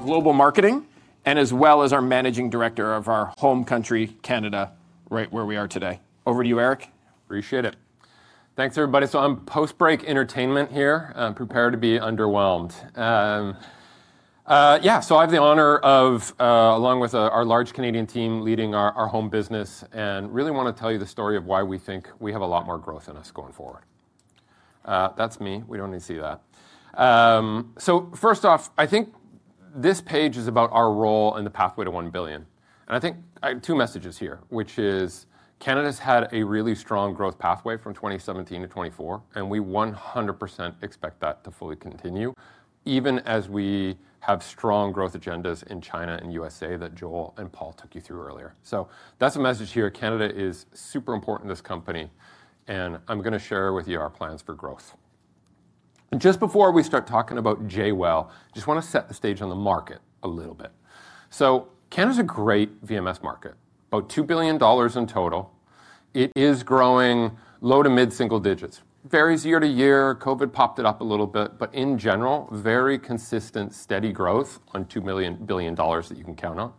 Appreciate it.
Global marketing and as well as our Managing Director of our home country, Canada, right where we are today. Over to you, Eric. Appreciate it. Thanks, everybody. I am Post Break Entertainment here. I am prepared to be underwhelmed. I have the honor of, along with our large Canadian team, leading our home business, and really want to tell you the story of why we think we have a lot more growth in us going forward. That is me. We do not need to see that. First off, I think this page is about our role in the pathway to 1 billion. I think I have two messages here, which is Canada has had a really strong growth pathway from 2017 to 2024, and we 100% expect that to fully continue, even as we have strong growth agendas in China and USA that Joel and Paul took you through earlier. That is a message here. Canada is super important to this company, and I am going to share with you our plans for growth.
Just before we start talking about J-Well, I just want to set the stage on the market a little bit. Canada's a great VMS market, about 2 billion dollars in total. It is growing low to mid single digits. Varies year to year. COVID popped it up a little bit, but in general, very consistent, steady growth on 2 billion dollars that you can count on.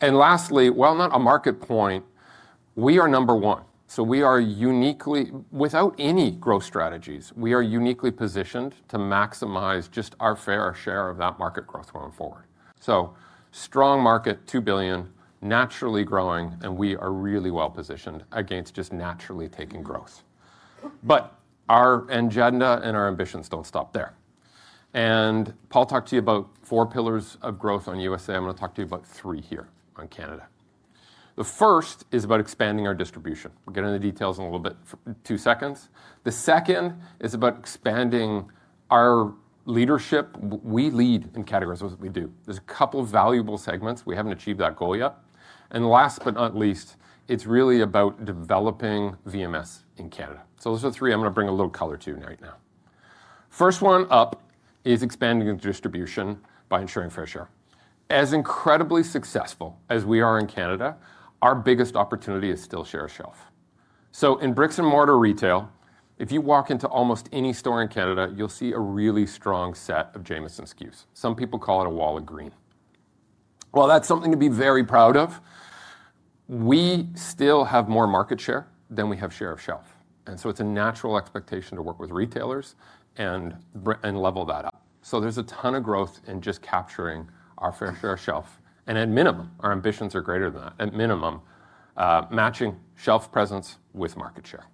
Lastly, while not a market point, we are number one. We are uniquely, without any growth strategies, uniquely positioned to maximize just our fair share of that market growth going forward. Strong market, 2 billion, naturally growing, and we are really well positioned against just naturally taking growth. Our agenda and our ambitions don't stop there. Paul talked to you about four pillars of growth on USA. I'm going to talk to you about three here on Canada. The first is about expanding our distribution. We'll get into the details in a little bit, two seconds. The second is about expanding our leadership. We lead in categories. That's what we do. There's a couple of valuable segments. We haven't achieved that goal yet. Last but not least, it's really about developing VMS in Canada. Those are three. I'm going to bring a little color to you right now. First one up is expanding distribution by ensuring fair share. As incredibly successful as we are in Canada, our biggest opportunity is still share of shelf. In bricks and mortar retail, if you walk into almost any store in Canada, you'll see a really strong set of Jamieson SKUs. Some people call it a wall of green. That's something to be very proud of. We still have more market share than we have share of shelf. It is a natural expectation to work with retailers and level that up. There is a ton of growth in just capturing our fair share of shelf. At minimum, our ambitions are greater than that. At minimum, matching shelf presence with market share.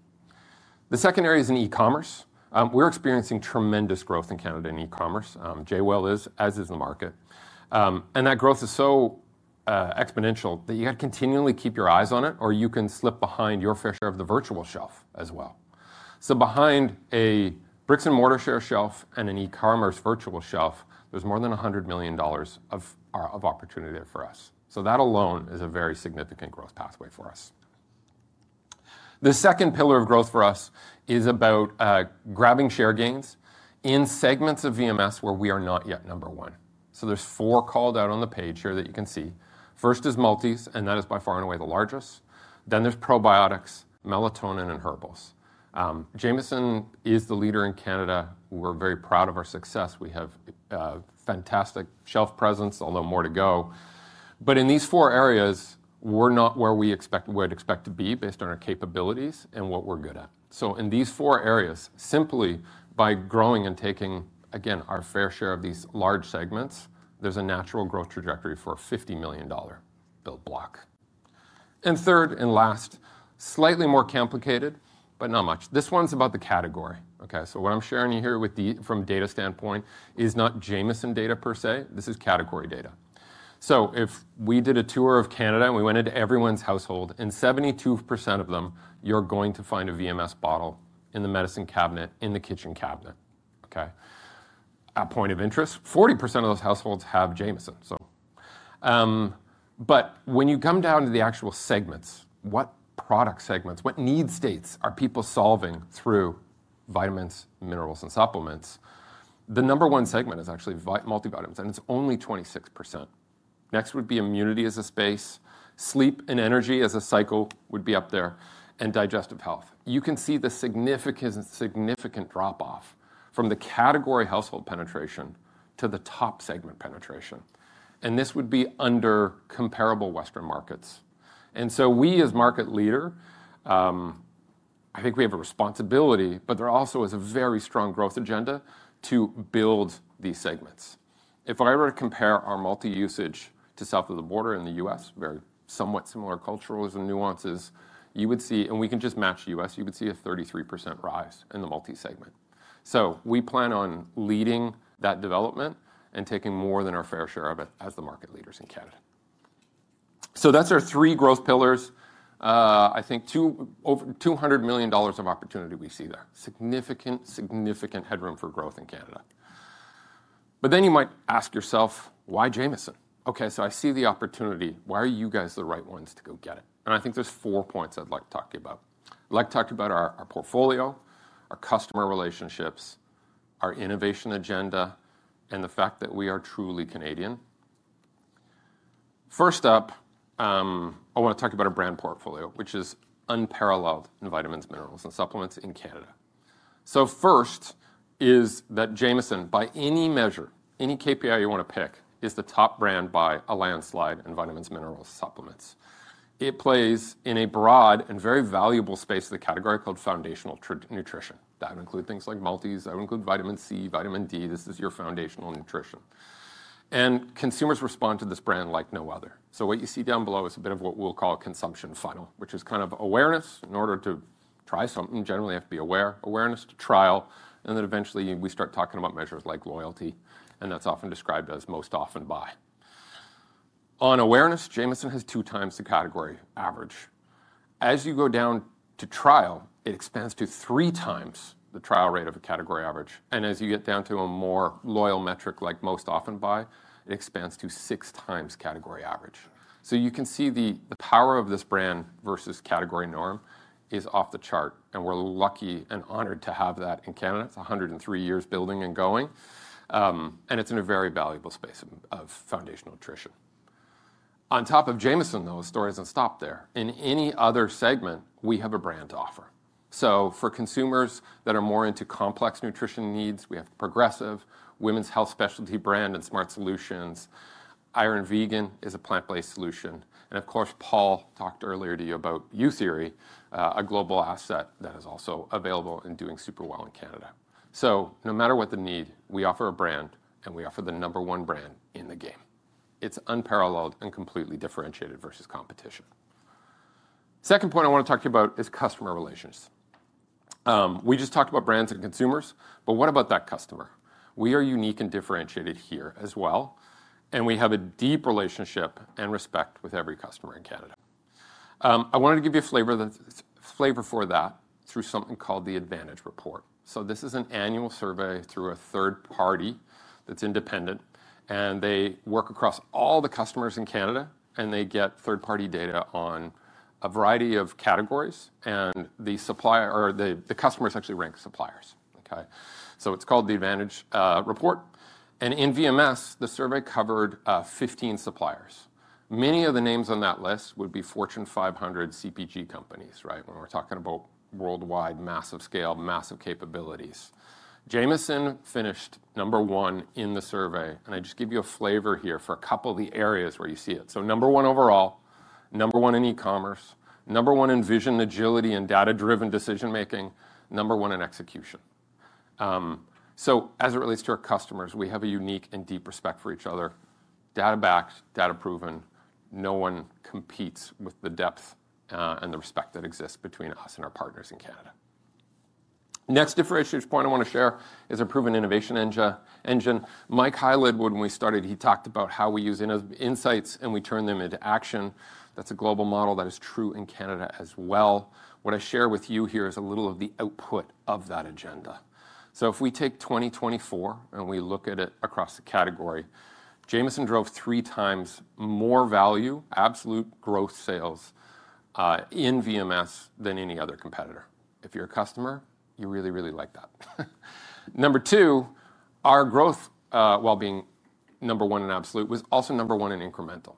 The second area is in e-commerce. We are experiencing tremendous growth in Canada in e-commerce. Jamieson Wellness is, as is the market. That growth is so exponential that you have to continually keep your eyes on it, or you can slip behind your fair share of the virtual shelf as well. Behind a bricks and mortar share shelf and an e-commerce virtual shelf, there is more than 100 million dollars of opportunity there for us. That alone is a very significant growth pathway for us. The second pillar of growth for us is about grabbing share gains in segments of VMS where we are not yet number one. There are four called out on the page here that you can see. First is Multivitamins, and that is by far and away the largest. There is probiotics, melatonin, and herbals. Jamieson is the leader in Canada. We are very proud of our success. We have fantastic shelf presence, although more to go. In these four areas, we are not where we expect to be based on our capabilities and what we are good at. In these four areas, simply by growing and taking, again, our fair share of these large segments, there is a natural growth trajectory for a $50 million build block. Third and last, slightly more complicated, but not much. This one is about the category. What I'm sharing here from a data standpoint is not Jamieson data per se. This is category data. If we did a tour of Canada and we went into everyone's household, in 72% of them, you're going to find a VMS bottle in the medicine cabinet, in the kitchen cabinet. At point of interest, 40% of those households have Jamieson. When you come down to the actual segments, what product segments, what need states are people solving through vitamins, minerals, and supplements? The number one segment is actually multivitamins, and it's only 26%. Next would be immunity as a space. Sleep and energy as a cycle would be up there. And digestive health. You can see the significant drop-off from the category household penetration to the top segment penetration. This would be under comparable Western markets. We as market leader, I think we have a responsibility, but there also is a very strong growth agenda to build these segments. If I were to compare our multi-usage to south of the border in the U.S., very somewhat similar cultural nuances, you would see, and we can just match U.S., you would see a 33% rise in the multi-segment. We plan on leading that development and taking more than our fair share of it as the market leaders in Canada. That is our three growth pillars. I think $200 million of opportunity we see there. Significant, significant headroom for growth in Canada. You might ask yourself, why Jamieson? Okay, I see the opportunity. Why are you guys the right ones to go get it? I think there are four points I'd like to talk to you about. I'd like to talk to you about our portfolio, our customer relationships, our innovation agenda, and the fact that we are truly Canadian. First up, I want to talk about our brand portfolio, which is unparalleled in vitamins, minerals, and supplements in Canada. First is that Jamieson, by any measure, any KPI you want to pick, is the top brand by a landslide in vitamins, minerals, supplements. It plays in a broad and very valuable space of the category called foundational nutrition. That would include things like multis. That would include vitamin C, vitamin D. This is your foundational nutrition. And consumers respond to this brand like no other. What you see down below is a bit of what we'll call a consumption funnel, which is kind of awareness. In order to try something, you generally have to be aware. Awareness to trial. Eventually we start talking about measures like loyalty. That is often described as most often buy. On awareness, Jamieson has two times the category average. As you go down to trial, it expands to three times the trial rate of a category average. As you get down to a more loyal metric like most often buy, it expands to six times category average. You can see the power of this brand versus category norm is off the chart. We are lucky and honored to have that in Canada. It is 103 years building and going. It is in a very valuable space of foundational nutrition. On top of Jamieson, though, the story does not stop there. In any other segment, we have a brand to offer. For consumers that are more into complex nutrition needs, we have the Progressive, Women's Health Specialty Brand and Smart Solutions. Iron Vegan is a plant-based solution. Paul talked earlier to you about Youtheory, a global asset that is also available and doing super well in Canada. No matter what the need, we offer a brand, and we offer the number one brand in the game. It is unparalleled and completely differentiated versus competition. The second point I want to talk to you about is customer relations. We just talked about brands and consumers, but what about that customer? We are unique and differentiated here as well. We have a deep relationship and respect with every customer in Canada. I wanted to give you a flavor for that through something called the Advantage Report. This is an annual survey through a third party that is independent. They work across all the customers in Canada, and they get third-party data on a variety of categories. The customers actually rank suppliers. It is called the Advantage Report. In VMS, the survey covered 15 suppliers. Many of the names on that list would be Fortune 500 CPG companies, right? When we are talking about worldwide massive scale, massive capabilities. Jamieson finished number one in the survey. I just give you a flavor here for a couple of the areas where you see it. Number one overall, number one in e-commerce, number one in vision, agility, and data-driven decision-making, number one in execution. As it relates to our customers, we have a unique and deep respect for each other. Data-backed, data-proven. No one competes with the depth and the respect that exists between us and our partners in Canada. Next differentiator point I want to share is our proven innovation engine.
Mike Pilato, when we started, he talked about how we use insights and we turn them into action. That's a global model that is true in Canada as well. What I share with you here is a little of the output of that agenda. If we take 2024 and we look at it across the category, Jamieson drove three times more value, absolute growth sales in VMS than any other competitor. If you're a customer, you really, really like that. Number two, our growth, while being number one in absolute, was also number one in incremental.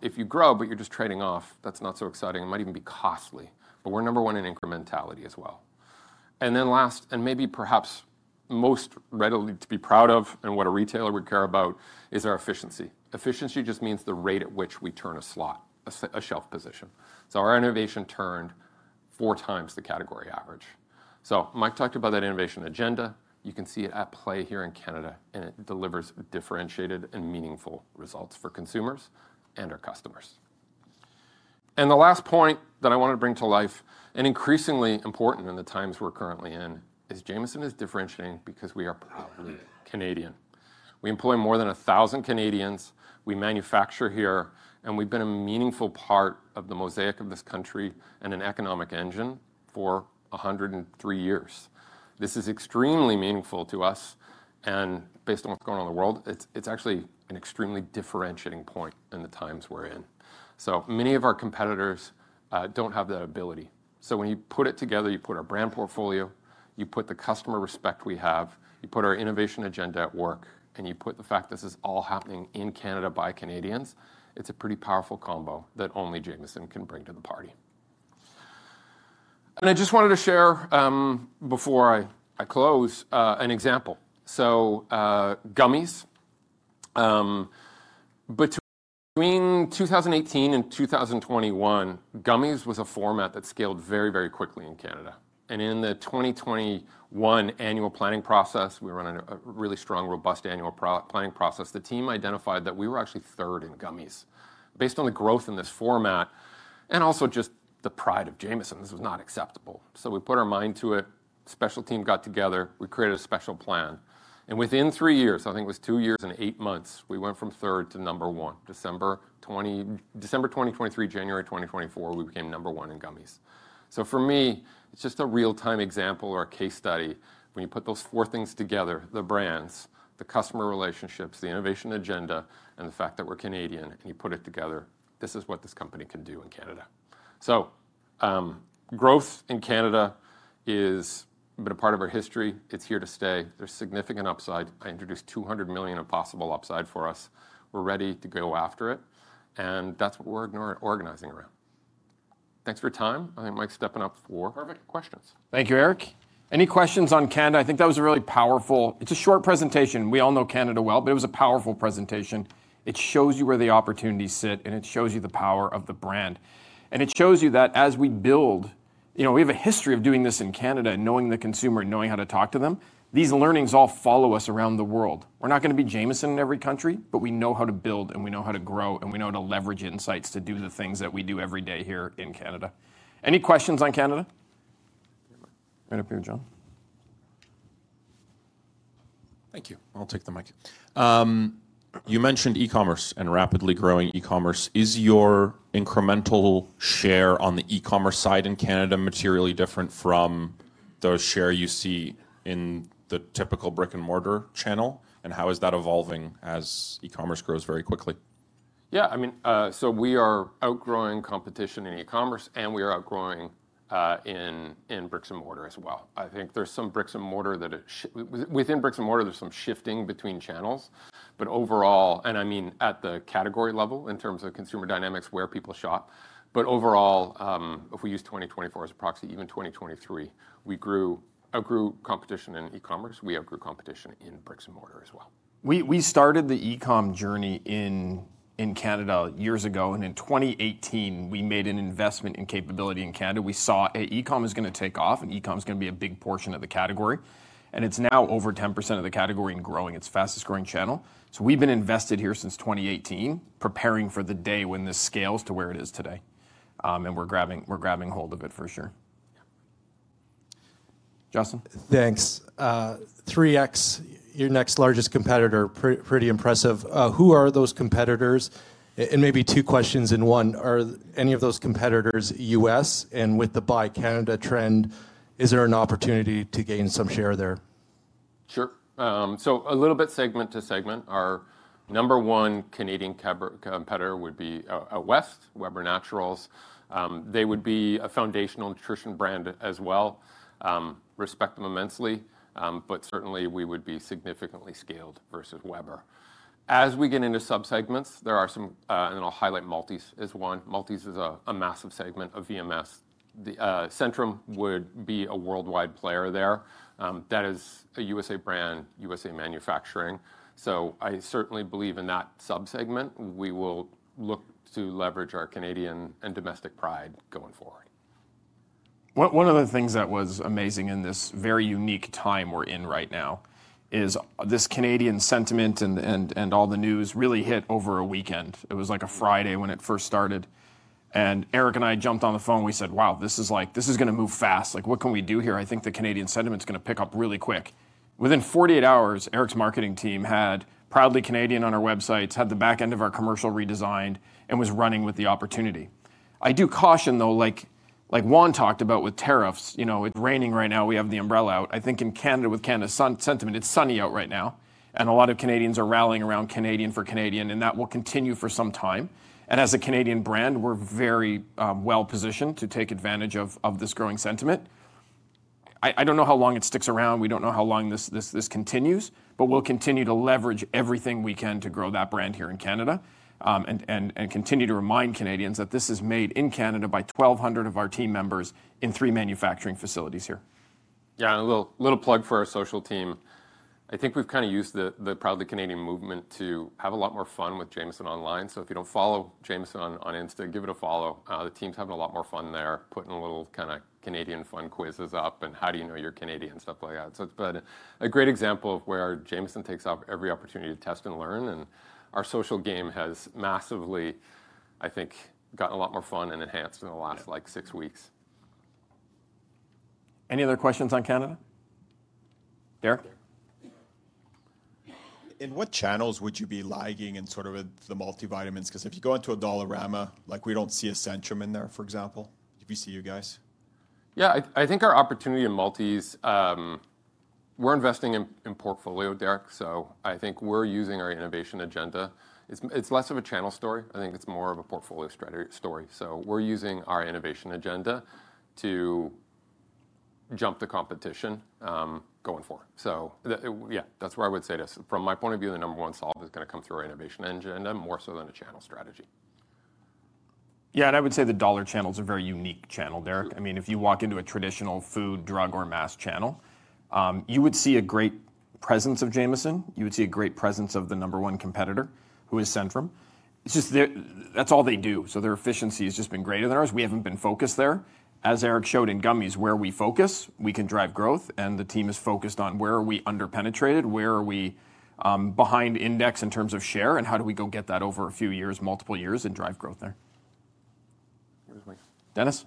If you grow, but you're just trading off, that's not so exciting. It might even be costly. We're number one in incrementality as well. Last, and maybe perhaps most readily to be proud of and what a retailer would care about is our efficiency. Efficiency just means the rate at which we turn a slot, a shelf position. Our innovation turned four times the category average. Mike talked about that innovation agenda. You can see it at play here in Canada, and it delivers differentiated and meaningful results for consumers and our customers. The last point that I wanted to bring to life, and increasingly important in the times we're currently in, is Jamieson is differentiating because we are proudly Canadian. We employ more than 1,000 Canadians. We manufacture here, and we've been a meaningful part of the mosaic of this country and an economic engine for 103 years. This is extremely meaningful to us. Based on what's going on in the world, it's actually an extremely differentiating point in the times we're in. Many of our competitors don't have that ability. When you put it together, you put our brand portfolio, you put the customer respect we have, you put our innovation agenda at work, and you put the fact this is all happening in Canada by Canadians, it's a pretty powerful combo that only Jamieson can bring to the party. I just wanted to share before I close an example. Gummies. Between 2018 and 2021, gummies was a format that scaled very, very quickly in Canada. In the 2021 annual planning process, we were on a really strong, robust annual planning process. The team identified that we were actually third in gummies. Based on the growth in this format and also just the pride of Jamieson, this was not acceptable. We put our mind to it. Special team got together. We created a special plan. Within three years, I think it was two years and eight months, we went from third to number one. December 2023, January 2024, we became number one in gummies. For me, it is just a real-time example or a case study. When you put those four things together, the brands, the customer relationships, the innovation agenda, and the fact that we are Canadian, and you put it together, this is what this company can do in Canada. Growth in Canada has been a part of our history. It is here to stay. There is significant upside. I introduced 200 million of possible upside for us. We are ready to go after it. That is what we are organizing around. Thanks for your time. I think Mike is stepping up for questions. Thank you, Eric. Any questions on Canada? I think that was a really powerful, it is a short presentation. We all know Canada well, but it was a powerful presentation. It shows you where the opportunities sit, and it shows you the power of the brand. It shows you that as we build, we have a history of doing this in Canada and knowing the consumer and knowing how to talk to them. These learnings all follow us around the world. We're not going to be Jamieson in every country, but we know how to build, and we know how to grow, and we know how to leverage insights to do the things that we do every day here in Canada. Any questions on Canada? Right up here, John. Thank you. I'll take the mic. You mentioned e-commerce and rapidly growing e-commerce. Is your incremental share on the e-commerce side in Canada materially different from the share you see in the typical brick-and-mortar channel? How is that evolving as e-commerce grows very quickly? Yeah. I mean, we are outgrowing competition in e-commerce, and we are outgrowing in brick-and-mortar as well. I think there is some brick-and-mortar that, within brick-and-mortar, there is some shifting between channels. Overall, I mean at the category level in terms of consumer dynamics where people shop. Overall, if we use 2024 as a proxy, even 2023, we outgrew competition in e-commerce. We outgrew competition in brick-and-mortar as well. We started the e-com journey in Canada years ago. In 2018, we made an investment in capability in Canada. We saw e-com is going to take off, and e-com is going to be a big portion of the category. It is now over 10% of the category and growing. It is the fastest growing channel. We have been invested here since 2018, preparing for the day when this scales to where it is today. We are grabbing hold of it for sure. Justin, thanks. 3X, your next largest competitor, pretty impressive. Who are those competitors? Maybe two questions in one. Are any of those competitors US? With the buy Canada trend, is there an opportunity to gain some share there? Sure. A little bit segment to segment. Our number one Canadian competitor would be Weber Naturals. They would be a foundational nutrition brand as well. Respect them immensely. We would be significantly scaled versus Weber. As we get into subsegments, there are some, and I will highlight Multies as one. Multies is a massive segment of VMS. Centrum would be a worldwide player there. That is a US brand, US manufacturing. I certainly believe in that subsegment. We will look to leverage our Canadian and domestic pride going forward. One of the things that was amazing in this very unique time we're in right now is this Canadian sentiment and all the news really hit over a weekend. It was like a Friday when it first started. Eric and I jumped on the phone. We said, "Wow, this is going to move fast. What can we do here? I think the Canadian sentiment is going to pick up really quick." Within 48 hours, Eric's marketing team had proudly Canadian on our websites, had the back end of our commercial redesigned, and was running with the opportunity. I do caution, though, like Juan talked about with tariffs. It's raining right now. We have the umbrella out. I think in Canada with Canada sentiment, it's sunny out right now. A lot of Canadians are rallying around Canadian for Canadian. That will continue for some time. As a Canadian brand, we're very well positioned to take advantage of this growing sentiment. I don't know how long it sticks around. We don't know how long this continues. We'll continue to leverage everything we can to grow that brand here in Canada and continue to remind Canadians that this is made in Canada by 1,200 of our team members in three manufacturing facilities here. Yeah. A little plug for our social team. I think we've kind of used the proudly Canadian movement to have a lot more fun with Jamieson online. If you don't follow Jamieson on Insta, give it a follow. The team's having a lot more fun there, putting a little kind of Canadian fun quizzes up and how do you know you're Canadian, stuff like that. It has been a great example of where Jamieson takes up every opportunity to test and learn. Our social game has massively, I think, gotten a lot more fun and enhanced in the last six weeks. Any other questions on Canada? Derek? In what channels would you be lagging in sort of the multivitamins? Because if you go into a Dollarama, we do not see a Centrum in there, for example. If you see you guys. Yeah. I think our opportunity in Multies, we are investing in portfolio, Derek. I think we are using our innovation agenda. It is less of a channel story. I think it is more of a portfolio story. We are using our innovation agenda to jump the competition going forward. Yeah, that's what I would say to us. From my point of view, the number one solve is going to come through our innovation agenda more so than a channel strategy. Yeah. I would say the dollar channel is a very unique channel, Derek. I mean, if you walk into a traditional food, drug, or mass channel, you would see a great presence of Jamieson. You would see a great presence of the number one competitor, who is Centrum. That's all they do. Their efficiency has just been greater than ours. We haven't been focused there. As Eric showed in Gummies, where we focus, we can drive growth. The team is focused on where are we underpenetrated, where are we behind index in terms of share, and how do we go get that over a few years, multiple years, and drive growth there. Dennis?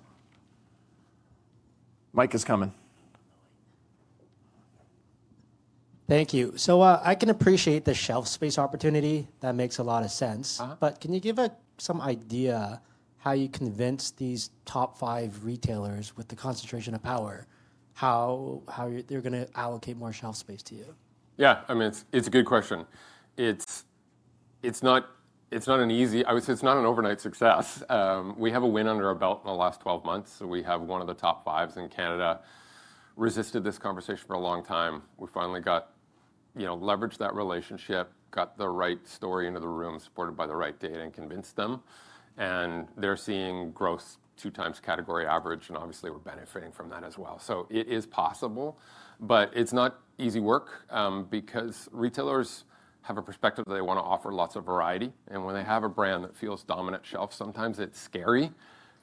Mike is coming. Thank you. I can appreciate the shelf space opportunity. That makes a lot of sense. Can you give us some idea how you convince these top five retailers with the concentration of power how they're going to allocate more shelf space to you? Yeah. I mean, it's a good question. It's not an easy—I would say it's not an overnight success. We have a win under our belt in the last 12 months. We have one of the top fives in Canada resisted this conversation for a long time. We finally leveraged that relationship, got the right story into the room, supported by the right data, and convinced them. They're seeing growth two times category average. Obviously, we're benefiting from that as well. It is possible. It is not easy work because retailers have a perspective that they want to offer lots of variety. When they have a brand that feels dominant shelf, sometimes it is scary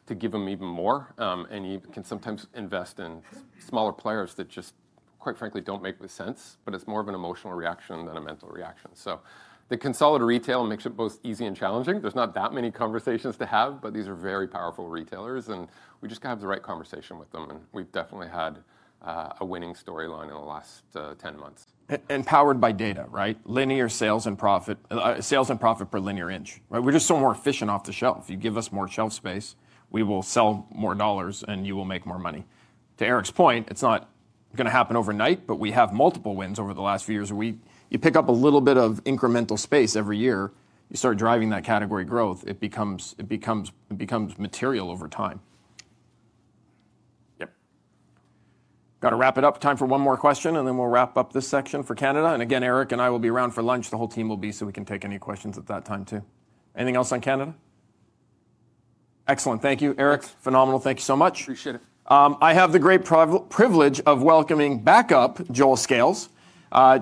to give them even more. You can sometimes invest in smaller players that just, quite frankly, do not make sense. It is more of an emotional reaction than a mental reaction. The consolidated retail makes it both easy and challenging. There are not that many conversations to have, but these are very powerful retailers. We just have to have the right conversation with them. We have definitely had a winning storyline in the last 10 months. Powered by data, right? Linear sales and profit per linear inch, right? We are just so more efficient off the shelf. If you give us more shelf space, we will sell more dollars, and you will make more money. To Eric's point, it's not going to happen overnight, but we have multiple wins over the last few years. You pick up a little bit of incremental space every year. You start driving that category growth, it becomes material over time. Yep. Got to wrap it up. Time for one more question, and then we'll wrap up this section for Canada. Again, Eric and I will be around for lunch. The whole team will be, so we can take any questions at that time, too. Anything else on Canada? Excellent. Thank you, Eric. Phenomenal. Thank you so much. Appreciate it. I have the great privilege of welcoming back up Joel Scales.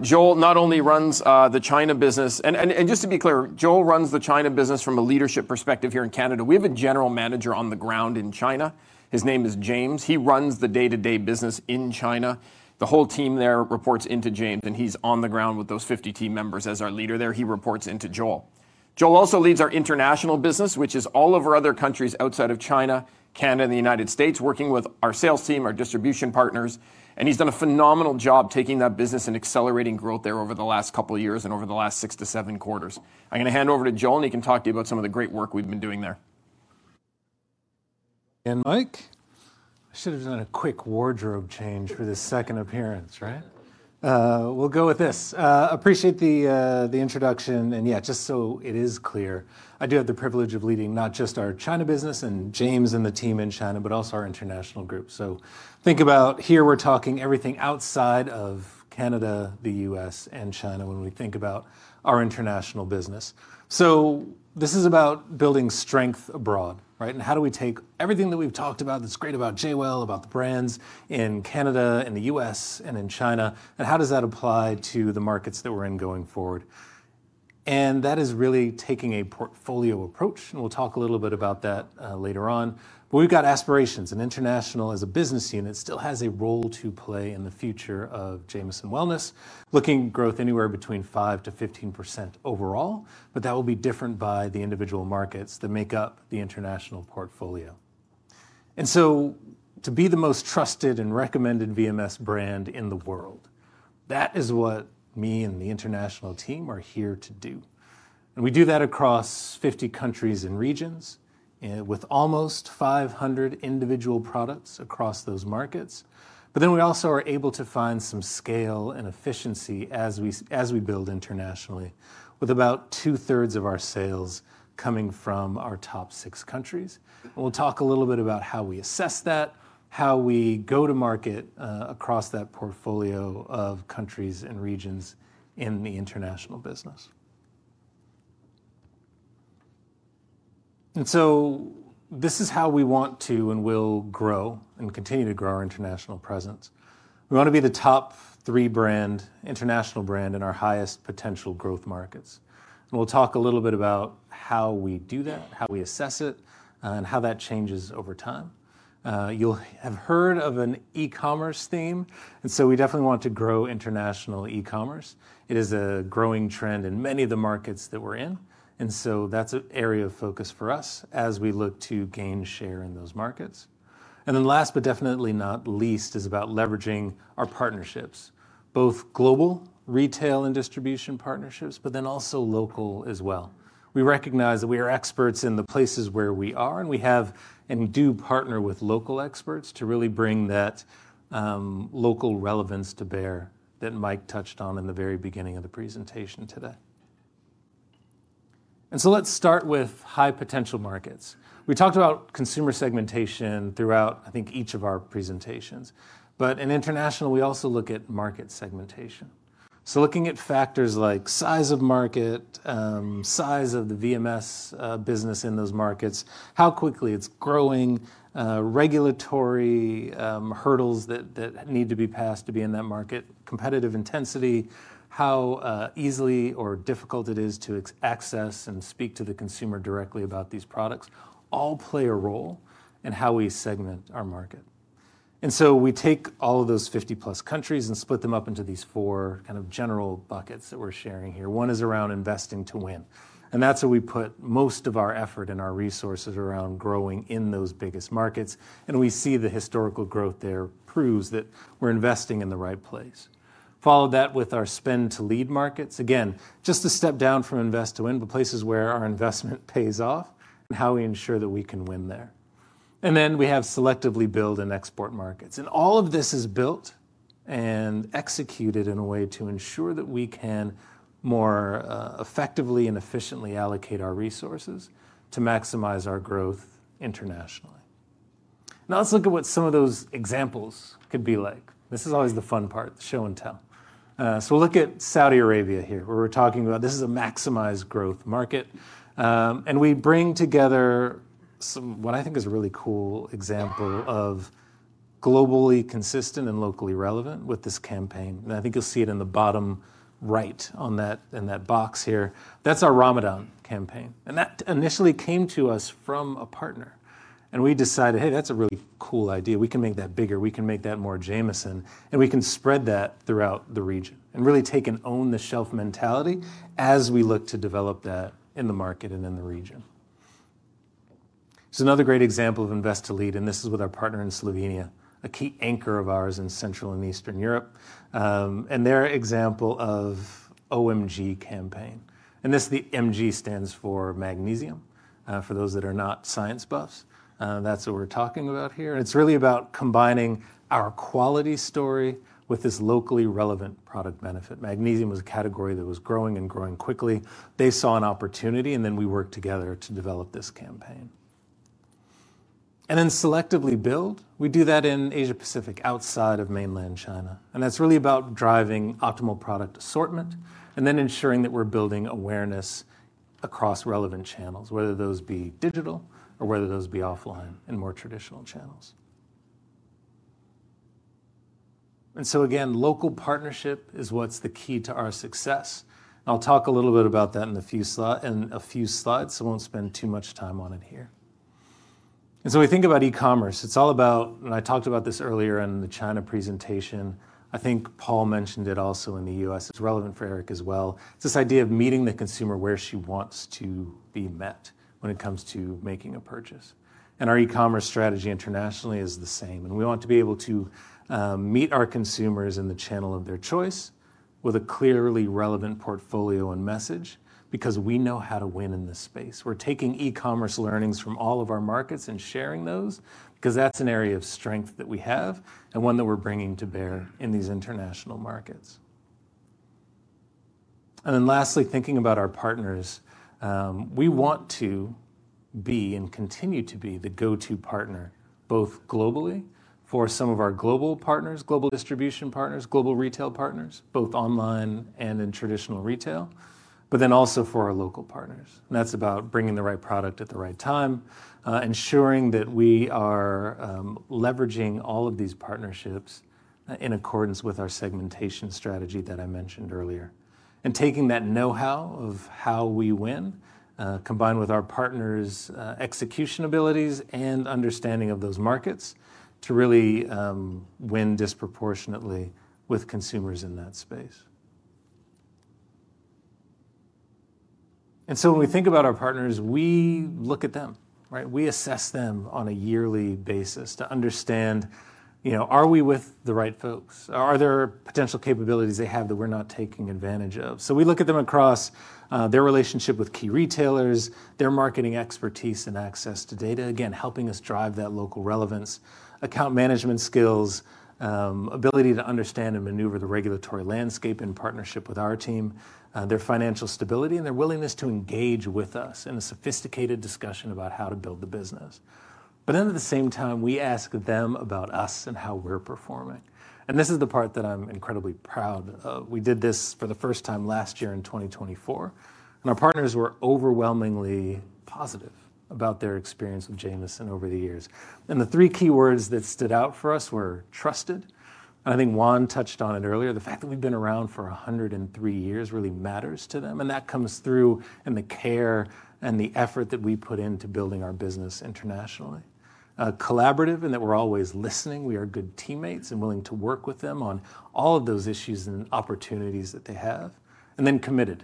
Joel not only runs the China business, and just to be clear, Joel runs the China business from a leadership perspective here in Canada. We have a general manager on the ground in China. His name is James. He runs the day-to-day business in China. The whole team there reports into James, and he's on the ground with those 50 team members as our leader there. He reports into Joel. Joel also leads our international business, which is all of our other countries outside of China, Canada, and the United States, working with our sales team, our distribution partners. He's done a phenomenal job taking that business and accelerating growth there over the last couple of years and over the last six to seven quarters. I'm going to hand over to Joel, and he can talk to you about some of the great work we've been doing there. Mike. I should have done a quick wardrobe change for this second appearance, right? We'll go with this. Appreciate the introduction. Just so it is clear, I do have the privilege of leading not just our China business and James and the team in China, but also our international group. Think about here we're talking everything outside of Canada, the U.S., and China when we think about our international business. This is about building strength abroad, right? How do we take everything that we've talked about that's great about JWEL, about the brands in Canada, in the U.S., and in China, and how does that apply to the markets that we're in going forward? That is really taking a portfolio approach. We'll talk a little bit about that later on. We've got aspirations. International, as a business unit, still has a role to play in the future of Jamieson Wellness, looking at growth anywhere between 5%-15% overall. That will be different by the individual markets that make up the international portfolio. To be the most trusted and recommended VMS brand in the world, that is what me and the international team are here to do. We do that across 50 countries and regions with almost 500 individual products across those markets. We also are able to find some scale and efficiency as we build internationally, with about two-thirds of our sales coming from our top six countries. We will talk a little bit about how we assess that, how we go to market across that portfolio of countries and regions in the international business. This is how we want to and will grow and continue to grow our international presence. We want to be the top three brand, international brand in our highest potential growth markets. We will talk a little bit about how we do that, how we assess it, and how that changes over time. You will have heard of an e-commerce theme. We definitely want to grow international e-commerce. It is a growing trend in many of the markets that we are in. That is an area of focus for us as we look to gain share in those markets. Last, but definitely not least, is about leveraging our partnerships, both global retail and distribution partnerships, but also local as well. We recognize that we are experts in the places where we are, and we have and do partner with local experts to really bring that local relevance to bear that Mike touched on in the very beginning of the presentation today. Let us start with high potential markets. We talked about consumer segmentation throughout, I think, each of our presentations. In international, we also look at market segmentation. Looking at factors like size of market, size of the VMS business in those markets, how quickly it's growing, regulatory hurdles that need to be passed to be in that market, competitive intensity, how easily or difficult it is to access and speak to the consumer directly about these products all play a role in how we segment our market. We take all of those 50-plus countries and split them up into these four kind of general buckets that we're sharing here. One is around investing to win. That's where we put most of our effort and our resources around growing in those biggest markets. We see the historical growth there proves that we're investing in the right place. Followed that with our spend-to-lead markets. Again, just a step down from invest-to-win, but places where our investment pays off and how we ensure that we can win there. Then we have selectively build and export markets. All of this is built and executed in a way to ensure that we can more effectively and efficiently allocate our resources to maximize our growth internationally. Now let's look at what some of those examples could be like. This is always the fun part, the show and tell. We will look at Saudi Arabia here, where we're talking about this is a maximized growth market. We bring together what I think is a really cool example of globally consistent and locally relevant with this campaign. I think you'll see it in the bottom right in that box here. That's our Ramadan campaign. That initially came to us from a partner. We decided, hey, that's a really cool idea. We can make that bigger. We can make that more Jamieson. We can spread that throughout the region and really take an own-the-shelf mentality as we look to develop that in the market and in the region. It's another great example of invest-to-lead. This is with our partner in Slovenia, a key anchor of ours in Central and Eastern Europe. Their example of OMG campaign, and this MG stands for magnesium for those that are not science buffs. That's what we're talking about here. It's really about combining our quality story with this locally relevant product benefit. Magnesium was a category that was growing and growing quickly. They saw an opportunity, and then we worked together to develop this campaign and then selectively build. We do that in Asia-Pacific outside of mainland China. That is really about driving optimal product assortment and then ensuring that we're building awareness across relevant channels, whether those be digital or whether those be offline in more traditional channels. Again, local partnership is what's the key to our success. I'll talk a little bit about that in a few slides, so I won't spend too much time on it here. We think about e-commerce. It's all about, and I talked about this earlier in the China presentation. I think Paul mentioned it also in the US. It's relevant for Eric as well. It's this idea of meeting the consumer where she wants to be met when it comes to making a purchase. Our e-commerce strategy internationally is the same. We want to be able to meet our consumers in the channel of their choice with a clearly relevant portfolio and message because we know how to win in this space. We are taking e-commerce learnings from all of our markets and sharing those because that is an area of strength that we have and one that we are bringing to bear in these international markets. Lastly, thinking about our partners, we want to be and continue to be the go-to partner both globally for some of our global partners, global distribution partners, global retail partners, both online and in traditional retail, but also for our local partners. That is about bringing the right product at the right time, ensuring that we are leveraging all of these partnerships in accordance with our segmentation strategy that I mentioned earlier. Taking that know-how of how we win, combined with our partners' execution abilities and understanding of those markets to really win disproportionately with consumers in that space. When we think about our partners, we look at them, right? We assess them on a yearly basis to understand, are we with the right folks? Are there potential capabilities they have that we're not taking advantage of? We look at them across their relationship with key retailers, their marketing expertise, and access to data, again, helping us drive that local relevance, account management skills, ability to understand and maneuver the regulatory landscape in partnership with our team, their financial stability, and their willingness to engage with us in a sophisticated discussion about how to build the business. At the same time, we ask them about us and how we're performing. This is the part that I'm incredibly proud of. We did this for the first time last year in 2024. Our partners were overwhelmingly positive about their experience with Jamieson over the years. The three key words that stood out for us were trusted. I think Juan touched on it earlier. The fact that we've been around for 103 years really matters to them. That comes through in the care and the effort that we put into building our business internationally, collaborative, and that we're always listening. We are good teammates and willing to work with them on all of those issues and opportunities that they have, and then committed.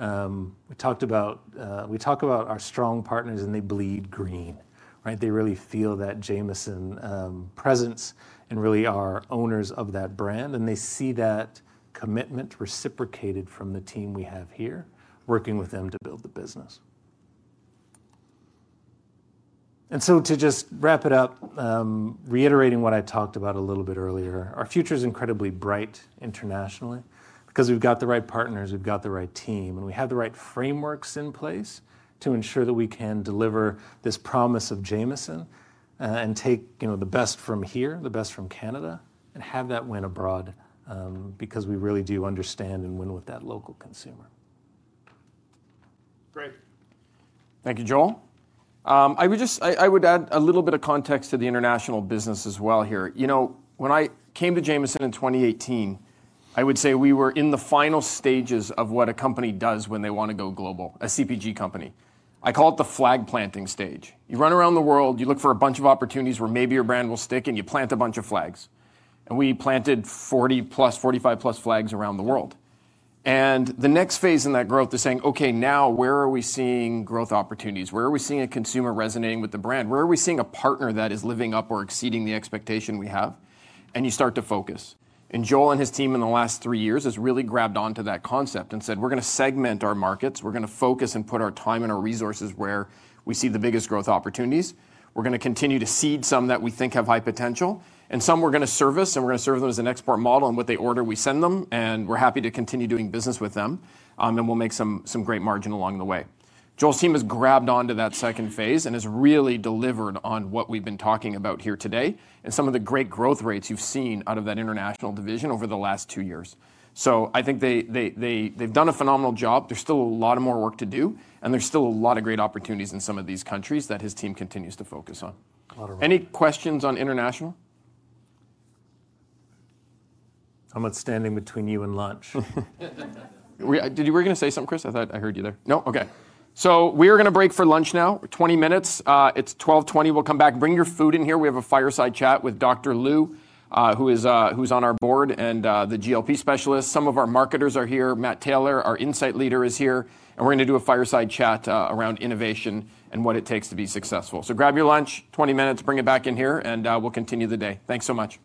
We talk about our strong partners, and they bleed green, right? They really feel that Jamieson presence and really are owners of that brand. They see that commitment reciprocated from the team we have here working with them to build the business. To just wrap it up, reiterating what I talked about a little bit earlier, our future is incredibly bright internationally because we've got the right partners, we've got the right team, and we have the right frameworks in place to ensure that we can deliver this promise of Jamieson and take the best from here, the best from Canada, and have that win abroad because we really do understand and win with that local consumer. Great. Thank you, Joel. I would add a little bit of context to the international business as well here. When I came to Jamieson in 2018, I would say we were in the final stages of what a company does when they want to go global, a CPG company. I call it the flag planting stage. You run around the world, you look for a bunch of opportunities where maybe your brand will stick, and you plant a bunch of flags. We planted 40-plus, 45-plus flags around the world. The next phase in that growth is saying, "Okay, now where are we seeing growth opportunities? Where are we seeing a consumer resonating with the brand? Where are we seeing a partner that is living up or exceeding the expectation we have?" You start to focus. Joel and his team in the last three years has really grabbed onto that concept and said, "We're going to segment our markets. We're going to focus and put our time and our resources where we see the biggest growth opportunities. We're going to continue to seed some that we think have high potential, and some we're going to service, and we're going to serve them as an export model. What they order, we send them, and we're happy to continue doing business with them. We'll make some great margin along the way. Joel's team has grabbed onto that second phase and has really delivered on what we've been talking about here today and some of the great growth rates you've seen out of that international division over the last two years. I think they've done a phenomenal job. There's still a lot more work to do, and there's still a lot of great opportunities in some of these countries that his team continues to focus on. Any questions on international? I'm outstanding between you and lunch. Were you going to say something, Chris?
I thought I heard you there. No? Okay. We are going to break for lunch now, 20 minutes. It's 12:20. We'll come back. Bring your food in here. We have a fireside chat with Dr. Liu, who's on our board and the GLP-1 specialist. Some of our marketers are here. Matt Taylor, our insight leader, is here. We are going to do a fireside chat around innovation and what it takes to be successful. Grab your lunch, 20 minutes, bring it back in here, and we'll continue the day. Thanks so much.